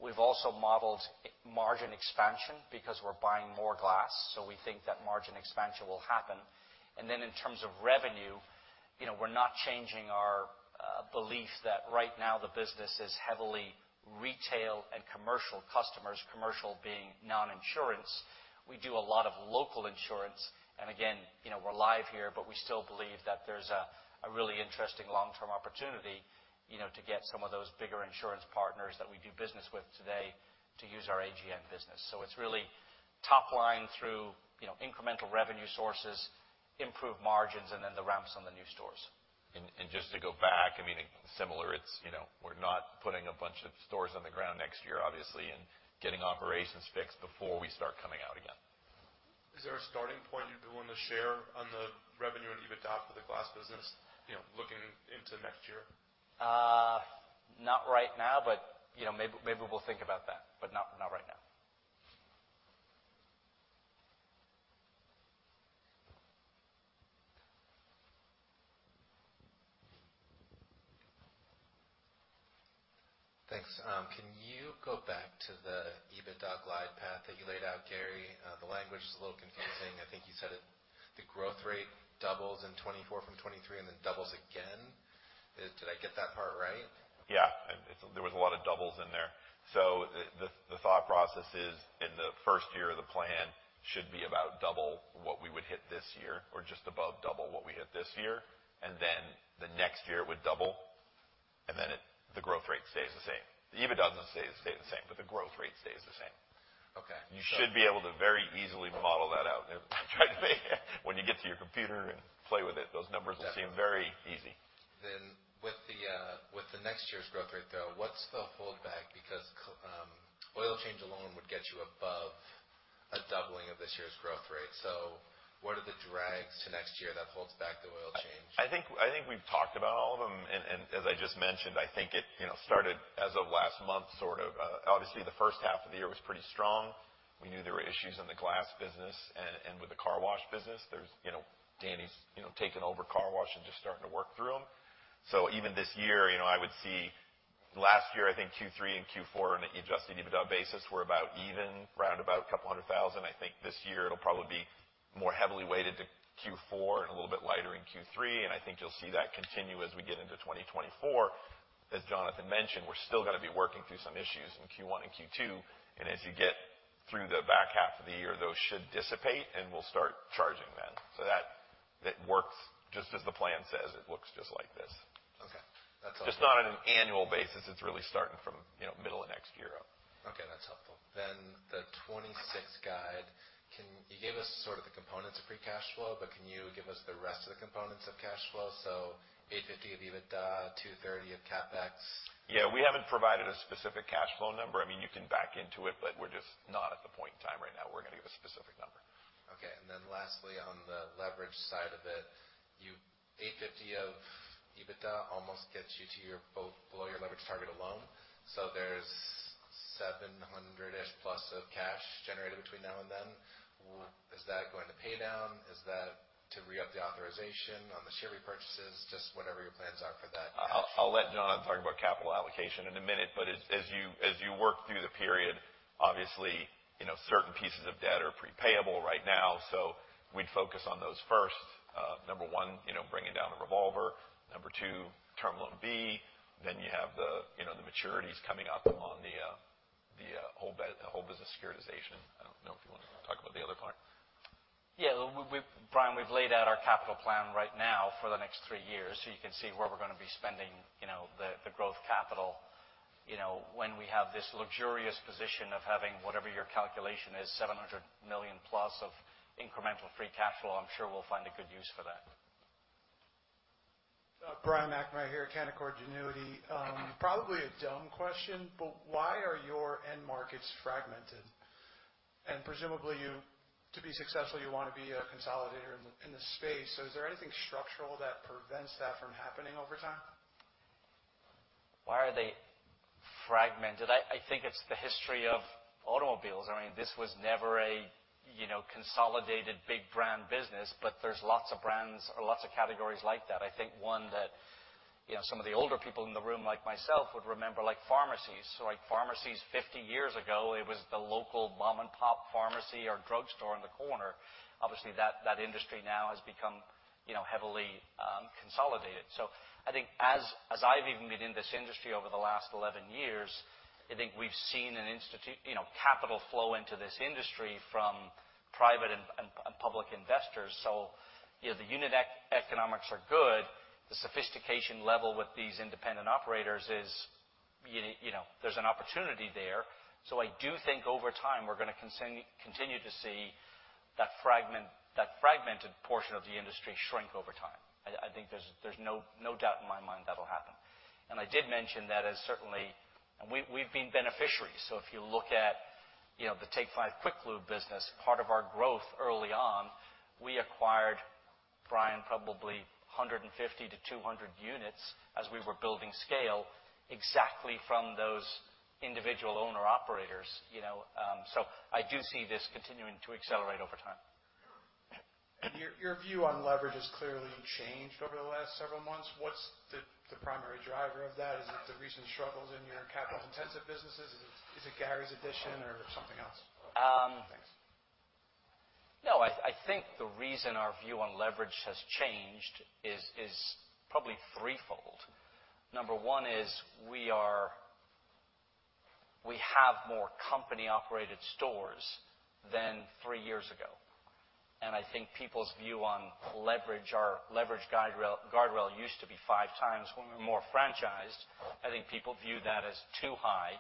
We've also modeled margin expansion because we're buying more glass, so we think that margin expansion will happen. In terms of revenue, you know, we're not changing our belief that right now the business is heavily retail and commercial customers, commercial being non-insurance. We do a lot of local insurance, and again, you know, we're live here, but we still believe that there's a really interesting long-term opportunity, you know, to get some of those bigger insurance partners that we do business with today to use our AGN business. So it's really top line through, you know, incremental revenue sources, improved margins, and then the ramps on the new stores. And just to go back, I mean, similar, it's, you know, we're not putting a bunch of stores on the ground next year, obviously, and getting operations fixed before we start coming out again. Is there a starting point you'd be willing to share on the revenue and EBITDA for the glass business, you know, looking into next year? Not right now, but, you know, maybe, maybe we'll think about that, but not, not right now. Thanks. Can you go back to the EBITDA glide path that you laid out, Gary? The language is a little confusing. I think you said it, the growth rate doubles in 2024 from 2023, and then doubles again. Did I get that part right? Yeah. And it's there was a lot of doubles in there. So the thought process is, in the first year of the plan, should be about double what we would hit this year or just above double what we hit this year, and then the next year it would double, and then the growth rate stays the same. The EBITDA doesn't stay the same, but the growth rate stays the same. Okay. You should be able to very easily model that out. When you get to your computer and play with it, those numbers will seem very easy. Then with the next year's growth rate, though, what's the holdback? Because oil change alone would get you above a doubling of this year's growth rate. So what are the drags to next year that holds back the oil change? I think, I think we've talked about all of them, and as I just mentioned, I think it, you know, started as of last month, sort of. Obviously, the first half of the year was pretty strong. We knew there were issues in the glass business and with the car wash business. There's, you know, Danny's, you know, taken over car wash and just starting to work through them. So even this year, you know, I would see... Last year, I think Q3 and Q4 on an adjusted EBITDA basis were about even, round about $200,000. I think this year it'll probably be more heavily weighted to Q4 and a little bit lighter in Q3, and I think you'll see that continue as we get-... 2024, as Jonathan mentioned, we're still gonna be working through some issues in Q1 and Q2, and as you get through the back half of the year, those should dissipate, and we'll start charging then. So that, it works just as the plan says. It looks just like this. Okay, that's all. Just not on an annual basis. It's really starting from, you know, middle of next year up. Okay, that's helpful. Then the 2026 guide. You gave us sort of the components of free cash flow, but can you give us the rest of the components of cash flow? So $850 of EBITDA, $230 of CapEx. Yeah, we haven't provided a specific cash flow number. I mean, you can back into it, but we're just not at the point in time right now where we're gonna give a specific number. Okay, lastly, on the leverage side of it, you-- $850 million of EBITDA almost gets you to your, both below your leverage target alone. So there's $700 million-ish plus of cash generated between now and then. Is that going to pay down? Is that to re-up the authorization on the share repurchases? Just whatever your plans are for that. I'll let John talk about capital allocation in a minute, but as you work through the period, obviously, you know, certain pieces of debt are pre-payable right now, so we'd focus on those first. Number one, you know, bringing down a revolver. Number two, term loan B, then you have the, you know, the maturities coming up on the whole business securitization. I don't know if you want to talk about the other part. Yeah, we've, Brian, we've laid out our capital plan right now for the next three years, so you can see where we're gonna be spending, you know, the, the growth capital. You know, when we have this luxurious position of having whatever your calculation is, $700 million+ of incremental free cash flow, I'm sure we'll find a good use for that. Brian McNamara here at Canaccord Genuity. Probably a dumb question, but why are your end markets fragmented? And presumably, you, to be successful, you want to be a consolidator in, in the space. So is there anything structural that prevents that from happening over time? Why are they fragmented? I think it's the history of automobiles. I mean, this was never a, you know, consolidated, big brand business, but there's lots of brands or lots of categories like that. I think one that, you know, some of the older people in the room, like myself, would remember, like pharmacies. So like pharmacies, 50 years ago, it was the local mom-and-pop pharmacy or drugstore on the corner. Obviously, that industry now has become, you know, heavily consolidated. So I think as I've even been in this industry over the last 11 years, I think we've seen an influx, you know, capital flow into this industry from private and public investors. So, you know, the unit economics are good. The sophistication level with these independent operators is, you know, there's an opportunity there. I do think over time, we're gonna continue, continue to see that fragmented portion of the industry shrink over time. I think there's, there's no doubt in my mind that'll happen. I did mention that as certainly... And we've been beneficiaries. If you look at, you know, the Take 5 Quick Lube business, part of our growth early on, we acquired, Brian, probably 150-200 units as we were building scale, exactly from those individual owner-operators, you know. I do see this continuing to accelerate over time. Your view on leverage has clearly changed over the last several months. What's the primary driver of that? Is it the recent struggles in your capital-intensive businesses? Is it Gary's addition or something else? Thanks. No, I think the reason our view on leverage has changed is probably threefold. Number one is we are, we have more company-operated stores than three years ago, and I think people's view on leverage or leverage guardrail used to be five times when we're more franchised. I think people view that as too high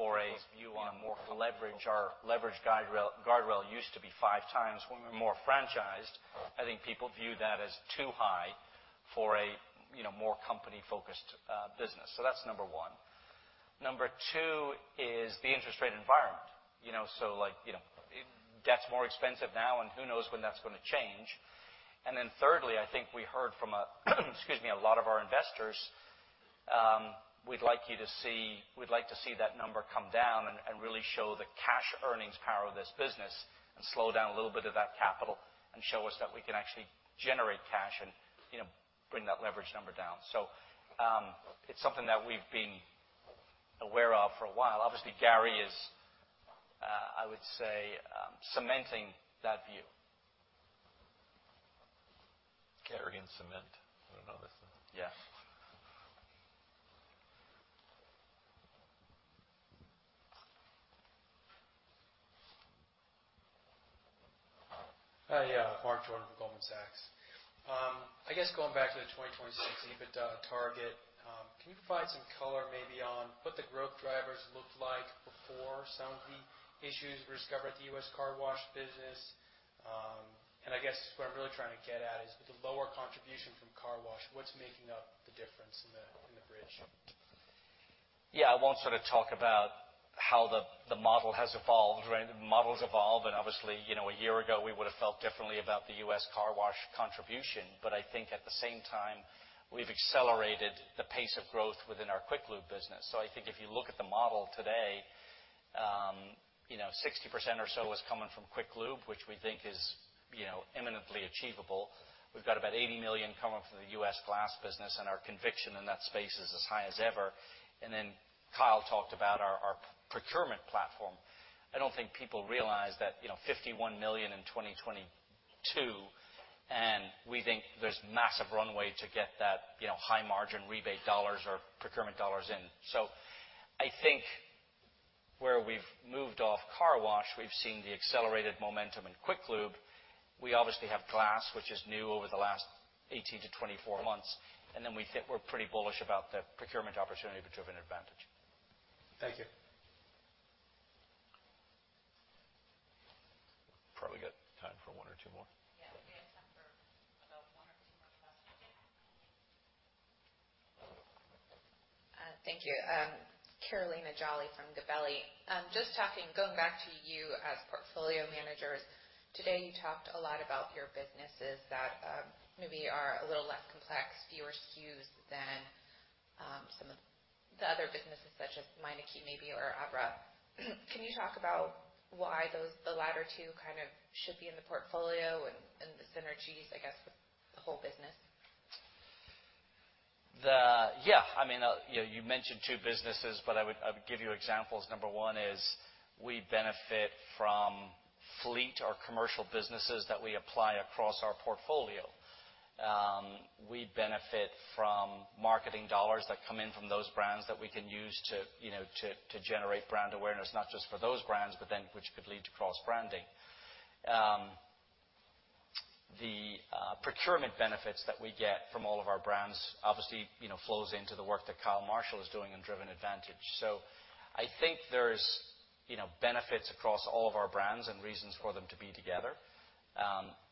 for a, you know, more leverage. Our leverage guardrail used to be five times when we're more franchised. I think people view that as too high for a, you know, more company-focused business. So that's number one. Number two is the interest rate environment. You know, so like, you know, debt's more expensive now, and who knows when that's gonna change. And then thirdly, I think we heard from a lot of our investors. We'd like you to see—we'd like to see that number come down and, and really show the cash earnings power of this business and slow down a little bit of that capital and show us that we can actually generate cash and, you know, bring that leverage number down. So, it's something that we've been aware of for a while. Obviously, Gary is, I would say, cementing that view. Gary and cement. I don't know this. Yeah. Hi, yeah, Mark Jordan from Goldman Sachs. I guess going back to the 2026 EBITDA target, can you provide some color maybe on what the growth drivers looked like before some of the issues were discovered at the U.S. Car Wash business? And I guess what I'm really trying to get at is, with the lower contribution from car wash, what's making up the difference in the, in the bridge? Yeah, I won't sort of talk about how the model has evolved, right? The models evolve, and obviously, you know, a year ago, we would have felt differently about the U.S. Car Wash contribution. But I think at the same time, we've accelerated the pace of growth within our Quick Lube business. So I think if you look at the model today, you know, 60% or so is coming from Quick Lube, which we think is, you know, imminently achievable. We've got about $80 million coming from the U.S. glass business, and our conviction in that space is as high as ever. And then Kyle talked about our procurement platform. I don't think people realize that, you know, $51 million in 2022, and we think there's massive runway to get that, you know, high margin rebate dollars or procurement dollars in. So I think where we've moved off car wash, we've seen the accelerated momentum in quick lube. We obviously have glass, which is new over the last 18-24 months, and then we think we're pretty bullish about the procurement opportunity with Driven Advantage. Thank you. Probably got time for one or two more. Yeah, we have time for about one or two more questions. Thank you. Carolina Jolly from Gabelli. Just talking, going back to you as portfolio managers, today, you talked a lot about your businesses that, maybe are a little less complex, fewer SKUs than, some of the other businesses, such as Meineke, maybe, or Abra. Can you talk about why those, the latter two kind of should be in the portfolio and, and the synergies, I guess, with the whole business? Yeah, I mean, you know, you mentioned two businesses, but I would, I would give you examples. Number one is we benefit from fleet or commercial businesses that we apply across our portfolio. We benefit from marketing dollars that come in from those brands that we can use to, you know, to, to generate brand awareness, not just for those brands, but then which could lead to cross-branding. The procurement benefits that we get from all of our brands, obviously, you know, flows into the work that Kyle Marshall is doing in Driven Advantage. So I think there's, you know, benefits across all of our brands and reasons for them to be together.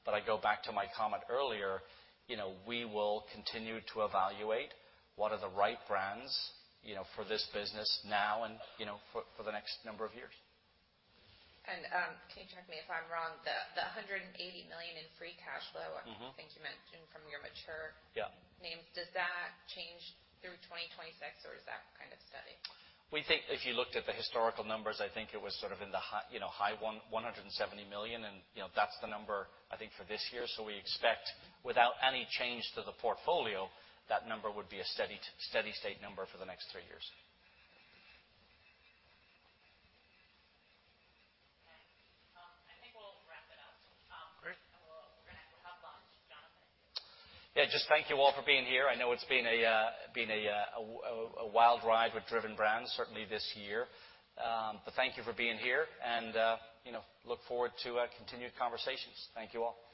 But I go back to my comment earlier, you know, we will continue to evaluate what are the right brands, you know, for this business now and, you know, for the next number of years. Can you check me if I'm wrong? The $180 million in free cash flow- Mm-hmm. I think you mentioned from your mature- Yeah. -names, does that change through 2026, or is that kind of steady? We think if you looked at the historical numbers, I think it was sort of in the high, you know, $170 million, and, you know, that's the number, I think, for this year. So we expect, without any change to the portfolio, that number would be a steady, steady state number for the next three years. I think we'll wrap it up. Great. We're gonna have lunch. Jonathan? Yeah, just thank you all for being here. I know it's been a wild ride with Driven Brands, certainly this year. But thank you for being here, and you know, look forward to continued conversations. Thank you all. Thank you.